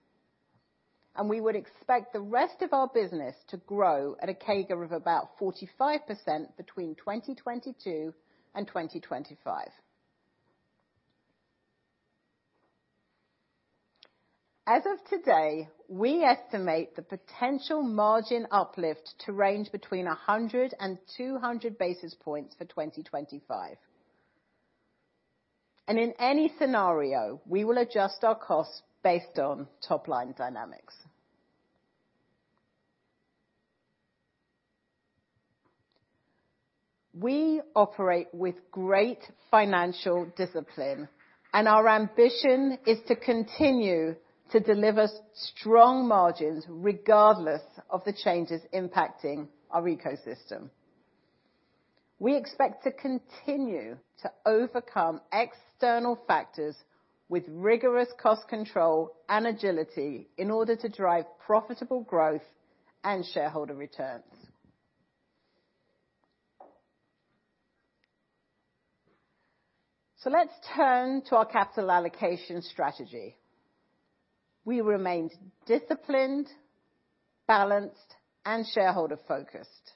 Speaker 11: We would expect the rest of our business to grow at a CAGR of about 45% between 2022 and 2025. As of today, we estimate the potential margin uplift to range between 100 and 200 basis points for 2025. In any scenario, we will adjust our costs based on top-line dynamics. We operate with great financial discipline, and our ambition is to continue to deliver strong margins regardless of the changes impacting our ecosystem. We expect to continue to overcome external factors with rigorous cost control and agility in order to drive profitable growth and shareholder returns. Let's turn to our capital allocation strategy. We remained disciplined, balanced, and shareholder-focused.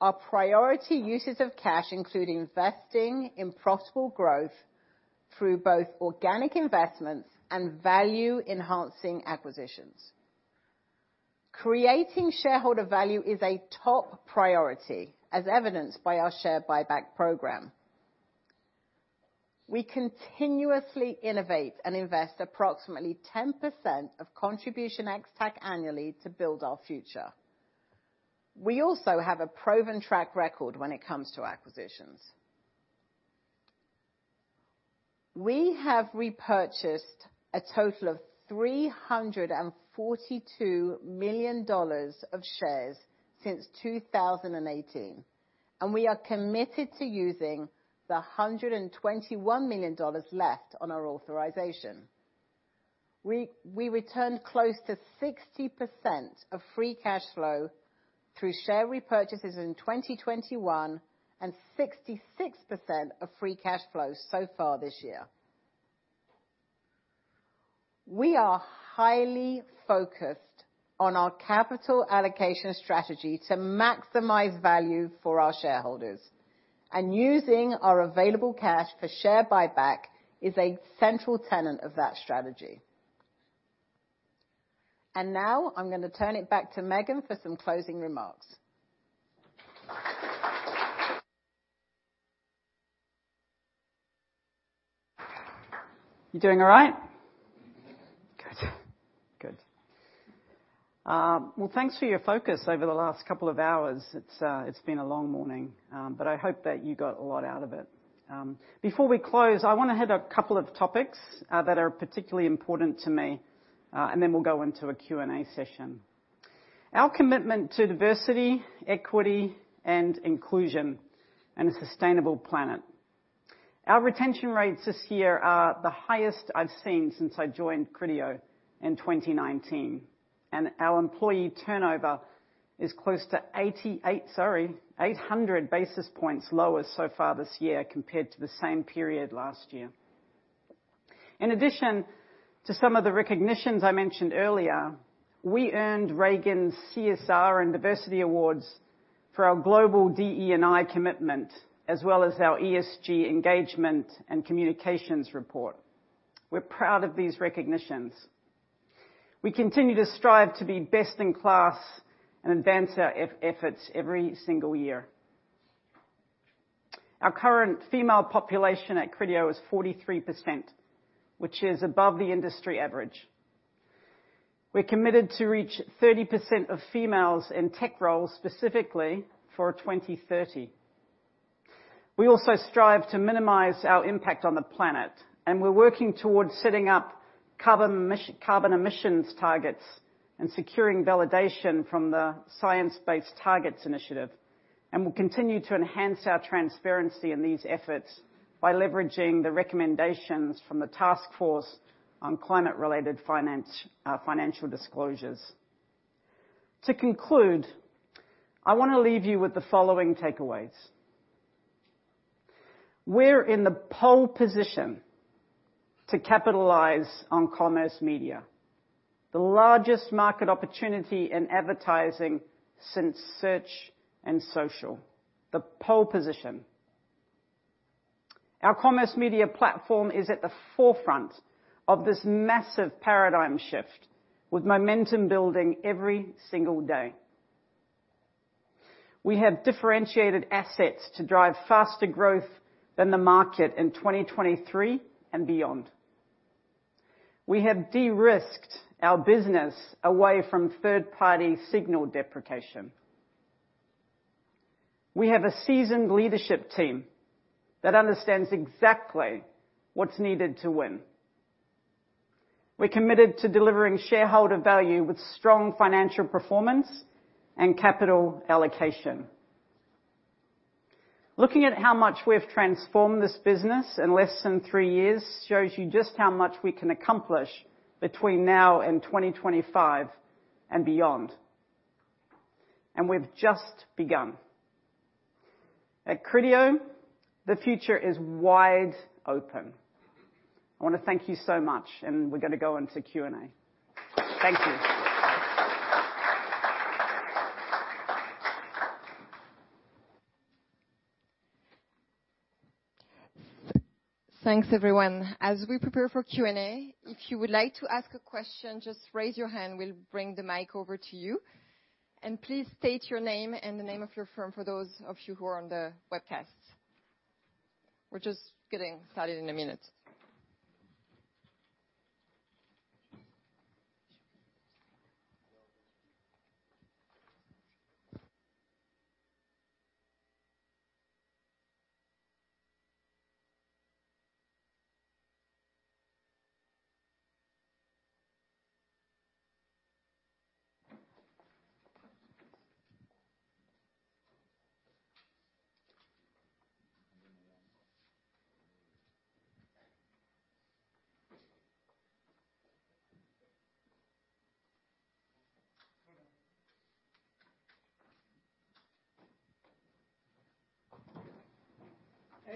Speaker 11: Our priority uses of cash include investing in profitable growth through both organic investments and value-enhancing acquisitions. Creating shareholder value is a top priority, as evidenced by our share buyback program. We continuously innovate and invest approximately 10% of contribution ex-TAC annually to build our future. We also have a proven track record when it comes to acquisitions. We have repurchased a total of $342 million of shares since 2018, and we are committed to using the $121 million left on our authorization. We returned close to 60% of free cash flow through share repurchases in 2021, and 66% of free cash flow so far this year. We are highly focused on our capital allocation strategy to maximize value for our shareholders, and using our available cash for share buyback is a central tenet of that strategy. Now I'm gonna turn it back to Megan for some closing remarks.
Speaker 3: You doing all right?
Speaker 11: Yes.
Speaker 3: Good. Well, thanks for your focus over the last couple of hours. It's, it's been a long morning, but I hope that you got a lot out of it. Before we close, I wanna hit a couple of topics that are particularly important to me, and then we'll go into a Q&A session. Our commitment to diversity, equity, and inclusion, and a sustainable planet. Our retention rates this year are the highest I've seen since I joined Criteo in 2019, and our employee turnover is close to 800 basis points lower so far this year compared to the same period last year. In addition to some of the recognitions I mentioned earlier, we earned Ragan's CSR & Diversity Awards for our global DEI commitment, as well as our ESG Engagement and Communications Report. We're proud of these recognitions. We continue to strive to be best in class and advance our efforts every single year. Our current female population at Criteo is 43%, which is above the industry average. We're committed to reach 30% of females in tech roles, specifically for 2030. We also strive to minimize our impact on the planet, and we're working towards setting up carbon emissions targets and securing validation from the Science Based Targets initiative, and we'll continue to enhance our transparency in these efforts by leveraging the recommendations from the Task Force on Climate-related Financial Disclosures. To conclude, I wanna leave you with the following takeaways. We're in the pole position to capitalize on commerce media, the largest market opportunity in advertising since search and social, the pole position. Our commerce media platform is at the forefront of this massive paradigm shift with momentum building every single day. We have differentiated assets to drive faster growth than the market in 2023 and beyond. We have de-risked our business away from third-party signal deprecation. We have a seasoned leadership team that understands exactly what's needed to win. We're committed to delivering shareholder value with strong financial performance and capital allocation. Looking at how much we've transformed this business in less than three years shows you just how much we can accomplish between now and 2025 and beyond. We've just begun. At Criteo, the future is wide open. I wanna thank you so much, and we're gonna go into Q&A. Thank you.
Speaker 1: Thanks, everyone. As we prepare for Q&A, if you would like to ask a question, just raise your hand, we'll bring the mic over to you. Please state your name and the name of your firm for those of you who are on the webcast. We're just getting started in a minute.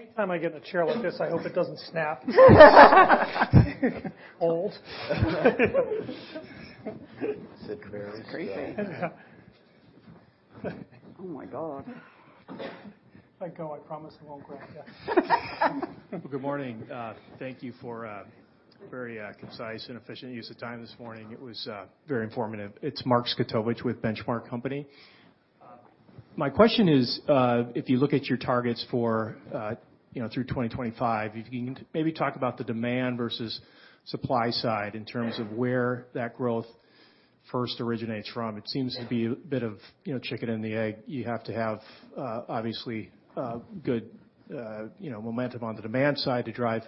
Speaker 4: Anytime I get in a chair like this, I hope it doesn't snap. Old. Sit very straight. Oh, my God. If I go, I promise it won't crack yet.
Speaker 12: Good morning. Thank you for very concise and efficient use of time this morning. It was very informative. It's Mark Zgutowicz with Benchmark Company. My question is, if you look at your targets for, you know, through 2025, if you can maybe talk about the demand versus supply side in terms of where that growth first originates from. It seems to be a bit of, you know, chicken and the egg. You have to have, obviously, good, you know, momentum on the demand side to drive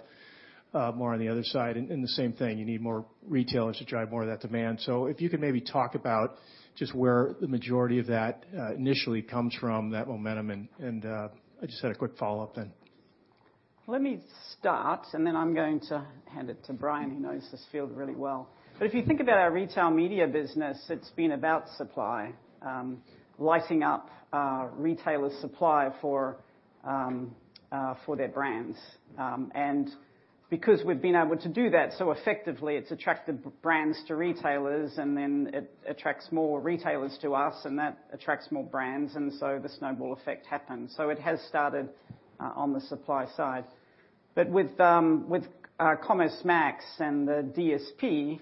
Speaker 12: more on the other side. And the same thing, you need more retailers to drive more of that demand. If you could maybe talk about just where the majority of that initially comes from, that momentum, and I just had a quick follow-up then.
Speaker 3: Let me start, and then I'm going to hand it to Brian, who knows this field really well. If you think about our retail media business, it's been about supply, lighting up retailer supply for their brands. Because we've been able to do that so effectively, it's attracted brands to retailers, and then it attracts more retailers to us, and that attracts more brands, and so the snowball effect happens. It has started on the supply side. With Commerce Max and the DSP,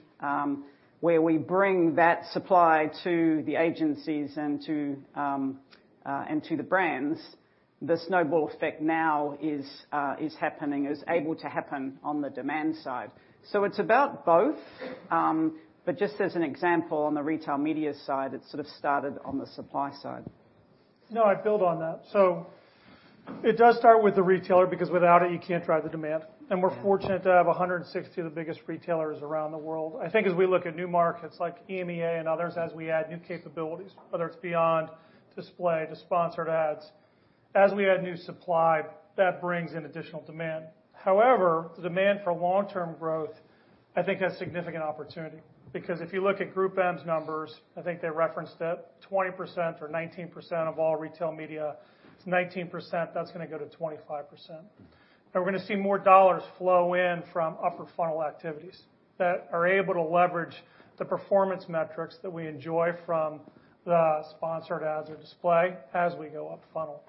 Speaker 3: where we bring that supply to the agencies and to the brands, the snowball effect now is happening, is able to happen on the demand side. It's about both, but just as an example on the retail media side, it sort of started on the supply side.
Speaker 4: No, I'd build on that. It does start with the retailer because without it, you can't drive the demand.
Speaker 3: Yeah.
Speaker 4: We're fortunate to have 160 of the biggest retailers around the world. I think as we look at new markets like EMEA and others, as we add new capabilities, whether it's beyond display to sponsored ads, as we add new supply, that brings in additional demand. However, the demand for long-term growth, I think, has significant opportunity. Because if you look at GroupM's numbers, I think they referenced it, 20% or 19% of all retail media. It's 19%, that's gonna go to 25%. We're gonna see more dollars flow in from upper funnel activities that are able to leverage the performance metrics that we enjoy from the sponsored ads or display as we go up funnel.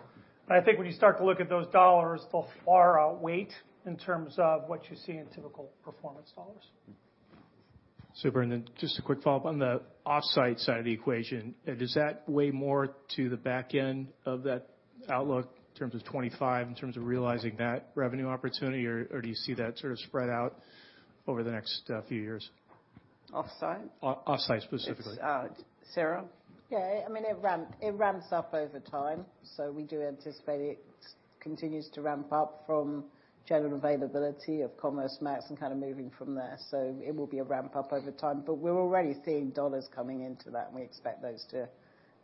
Speaker 4: I think when you start to look at those dollars, they'll far outweigh in terms of what you see in typical performance dollars.
Speaker 12: Super. Just a quick follow-up. On the off-site side of the equation, does that weigh more to the back end of that outlook in terms of 2025, in terms of realizing that revenue opportunity, or do you see that sort of spread out over the next few years?
Speaker 3: Off-site?
Speaker 12: Off-site, specifically.
Speaker 3: It's Sarah?
Speaker 11: Yeah. I mean, it ramps up over time. We do anticipate it continues to ramp up from general availability of Commerce Max and kinda moving from there. It will be a ramp up over time. We're already seeing dollars coming into that, and we expect those to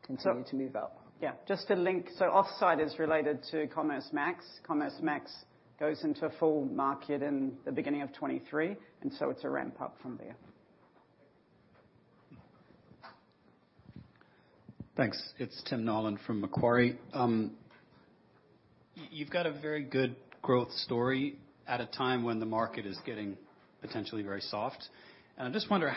Speaker 11: continue to move up.
Speaker 3: Yeah. Just to link, so off-site is related to Commerce Max. Commerce Max goes into full market in the beginning of 2023, and so it's a ramp-up from there.
Speaker 13: Thanks. It's Tim Nollen from Macquarie. You've got a very good growth story at a time when the market is getting potentially very soft. I just wonder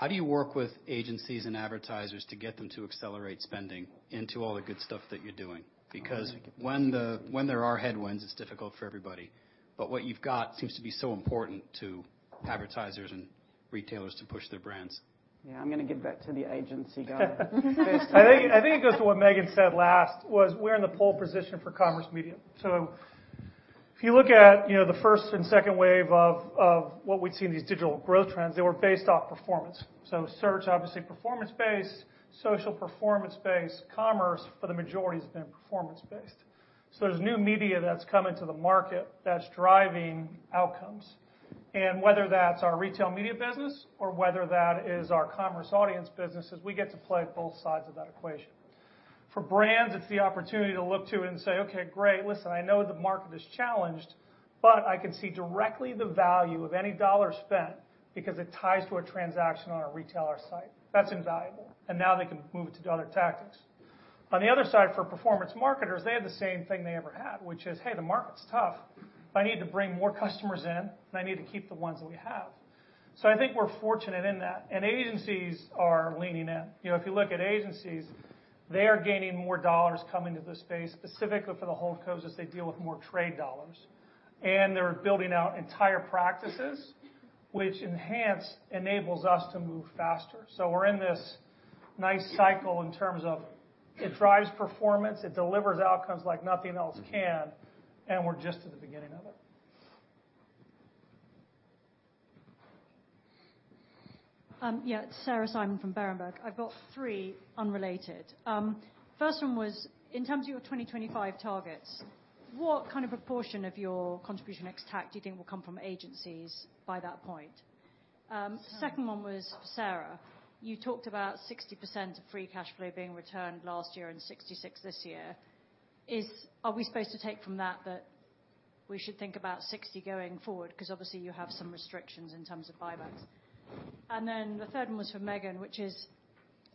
Speaker 13: how do you work with agencies and advertisers to get them to accelerate spending into all the good stuff that you're doing? Because when there are headwinds, it's difficult for everybody. What you've got seems to be so important to advertisers and retailers to push their brands.
Speaker 3: Yeah, I'm gonna give that to the agency guy.
Speaker 4: I think it goes to what Megan said last, was we're in the pole position for commerce media. If you look at, you know, the first and second wave of what we'd see in these digital growth trends, they were based off performance. Search, obviously performance-based, social performance-based, commerce for the majority has been performance-based. There's new media that's coming to the market that's driving outcomes. Whether that's our retail media business or whether that is our commerce audience businesses, we get to play both sides of that equation. For brands, it's the opportunity to look to it and say, "Okay, great. Listen, I know the market is challenged, but I can see directly the value of any dollar spent because it ties to a transaction on a retailer site." That's invaluable. Now they can move it to other tactics. On the other side, for performance marketers, they have the same thing they ever had, which is, "Hey, the market's tough. I need to bring more customers in, and I need to keep the ones that we have." I think we're fortunate in that. Agencies are leaning in. You know, if you look at agencies, they are gaining more dollars coming to this space, specifically for the holdco as they deal with more trade dollars. They're building out entire practices which enables us to move faster. We're in this nice cycle in terms of it drives performance, it delivers outcomes like nothing else can, and we're just at the beginning of it.
Speaker 14: Yeah. It's Sarah Simon from Berenberg. I've got three unrelated. First one was, in terms of your 2025 targets, what kind of proportion of your contribution ex-TAC do you think will come from agencies by that point? Second one was for Sarah. You talked about 60% of free cash flow being returned last year and 66% this year. Are we supposed to take from that that we should think about 60% going forward? 'Cause obviously you have some restrictions in terms of buybacks. The third one was for Megan, which is,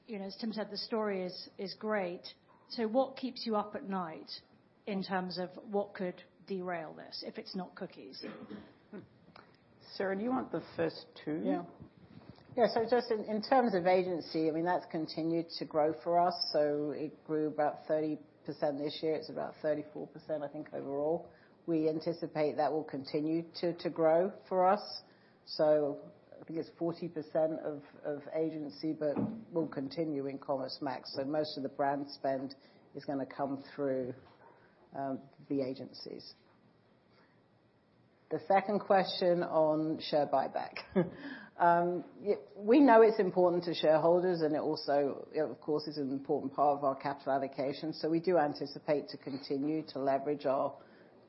Speaker 14: you know, as Tim said, the story is great. What keeps you up at night in terms of what could derail this, if it's not cookies?
Speaker 3: Sarah, do you want the first two?
Speaker 11: Yeah. Yeah. Just in terms of agency, I mean, that's continued to grow for us. It grew about 30% this year. It's about 34%, I think, overall. We anticipate that will continue to grow for us. I think it's 40% of agency, but will continue in Commerce Max. Most of the brand spend is gonna come through the agencies. The second question on share buyback. We know it's important to shareholders, and it also, of course, is an important part of our capital allocation. We do anticipate to continue to leverage our,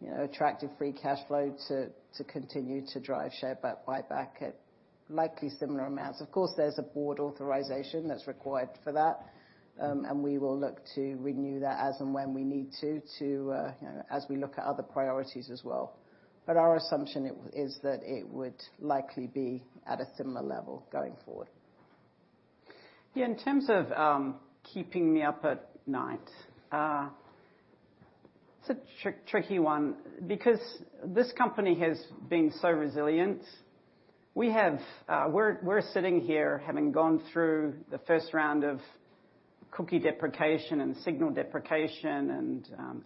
Speaker 11: you know, attractive free cash flow to continue to drive share buyback at likely similar amounts. Of course, there's a Board authorization that's required for that, and we will look to renew that as and when we need to, you know, as we look at other priorities as well. Our assumption is that it would likely be at a similar level going forward.
Speaker 3: Yeah, in terms of keeping me up at night, it's a tricky one, because this company has been so resilient. We're sitting here having gone through the first round of cookie deprecation and signal deprecation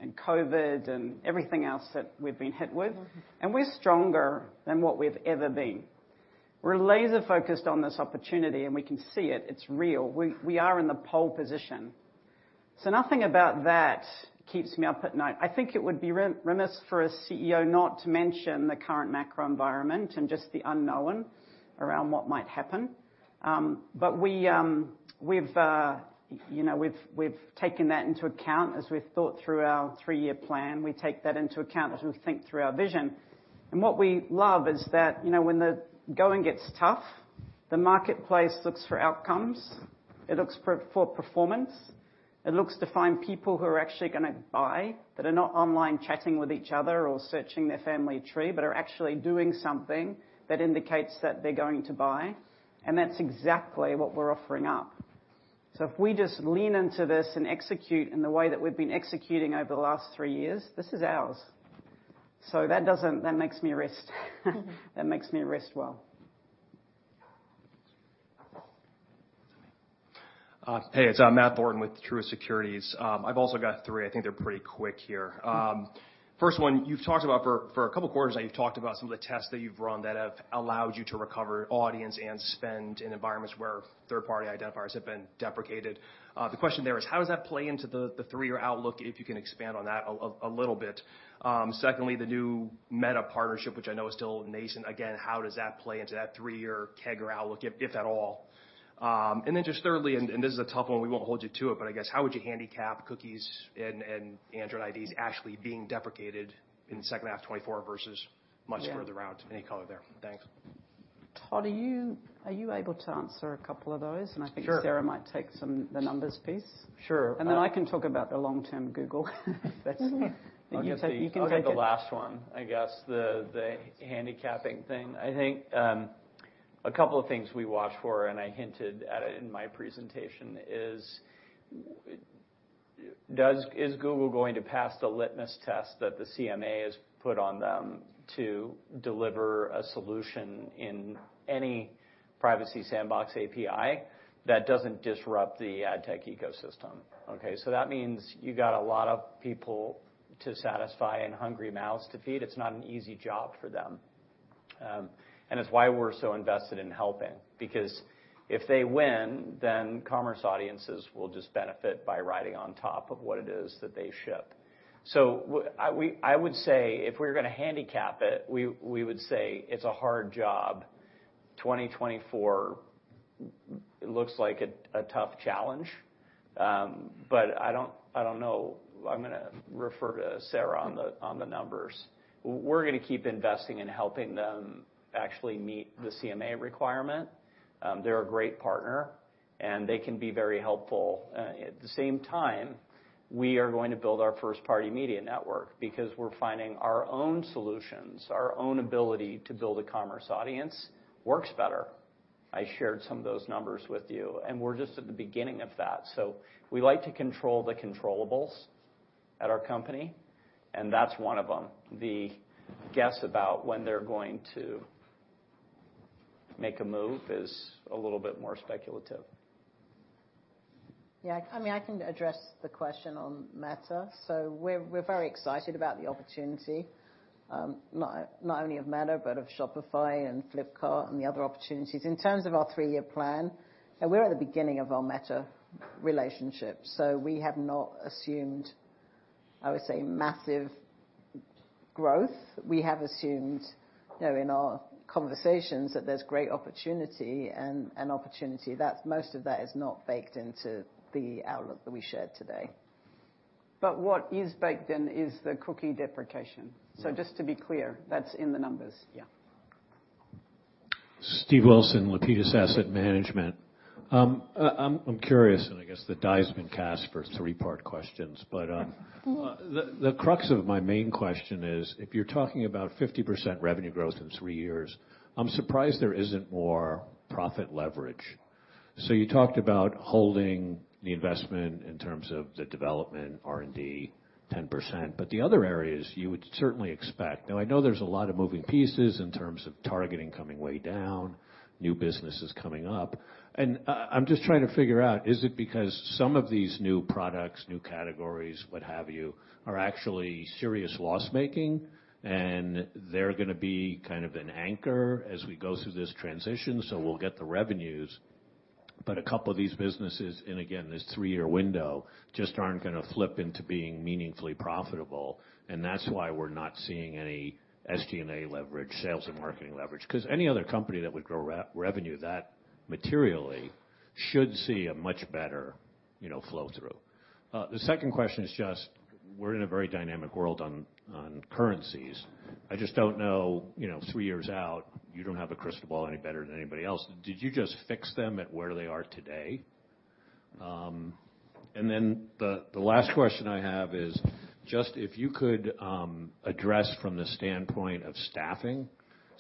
Speaker 3: and COVID and everything else that we've been hit with, and we're stronger than what we've ever been. We're laser-focused on this opportunity, and we can see it. It's real. We are in the pole position. Nothing about that keeps me up at night. I think it would be remiss for a CEO not to mention the current macro environment and just the unknown around what might happen. We've, you know, taken that into account as we've thought through our three-year plan. We take that into account as we think through our vision. What we love is that, you know, when the going gets tough, the marketplace looks for outcomes. It looks for performance. It looks to find people who are actually gonna buy, that are not online chatting with each other or searching their family tree, but are actually doing something that indicates that they're going to buy, and that's exactly what we're offering up. If we just lean into this and execute in the way that we've been executing over the last three years, this is ours. That makes me rest well.
Speaker 15: Hey, it's Matt Thornton with Truist Securities. I've also got three. I think they're pretty quick here. First one, you've talked about for a couple quarters now, some of the tests that you've run that have allowed you to recover audience and spend in environments where third-party identifiers have been deprecated. The question there is, how does that play into the three-year outlook, if you can expand on that a little bit? Secondly, the new Meta partnership, which I know is still nascent, again, how does that play into that three-year CAGR or outlook, if at all? Just thirdly, this is a tough one, we won't hold you to it, but I guess how would you handicap cookies and Android IDs actually being deprecated in second half 2024 versus much further out? Any color there. Thanks.
Speaker 3: Todd, are you able to answer a couple of those?
Speaker 10: Sure.
Speaker 3: I think Sarah might take some, the numbers piece.
Speaker 10: Sure.
Speaker 3: I can talk about the long-term goal.
Speaker 10: That's-
Speaker 3: You can take it.
Speaker 10: I'll get the last one, I guess, the handicapping thing. I think a couple of things we watch for, and I hinted at it in my presentation, is Google going to pass the litmus test that the CMA has put on them to deliver a solution in any Privacy Sandbox API that doesn't disrupt the ad tech ecosystem, okay? That means you got a lot of people to satisfy and hungry mouths to feed. It's not an easy job for them. It's why we're so invested in helping because if they win, then commerce audiences will just benefit by riding on top of what it is that they ship. I would say if we're gonna handicap it, we would say it's a hard job. 2024 looks like a tough challenge. I don't know. I'm gonna refer to Sarah on the numbers. We're gonna keep investing in helping them actually meet the CMA requirement. They're a great partner, and they can be very helpful. At the same time, we are going to build our First-Party Media Network because we're finding our own solutions. Our own ability to build a commerce audience works better. I shared some of those numbers with you, and we're just at the beginning of that. We like to control the controllables at our company, and that's one of them. The guess about when they're going to make a move is a little bit more speculative.
Speaker 11: Yeah. I mean, I can address the question on Meta. We're very excited about the opportunity, not only of Meta, but of Shopify and Flipkart and the other opportunities. In terms of our three-year plan, we're at the beginning of our Meta relationship, so we have not assumed, I would say, massive growth. We have assumed, you know, in our conversations that there's great opportunity and opportunity that's most of that is not baked into the outlook that we shared today.
Speaker 3: What is baked in is the cookie deprecation. Just to be clear, that's in the numbers. Yeah.
Speaker 16: Steve Wilson, Lapides Asset Management. I'm curious, and I guess the die has been cast for three-part questions. The crux of my main question is, if you're talking about 50% revenue growth in three years, I'm surprised there isn't more profit leverage. You talked about holding the investment in terms of the development, R&D 10%. The other areas you would certainly expect. I know there's a lot of moving pieces in terms of targeting coming way down, new businesses coming up. I'm just trying to figure out, is it because some of these new products, new categories, what have you, are actually serious loss-making, and they're gonna be kind of an anchor as we go through this transition, so we'll get the revenues. A couple of these businesses, and again, this three-year window, just aren't gonna flip into being meaningfully profitable, and that's why we're not seeing any SG&A leverage, sales and marketing leverage. 'Cause any other company that would grow revenue that materially should see a much better, you know, flow through. The second question is just we're in a very dynamic world on currencies. I just don't know, you know, three years out, you don't have a crystal ball any better than anybody else. Did you just fix them at where they are today? Then the last question I have is just if you could address from the standpoint of staffing.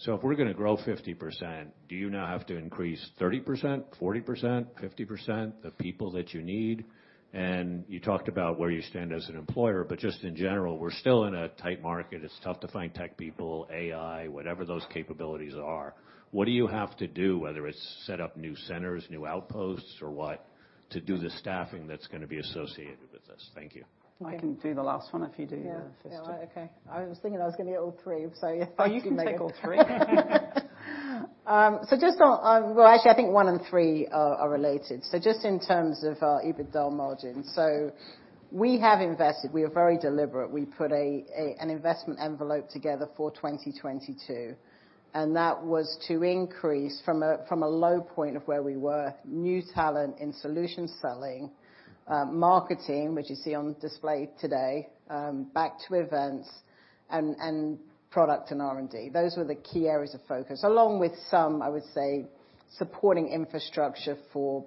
Speaker 16: If we're gonna grow 50%, do you now have to increase 30%, 40%, 50% of people that you need? You talked about where you stand as an employer. Just in general, we're still in a tight market. It's tough to find tech people, AI, whatever those capabilities are. What do you have to do, whether it's set up new centers, new outposts or what, to do the staffing that's gonna be associated with this? Thank you.
Speaker 11: I can do the last one if you do the first two.
Speaker 3: Yeah. Yeah. Okay. I was thinking I was gonna get all three.
Speaker 11: Yeah. Oh, you can take all three. Well, actually I think one and three are related. Just in terms of our EBITDA margin. We have invested. We are very deliberate. We put an investment envelope together for 2022, and that was to increase from a low point of where we were, new talent in solution selling, marketing, which you see on display today, back to events and product and R&D. Those were the key areas of focus, along with some, I would say, supporting infrastructure for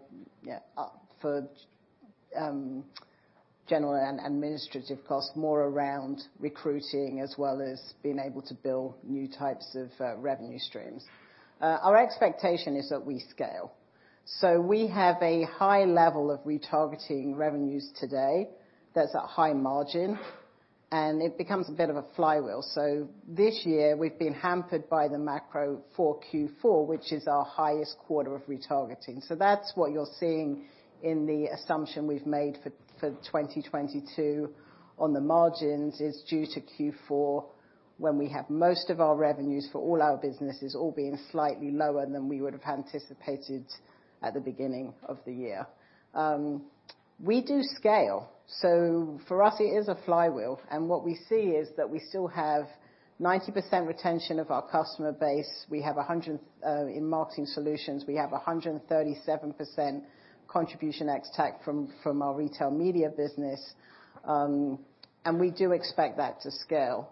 Speaker 11: general and administrative costs, more around recruiting as well as being able to build new types of revenue streams. Our expectation is that we scale. We have a high level of retargeting revenues today that's at high margin, and it becomes a bit of a flywheel. This year we've been hampered by the macro for Q4, which is our highest quarter of retargeting. That's what you're seeing in the assumption we've made for 2022 on the margins is due to Q4, when we have most of our revenues for all our businesses all being slightly lower than we would have anticipated at the beginning of the year. We do scale. For us it is a flywheel, and what we see is that we still have 90% retention of our customer base. We have 100 in marketing solutions. We have 137% contribution ex-TAC from our retail media business. We do expect that to scale.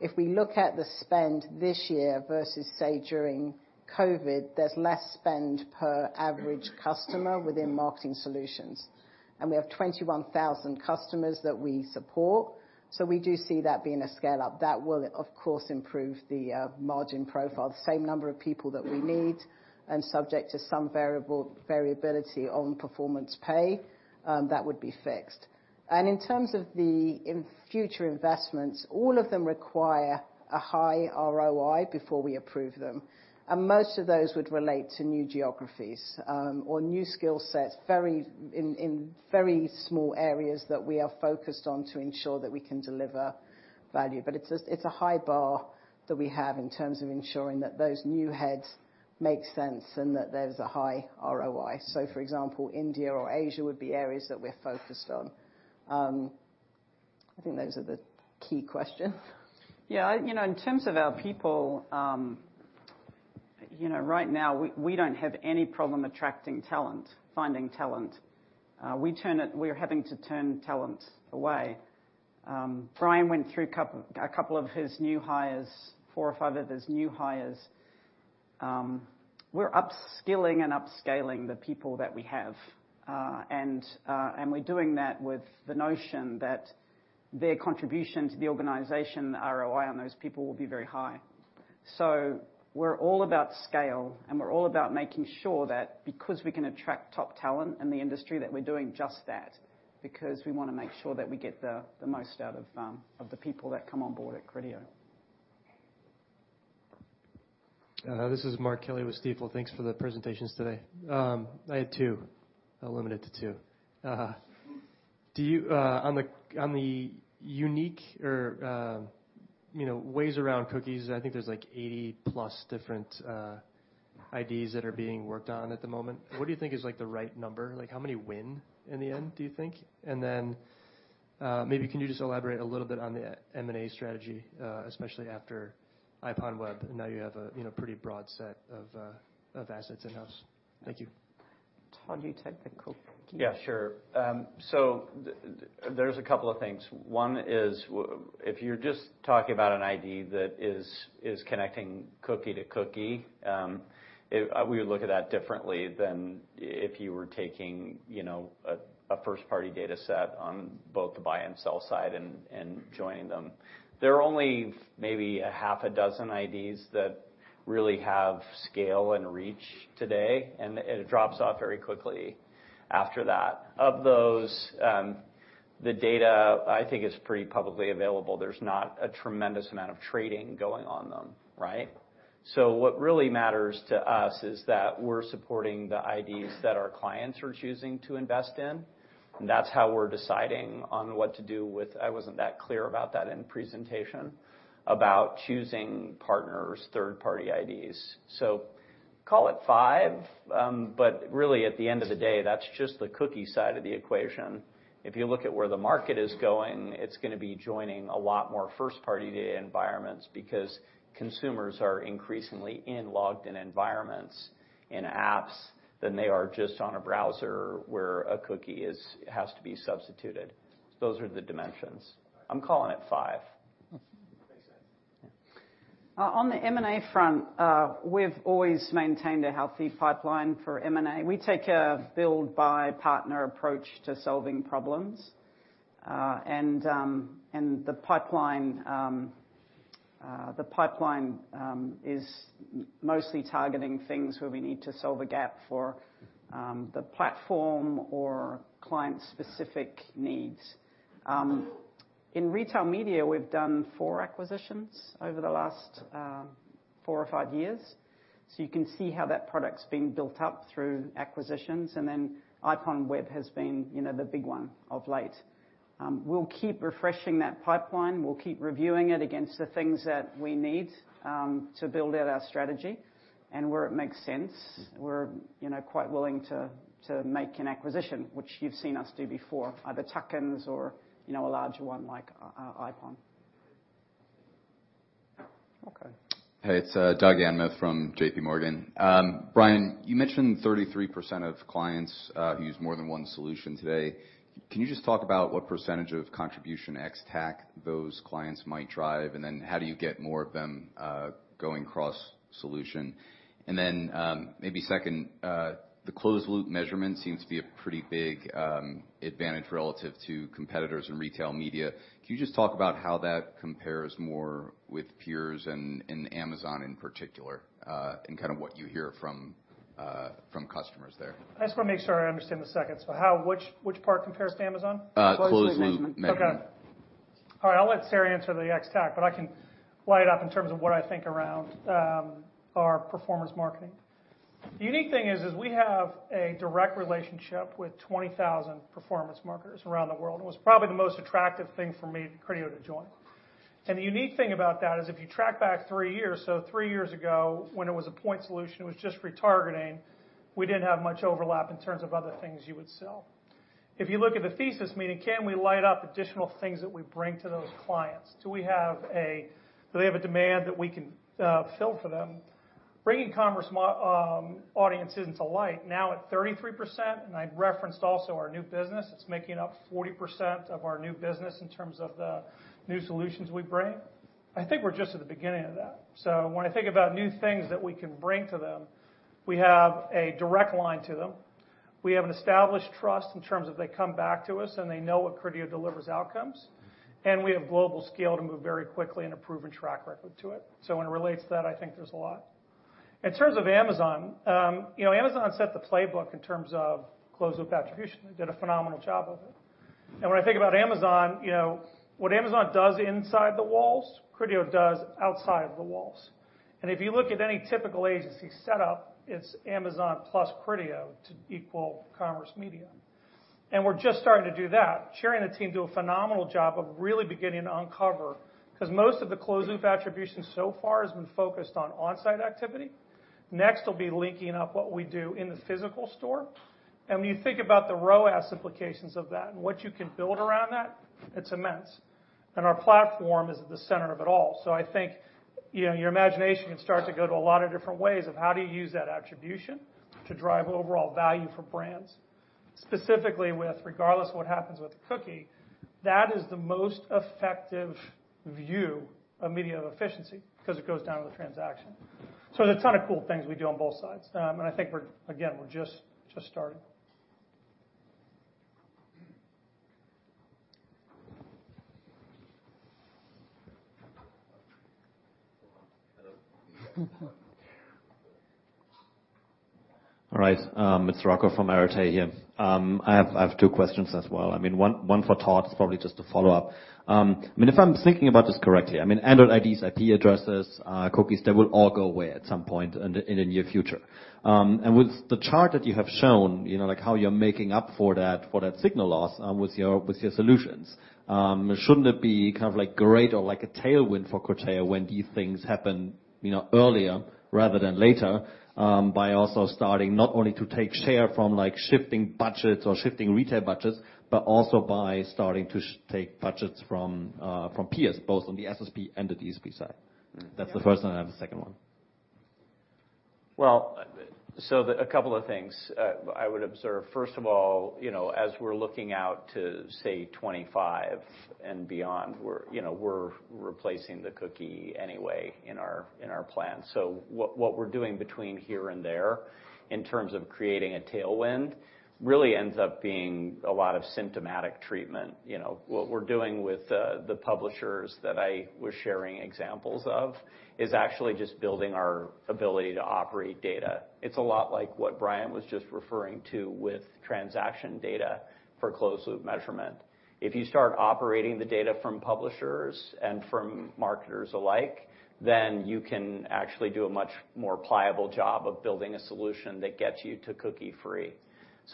Speaker 11: If we look at the spend this year versus, say, during COVID, there's less spend per average customer within marketing solutions. We have 21,000 customers that we support. We do see that being a scale-up. That will of course improve the margin profile. The same number of people that we need and subject to some variable variability on performance pay, that would be fixed. In terms of future investments, all of them require a high ROI before we approve them. Most of those would relate to new geographies, or new skill sets, in very small areas that we are focused on to ensure that we can deliver value. It's a high bar that we have in terms of ensuring that those new heads make sense and that there's a high ROI. For example, India or Asia would be areas that we're focused on. I think those are the key questions.
Speaker 3: You know, in terms of our people, you know, right now we don't have any problem attracting talent, finding talent. We're having to turn talent away. Brian went through a couple of his new hires, four or five of his new hires. We're upskilling and upscaling the people that we have. We're doing that with the notion that their contribution to the organization, the ROI on those people will be very high. We're all about scale, and we're all about making sure that because we can attract top talent in the industry, that we're doing just that, because we wanna make sure that we get the most out of the people that come on board at Criteo.
Speaker 17: This is Mark Kelley with Stifel. Thanks for the presentations today. I had two. I'll limit it to two. On the unique or, you know, ways around cookies, I think there's, like, 80+ different IDs that are being worked on at the moment. What do you think is, like, the right number? Like, how many win in the end, do you think? Then, maybe can you just elaborate a little bit on the M&A strategy, especially after IPONWEB, now you have a, you know, pretty broad set of assets in-house. Thank you.
Speaker 3: Todd, you take the cookie.
Speaker 10: Yeah, sure. There's a couple of things. One is if you're just talking about an ID that is connecting cookie to cookie. We would look at that differently than if you were taking, you know, a first-party dataset on both the buy and sell side and joining them. There are only maybe half a dozen IDs that really have scale and reach today, and it drops off very quickly after that. Of those, the data I think is pretty publicly available. There's not a tremendous amount of trading going on them, right? What really matters to us is that we're supporting the IDs that our clients are choosing to invest in, and that's how we're deciding on what to do with. I wasn't that clear about that in presentation, about choosing partners, third-party IDs. Call it five, but really at the end of the day, that's just the cookie side of the equation. If you look at where the market is going, it's gonna be joining a lot more first-party data environments because consumers are increasingly in logged in environments in apps than they are just on a browser where a cookie has to be substituted. Those are the dimensions. I'm calling it five.
Speaker 17: Makes sense.
Speaker 10: Yeah.
Speaker 3: On the M&A front, we've always maintained a healthy pipeline for M&A. We take a build-by-partner approach to solving problems. The pipeline is mostly targeting things where we need to solve a gap for the platform or client-specific needs. In retail media, we've done four acquisitions over the last four or five years. You can see how that product's been built up through acquisitions. IPONWEB has been, you know, the big one of late. We'll keep refreshing that pipeline. We'll keep reviewing it against the things that we need to build out our strategy. Where it makes sense, we're, you know, quite willing to make an acquisition, which you've seen us do before, either tuck-ins or, you know, a larger one like IPONWEB.
Speaker 17: Okay.
Speaker 18: Hey, it's Doug Anmuth from JPMorgan. Brian, you mentioned 33% of clients use more than one solution today. Can you just talk about what percentage of contribution ex-TAC those clients might drive? How do you get more of them going cross-solution? The closed-loop measurement seems to be a pretty big advantage relative to competitors in retail media. Can you just talk about how that compares more with peers and Amazon in particular, and kind of what you hear from customers there?
Speaker 4: I just wanna make sure I understand the second. Which part compares to Amazon?
Speaker 18: Closed loop measurement.
Speaker 4: Okay. All right, I'll let Sarah answer the ex-TAC, but I can light it up in terms of what I think around our performance marketing. The unique thing is we have a direct relationship with 20,000 performance marketers around the world. It was probably the most attractive thing for me at Criteo to join. The unique thing about that is if you track back three years, so three years ago, when it was a point solution, it was just retargeting, we didn't have much overlap in terms of other things you would sell. If you look at the thesis, meaning can we light up additional things that we bring to those clients? Do they have a demand that we can fill for them? Bringing commerce audiences into light now at 33%, I referenced also our new business. It's making up 40% of our new business in terms of the new solutions we bring. I think we're just at the beginning of that. When I think about new things that we can bring to them, we have a direct line to them. We have an established trust in terms of they come back to us and they know what Criteo delivers outcomes, and we have global scale to move very quickly and a proven track record to it. When it relates to that, I think there's a lot. In terms of Amazon, you know, Amazon set the playbook in terms of closed loop attribution, did a phenomenal job of it. When I think about Amazon, you know, what Amazon does inside the walls, Criteo does outside the walls. If you look at any typical agency setup, it's Amazon plus Criteo to equal commerce media. We're just starting to do that. Sherry and the team do a phenomenal job of really beginning to uncover, 'cause most of the closed loop attribution so far has been focused on on-site activity. Next, will be linking up what we do in the physical store. When you think about the ROAS implications of that and what you can build around that, it's immense. Our platform is at the center of it all. I think, you know, your imagination can start to go to a lot of different ways of how do you use that attribution to drive overall value for brands. Specifically, with regardless of what happens with cookie, that is the most effective view of media efficiency 'cause it goes down to the transaction. There's a ton of cool things we do on both sides. I think we're, again, just starting.
Speaker 19: Hello? All right, it's Rocco from Arete here. I have two questions as well. I mean, one for Todd. It's probably just a follow-up. I mean, if I'm thinking about this correctly, I mean, Android IDs, IP addresses, cookies, they will all go away at some point in the near future. With the chart that you have shown, you know, like, how you're making up for that signal loss with your solutions, shouldn't it be kind of like great or like a tailwind for Criteo when these things happen earlier rather than later by also starting not only to take share from, like, shifting budgets or shifting retail budgets, but also by starting to take budgets from peers, both on the SSP and the DSP side? That's the first one. I have a second one.
Speaker 10: A couple of things, I would observe. First of all, you know, as we're looking out to, say, 2025 and beyond, we're, you know, we're replacing the cookie anyway in our plan. What we're doing between here and there in terms of creating a tailwind really ends up being a lot of symptomatic treatment. You know, what we're doing with the publishers that I was sharing examples of is actually just building our ability to operate data. It's a lot like what Brian was just referring to with transaction data for closed loop measurement. If you start operating the data from publishers and from marketers alike, then you can actually do a much more pliable job of building a solution that gets you to cookie-free.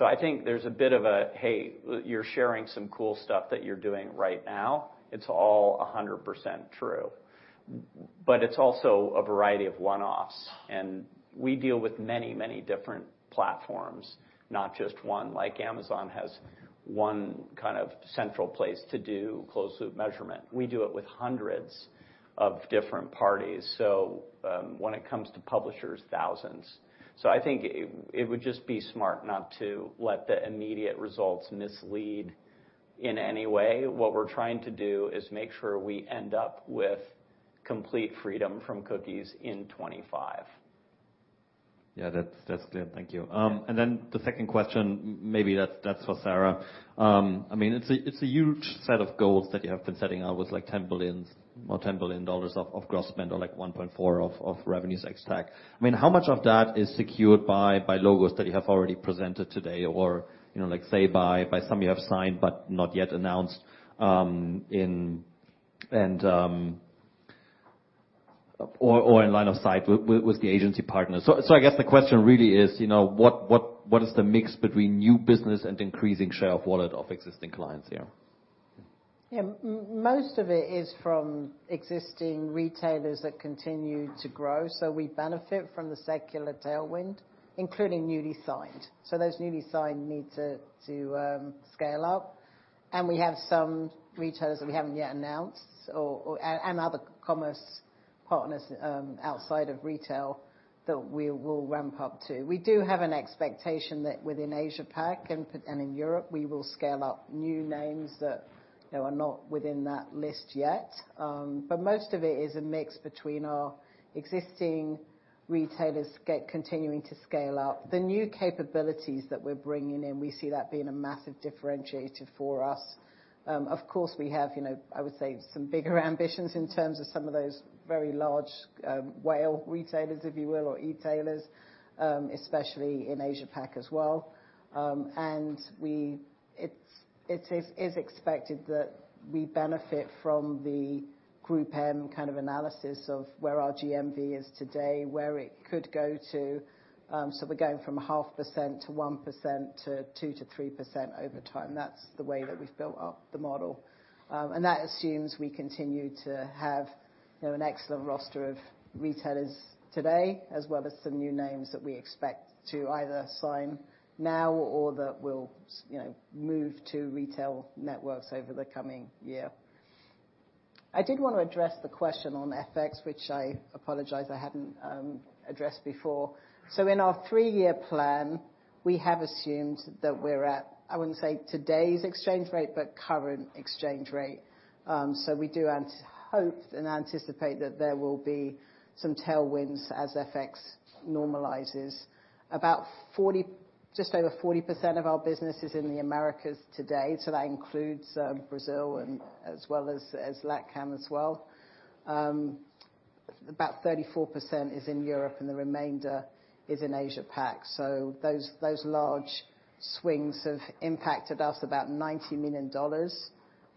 Speaker 10: I think there's a bit of a, "Hey, you're sharing some cool stuff that you're doing right now." It's all 100% true, but it's also a variety of one-offs. We deal with many, many different platforms, not just one. Like Amazon has one kind of central place to do closed loop measurement. We do it with hundreds of different parties. When it comes to publishers, thousands. I think it would just be smart not to let the immediate results mislead in any way. What we're trying to do is make sure we end up with complete freedom from cookies in 2025.
Speaker 19: Yeah. That's clear. Thank you. The second question, maybe that's for Sarah. I mean, it's a huge set of goals that you have been setting out with, like, $10 billion of gross spend or, like, $1.4 billion of revenues ex-TAC. I mean, how much of that is secured by logos that you have already presented today? Or, you know, like, say, by some you have signed but not yet announced. Or in line of sight with the agency partners. So I guess the question really is, you know, what is the mix between new business and increasing share of wallet of existing clients here?
Speaker 11: Yeah. Most of it is from existing retailers that continue to grow, so we benefit from the secular tailwind, including newly signed. Those newly signed need to scale up. We have some retailers that we haven't yet announced and other commerce partners outside of retail that we will ramp up to. We do have an expectation that within Asia-Pac and in Europe, we will scale up new names that, you know, are not within that list yet. Most of it is a mix between our existing retailers continuing to scale up. The new capabilities that we're bringing in, we see that being a massive differentiator for us. Of course, we have, you know, I would say some bigger ambitions in terms of some of those very large whale retailers, if you will, or e-tailers, especially in Asia-Pac as well. It is expected that we benefit from the GroupM kind of analysis of where our GMV is today, where it could go to. We're going from 0.5% to 1% to 2%-3% over time. That's the way that we've built up the model. That assumes we continue to have, you know, an excellent roster of retailers today, as well as some new names that we expect to either sign now or that will, you know, move to retail networks over the coming year. I did wanna address the question on FX, which I apologize I hadn't addressed before. In our three-year plan, we have assumed that we're at, I wouldn't say today's exchange rate, but current exchange rate. We do hope and anticipate that there will be some tailwinds as FX normalizes. Just over 40% of our business is in the Americas today, so that includes Brazil as well as LATAM. About 34% is in Europe and the remainder is in Asia-Pac. Those large swings have impacted us about $90 million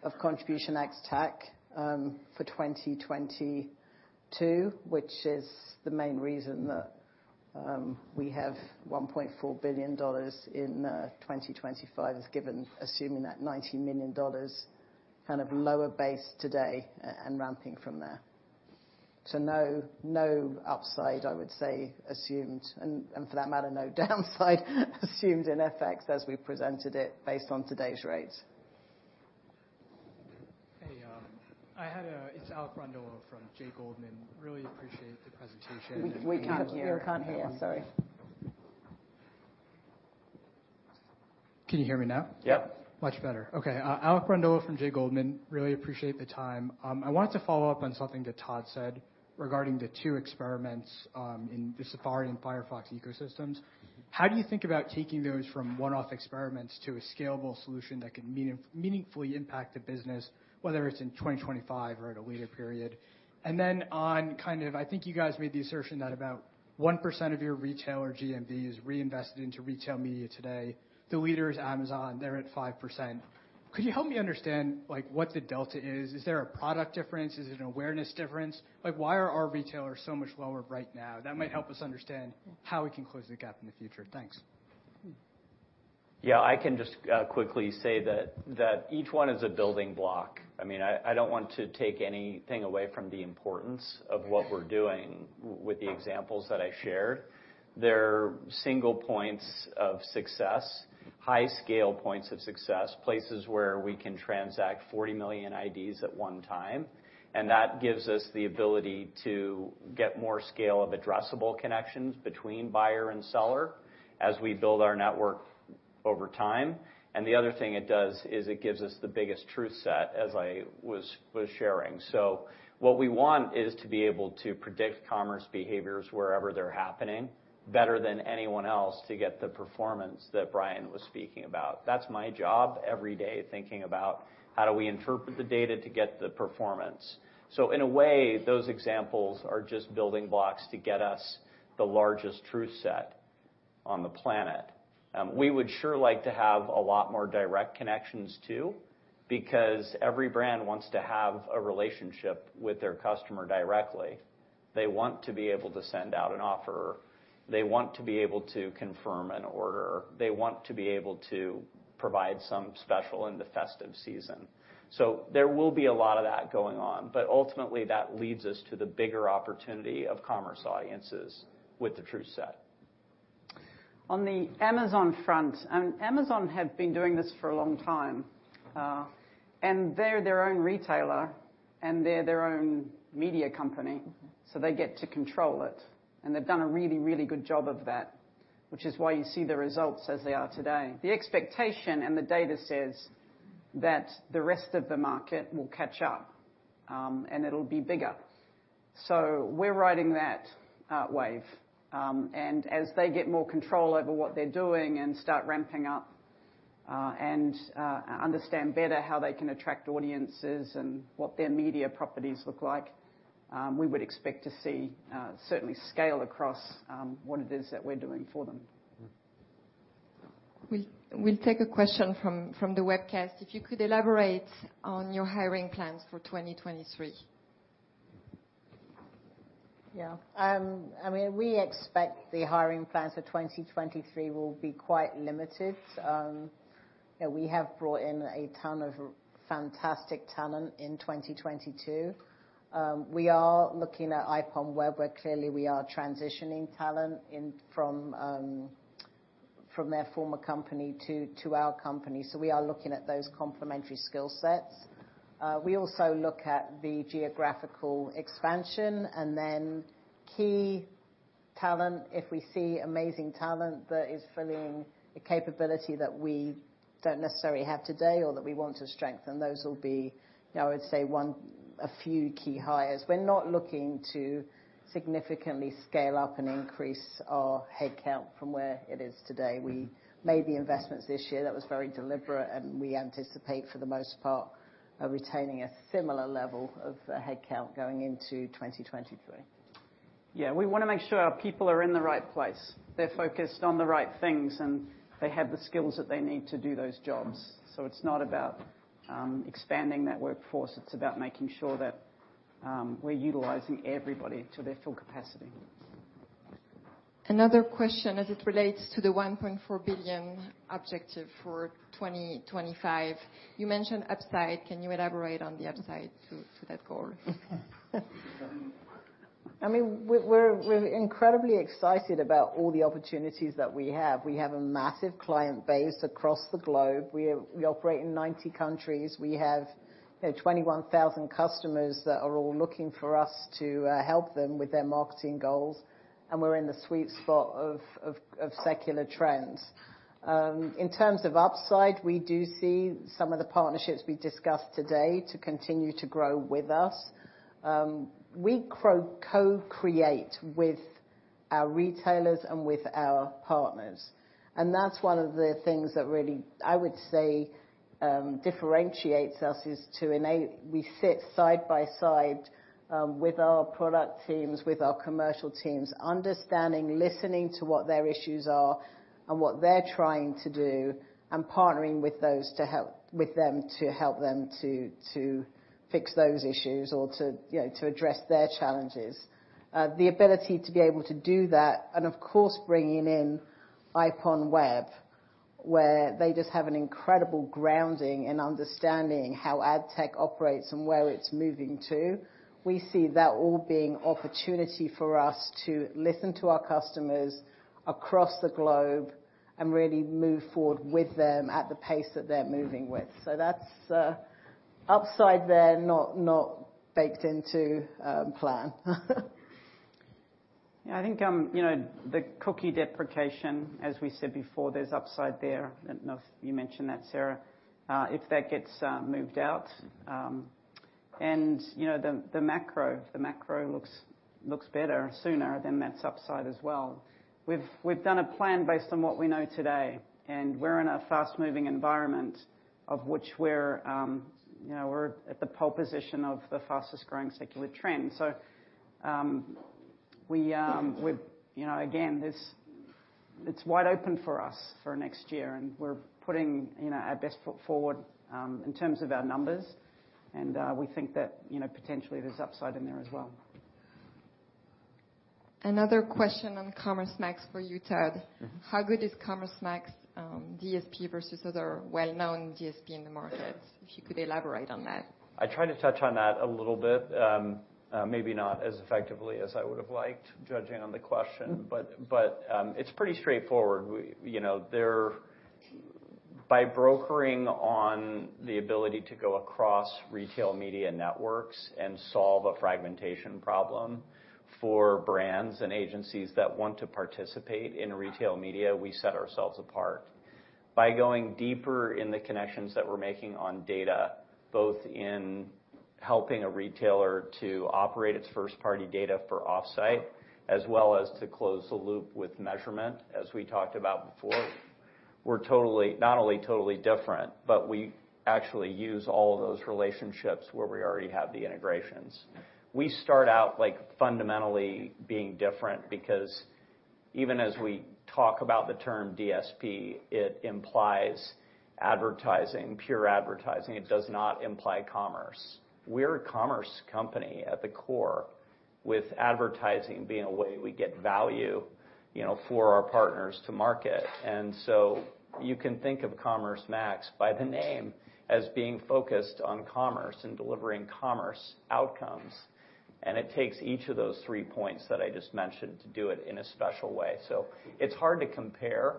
Speaker 11: of contribution ex-TAC for 2022, which is the main reason that we have $1.4 billion in 2025 given assuming that $90 million kind of lower base today and ramping from there. No upside, I would say assumed, and for that matter, no downside assumed in FX as we presented it based on today's rates.
Speaker 20: Hey, it's Alec Brondolo from J. Goldman. Really appreciate the presentation.
Speaker 3: We can't hear.
Speaker 1: We can't hear.
Speaker 11: We can't hear. Sorry.
Speaker 20: Can you hear me now?
Speaker 4: Yep.
Speaker 10: Yep.
Speaker 20: Much better. Okay. Alec Brondolo from J. Goldman. Really appreciate the time. I wanted to follow up on something that Todd said regarding the two experiments in the Safari and Firefox ecosystems.
Speaker 3: Mm-hmm.
Speaker 20: How do you think about taking those from one-off experiments to a scalable solution that can meaningfully impact the business, whether it's in 2025 or at a later period? On kind of, I think you guys made the assertion that about 1% of your retailer GMV is reinvested into retail media today. The leader is Amazon. They're at 5%. Could you help me understand, like, what the delta is? Is there a product difference? Is it an awareness difference? Like, why are our retailers so much lower right now? That might help us understand how we can close the gap in the future. Thanks.
Speaker 3: Mm.
Speaker 10: Yeah. I can just quickly say that each one is a building block. I mean, I don't want to take anything away from the importance of what we're doing with the examples that I shared. They're single points of success, high scale points of success, places where we can transact 40 million IDs at one time, and that gives us the ability to get more scale of addressable connections between buyer and seller as we build our network over time. The other thing it does is it gives us the biggest truth set, as I was sharing. What we want is to be able to predict commerce behaviors wherever they're happening better than anyone else to get the performance that Brian was speaking about. That's my job every day, thinking about how do we interpret the data to get the performance. In a way, those examples are just building blocks to get us the largest truth set on the planet. We would sure like to have a lot more direct connections too, because every brand wants to have a relationship with their customer directly. They want to be able to send out an offer. They want to be able to confirm an order. They want to be able to provide some special in the festive season. There will be a lot of that going on, but ultimately that leads us to the bigger opportunity of commerce audiences with the truth set.
Speaker 3: On the Amazon front, Amazon have been doing this for a long time, and they're their own retailer, and they're their own media company, so they get to control it, and they've done a really, really good job of that, which is why you see the results as they are today. The expectation and the data says that the rest of the market will catch up, and it'll be bigger. We're riding that wave, and as they get more control over what they're doing and start ramping up, and understand better how they can attract audiences and what their media properties look like, we would expect to see certainly scale across what it is that we're doing for them.
Speaker 10: Mm.
Speaker 1: We'll take a question from the webcast. If you could elaborate on your hiring plans for 2023.
Speaker 11: Yeah. I mean, we expect the hiring plans for 2023 will be quite limited. You know, we have brought in a ton of fantastic talent in 2022. We are looking at IPONWEB, where clearly we are transitioning talent in from their former company to our company. We are looking at those complementary skill sets. We also look at the geographical expansion, and then key talent, if we see amazing talent that is filling a capability that we don't necessarily have today or that we want to strengthen, those will be, you know, I would say a few key hires. We're not looking to significantly scale up and increase our headcount from where it is today. We made the investments this year. That was very deliberate, and we anticipate, for the most part, retaining a similar level of headcount going into 2023.
Speaker 3: Yeah, we wanna make sure our people are in the right place, they're focused on the right things, and they have the skills that they need to do those jobs. It's not about expanding that workforce, it's about making sure that we're utilizing everybody to their full capacity.
Speaker 1: Another question as it relates to the $1.4 billion objective for 2025. You mentioned upside. Can you elaborate on the upside to that goal?
Speaker 11: I mean, we're incredibly excited about all the opportunities that we have. We have a massive client base across the globe. We operate in 90 countries. We have, you know, 21,000 customers that are all looking for us to help them with their marketing goals, and we're in the sweet spot of secular trends. In terms of upside, we do see some of the partnerships we discussed today to continue to grow with us. We co-create with Our retailers and with our partners. That's one of the things that really, I would say, differentiates us is we sit side by side, with our product teams, with our commercial teams, understanding, listening to what their issues are and what they're trying to do, and partnering with those with them to help them to fix those issues or to, you know, to address their challenges. The ability to be able to do that, and of course, bringing in IPONWEB, where they just have an incredible grounding and understanding how ad tech operates and where it's moving to. We see that all being opportunity for us to listen to our customers across the globe and really move forward with them at the pace that they're moving with. That's upside there, not baked into plan.
Speaker 3: Yeah, I think you know the cookie deprecation, as we said before, there's upside there. I don't know if you mentioned that, Sarah. If that gets moved out, and you know the macro looks better sooner, that's upside as well. We've done a plan based on what we know today, and we're in a fast-moving environment in which we're you know at the pole position of the fastest growing secular trend. You know, again, it's wide open for us for next year, and we're putting you know our best foot forward in terms of our numbers, and we think that you know potentially there's upside in there as well.
Speaker 1: Another question on Commerce Max for you, Todd.
Speaker 10: Mm-hmm.
Speaker 1: How good is Commerce Max, DSP versus other well-known DSP in the market? If you could elaborate on that?
Speaker 10: I tried to touch on that a little bit, maybe not as effectively as I would have liked, judging on the question.
Speaker 1: Mm-hmm.
Speaker 10: It's pretty straightforward. We, you know, by brokering on the ability to go across retail media networks and solve a fragmentation problem for brands and agencies that want to participate in retail media, we set ourselves apart. By going deeper in the connections that we're making on data, both in helping a retailer to operate its first-party data for offsite, as well as to close the loop with measurement, as we talked about before. We're totally, not only totally different, but we actually use all of those relationships where we already have the integrations. We start out like fundamentally being different because even as we talk about the term DSP, it implies advertising, pure advertising. It does not imply commerce. We're a commerce company at the core with advertising being a way we get value, you know, for our partners to market. You can think of Commerce Max by the name as being focused on commerce and delivering commerce outcomes. It takes each of those three points that I just mentioned to do it in a special way. It's hard to compare.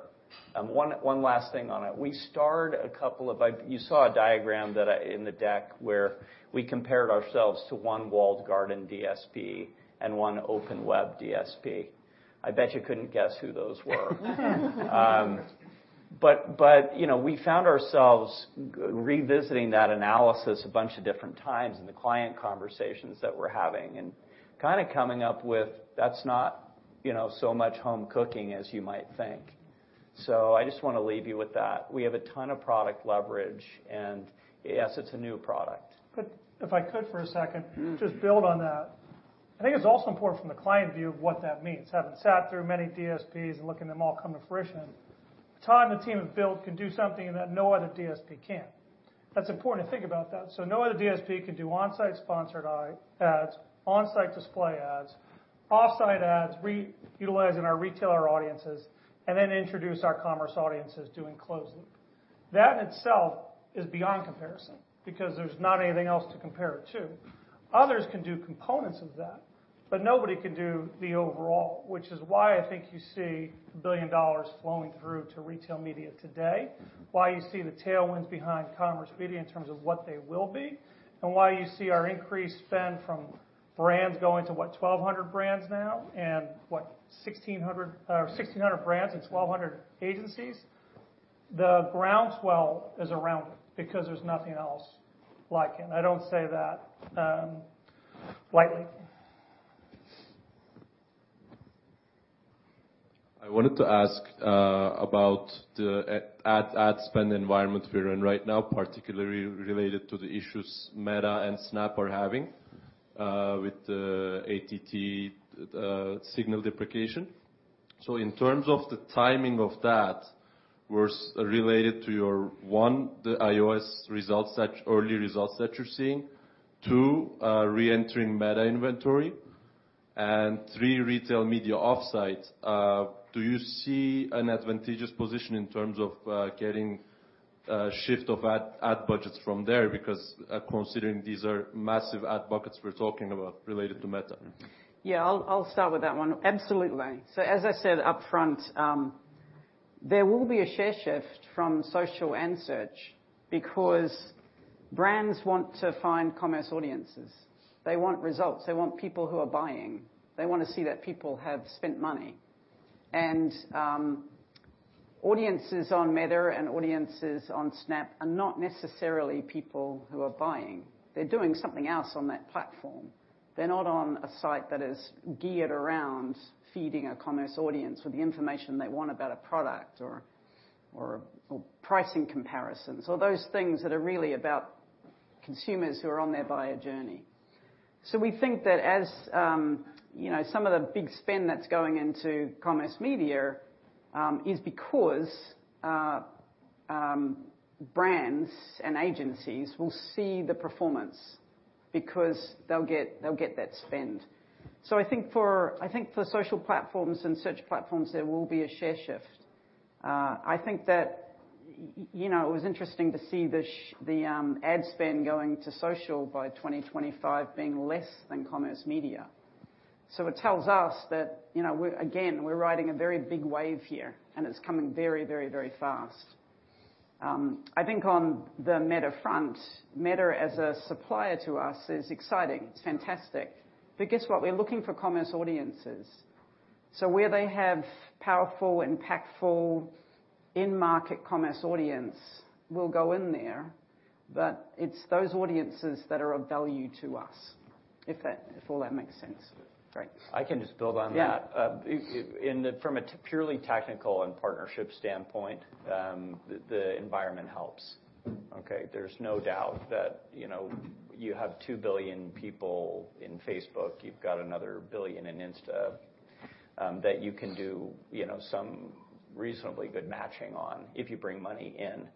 Speaker 10: One last thing on it. You saw a diagram in the deck where we compared ourselves to one walled garden DSP and one open web DSP. I bet you couldn't guess who those were. But you know, we found ourselves revisiting that analysis a bunch of different times in the client conversations that we're having and kinda coming up with, that's not, you know, so much home cooking as you might think. I just wanna leave you with that. We have a ton of product leverage, and yes, it's a new product.
Speaker 4: If I could for a second.
Speaker 10: Mm-hmm.
Speaker 4: Just build on that. I think it's also important from the client view of what that means. Having sat through many DSPs and looking them all come to fruition. Todd and the team have built can do something that no other DSP can. That's important to think about that. No other DSP can do on-site sponsored ads, on-site display ads, off-site ads, utilizing our retailer audiences, and then introduce our commerce audiences doing closed loop. That itself is beyond comparison because there's not anything else to compare it to. Others can do components of that, but nobody can do the overall, which is why I think you see $1 billion flowing through to retail media today.
Speaker 10: Mm-hmm.
Speaker 4: Why you see the tailwinds behind commerce media in terms of what they will be, and why you see our increased spend from brands going to, what? 1,200 brands now and, what? 1,600 or 1,600 brands and 1,200 agencies. The groundswell is around it because there's nothing else like it. I don't say that lightly.
Speaker 21: I wanted to ask about the ad spend environment we're in right now, particularly related to the issues Meta and Snap are having with the ATT signal deprecation. In terms of the timing of that, was related to your one, the iOS early results that you're seeing. Two, reentering Meta inventory, and three, retail media offsite. Do you see an advantageous position in terms of getting shift of ad budgets from there? Because considering these are massive ad buckets we're talking about related to Meta.
Speaker 3: Yeah, I'll start with that one. Absolutely. As I said up front, there will be a share shift from social and search because brands want to find commerce audiences. They want results. They want people who are buying. They wanna see that people have spent money. Audiences on Meta and audiences on Snap are not necessarily people who are buying. They're doing something else on that platform. They're not on a site that is geared around feeding a commerce audience with the information they want about a product or pricing comparisons or those things that are really about consumers who are on their buyer journey. We think that as you know, some of the big spend that's going into commerce media is because brands and agencies will see the performance because they'll get that spend. I think for social platforms and search platforms, there will be a share shift. I think that you know, it was interesting to see the ad spend going to social by 2025 being less than commerce media. It tells us that, you know, we're riding a very big wave here, and it's coming very, very, very fast. I think on the Meta front, Meta as a supplier to us is exciting. It's fantastic. Guess what? We're looking for commerce audiences. Where they have powerful, impactful in-market commerce audience, we'll go in there, but it's those audiences that are of value to us, if that all makes sense. Great.
Speaker 10: I can just build on that.
Speaker 3: Yeah.
Speaker 10: From a purely technical and partnership standpoint, the environment helps, okay? There's no doubt that, you know, you have 2 billion people in Facebook, you've got another billion in Instagram, that you can do, you know, some reasonably good matching on if you bring money in.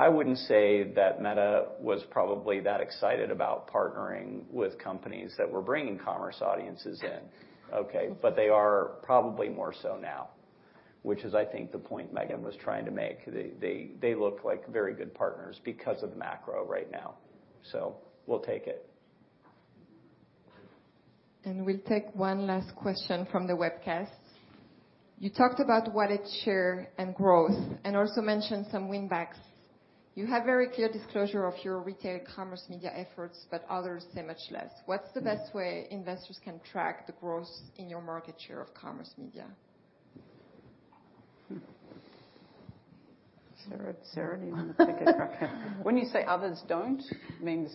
Speaker 10: I wouldn't say that Meta was probably that excited about partnering with companies that were bringing commerce audiences in, okay? But they are probably more so now, which is I think the point Megan was trying to make. They look like very good partners because of macro right now, so we'll take it.
Speaker 1: We'll take one last question from the webcast. You talked about what is share and growth and also mentioned some win backs. You have very clear disclosure of your retail commerce media efforts, but others say much less. What's the best way investors can track the growth in your market share of commerce media?
Speaker 3: Sarah, do you wanna take it? When you say others don't, means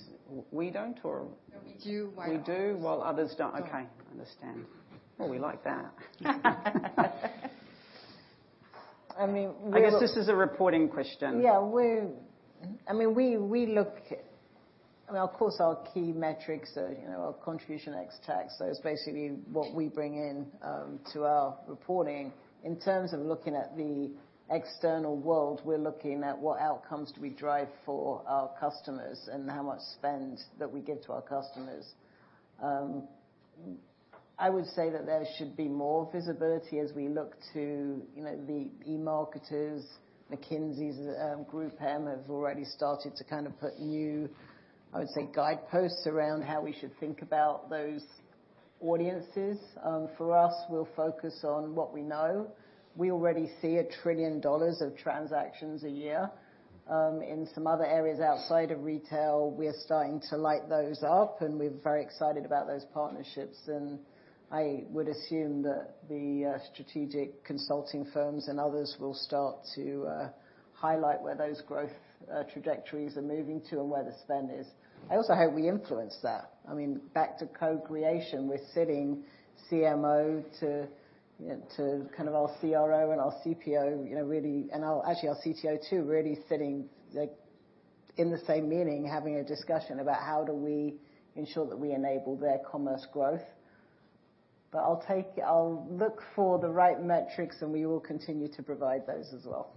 Speaker 3: we don't or?
Speaker 1: No, we do while others don't.
Speaker 3: You do while others don't. Okay. Understand. Well, we like that.
Speaker 11: I mean, we're
Speaker 3: I guess this is a reporting question.
Speaker 11: I mean, of course, our key metrics are, you know, our contribution ex-TAC. So it's basically what we bring in to our reporting. In terms of looking at the external world, we're looking at what outcomes do we drive for our customers and how much spend that we give to our customers. I would say that there should be more visibility as we look to, you know, eMarketers. McKinsey's GroupM have already started to kind of put new, I would say, guideposts around how we should think about those audiences. For us, we'll focus on what we know. We already see $1 trillion of transactions a year. In some other areas outside of retail, we are starting to light those up, and we're very excited about those partnerships. I would assume that the strategic consulting firms and others will start to highlight where those growth trajectories are moving to and where the spend is. I also hope we influence that. I mean, back to co-creation, we're sitting CMO to kind of our CRO and our CPO, you know, really our actually our CTO too, really sitting like in the same meeting, having a discussion about how do we ensure that we enable their commerce growth. But I'll look for the right metrics, and we will continue to provide those as well.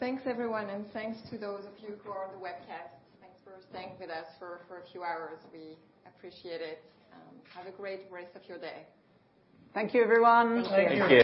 Speaker 1: Thanks, everyone. Thanks to those of you who are on the webcast. Thanks for staying with us for a few hours. We appreciate it. Have a great rest of your day.
Speaker 3: Thank you, everyone.
Speaker 10: Thank you.
Speaker 11: Thank you.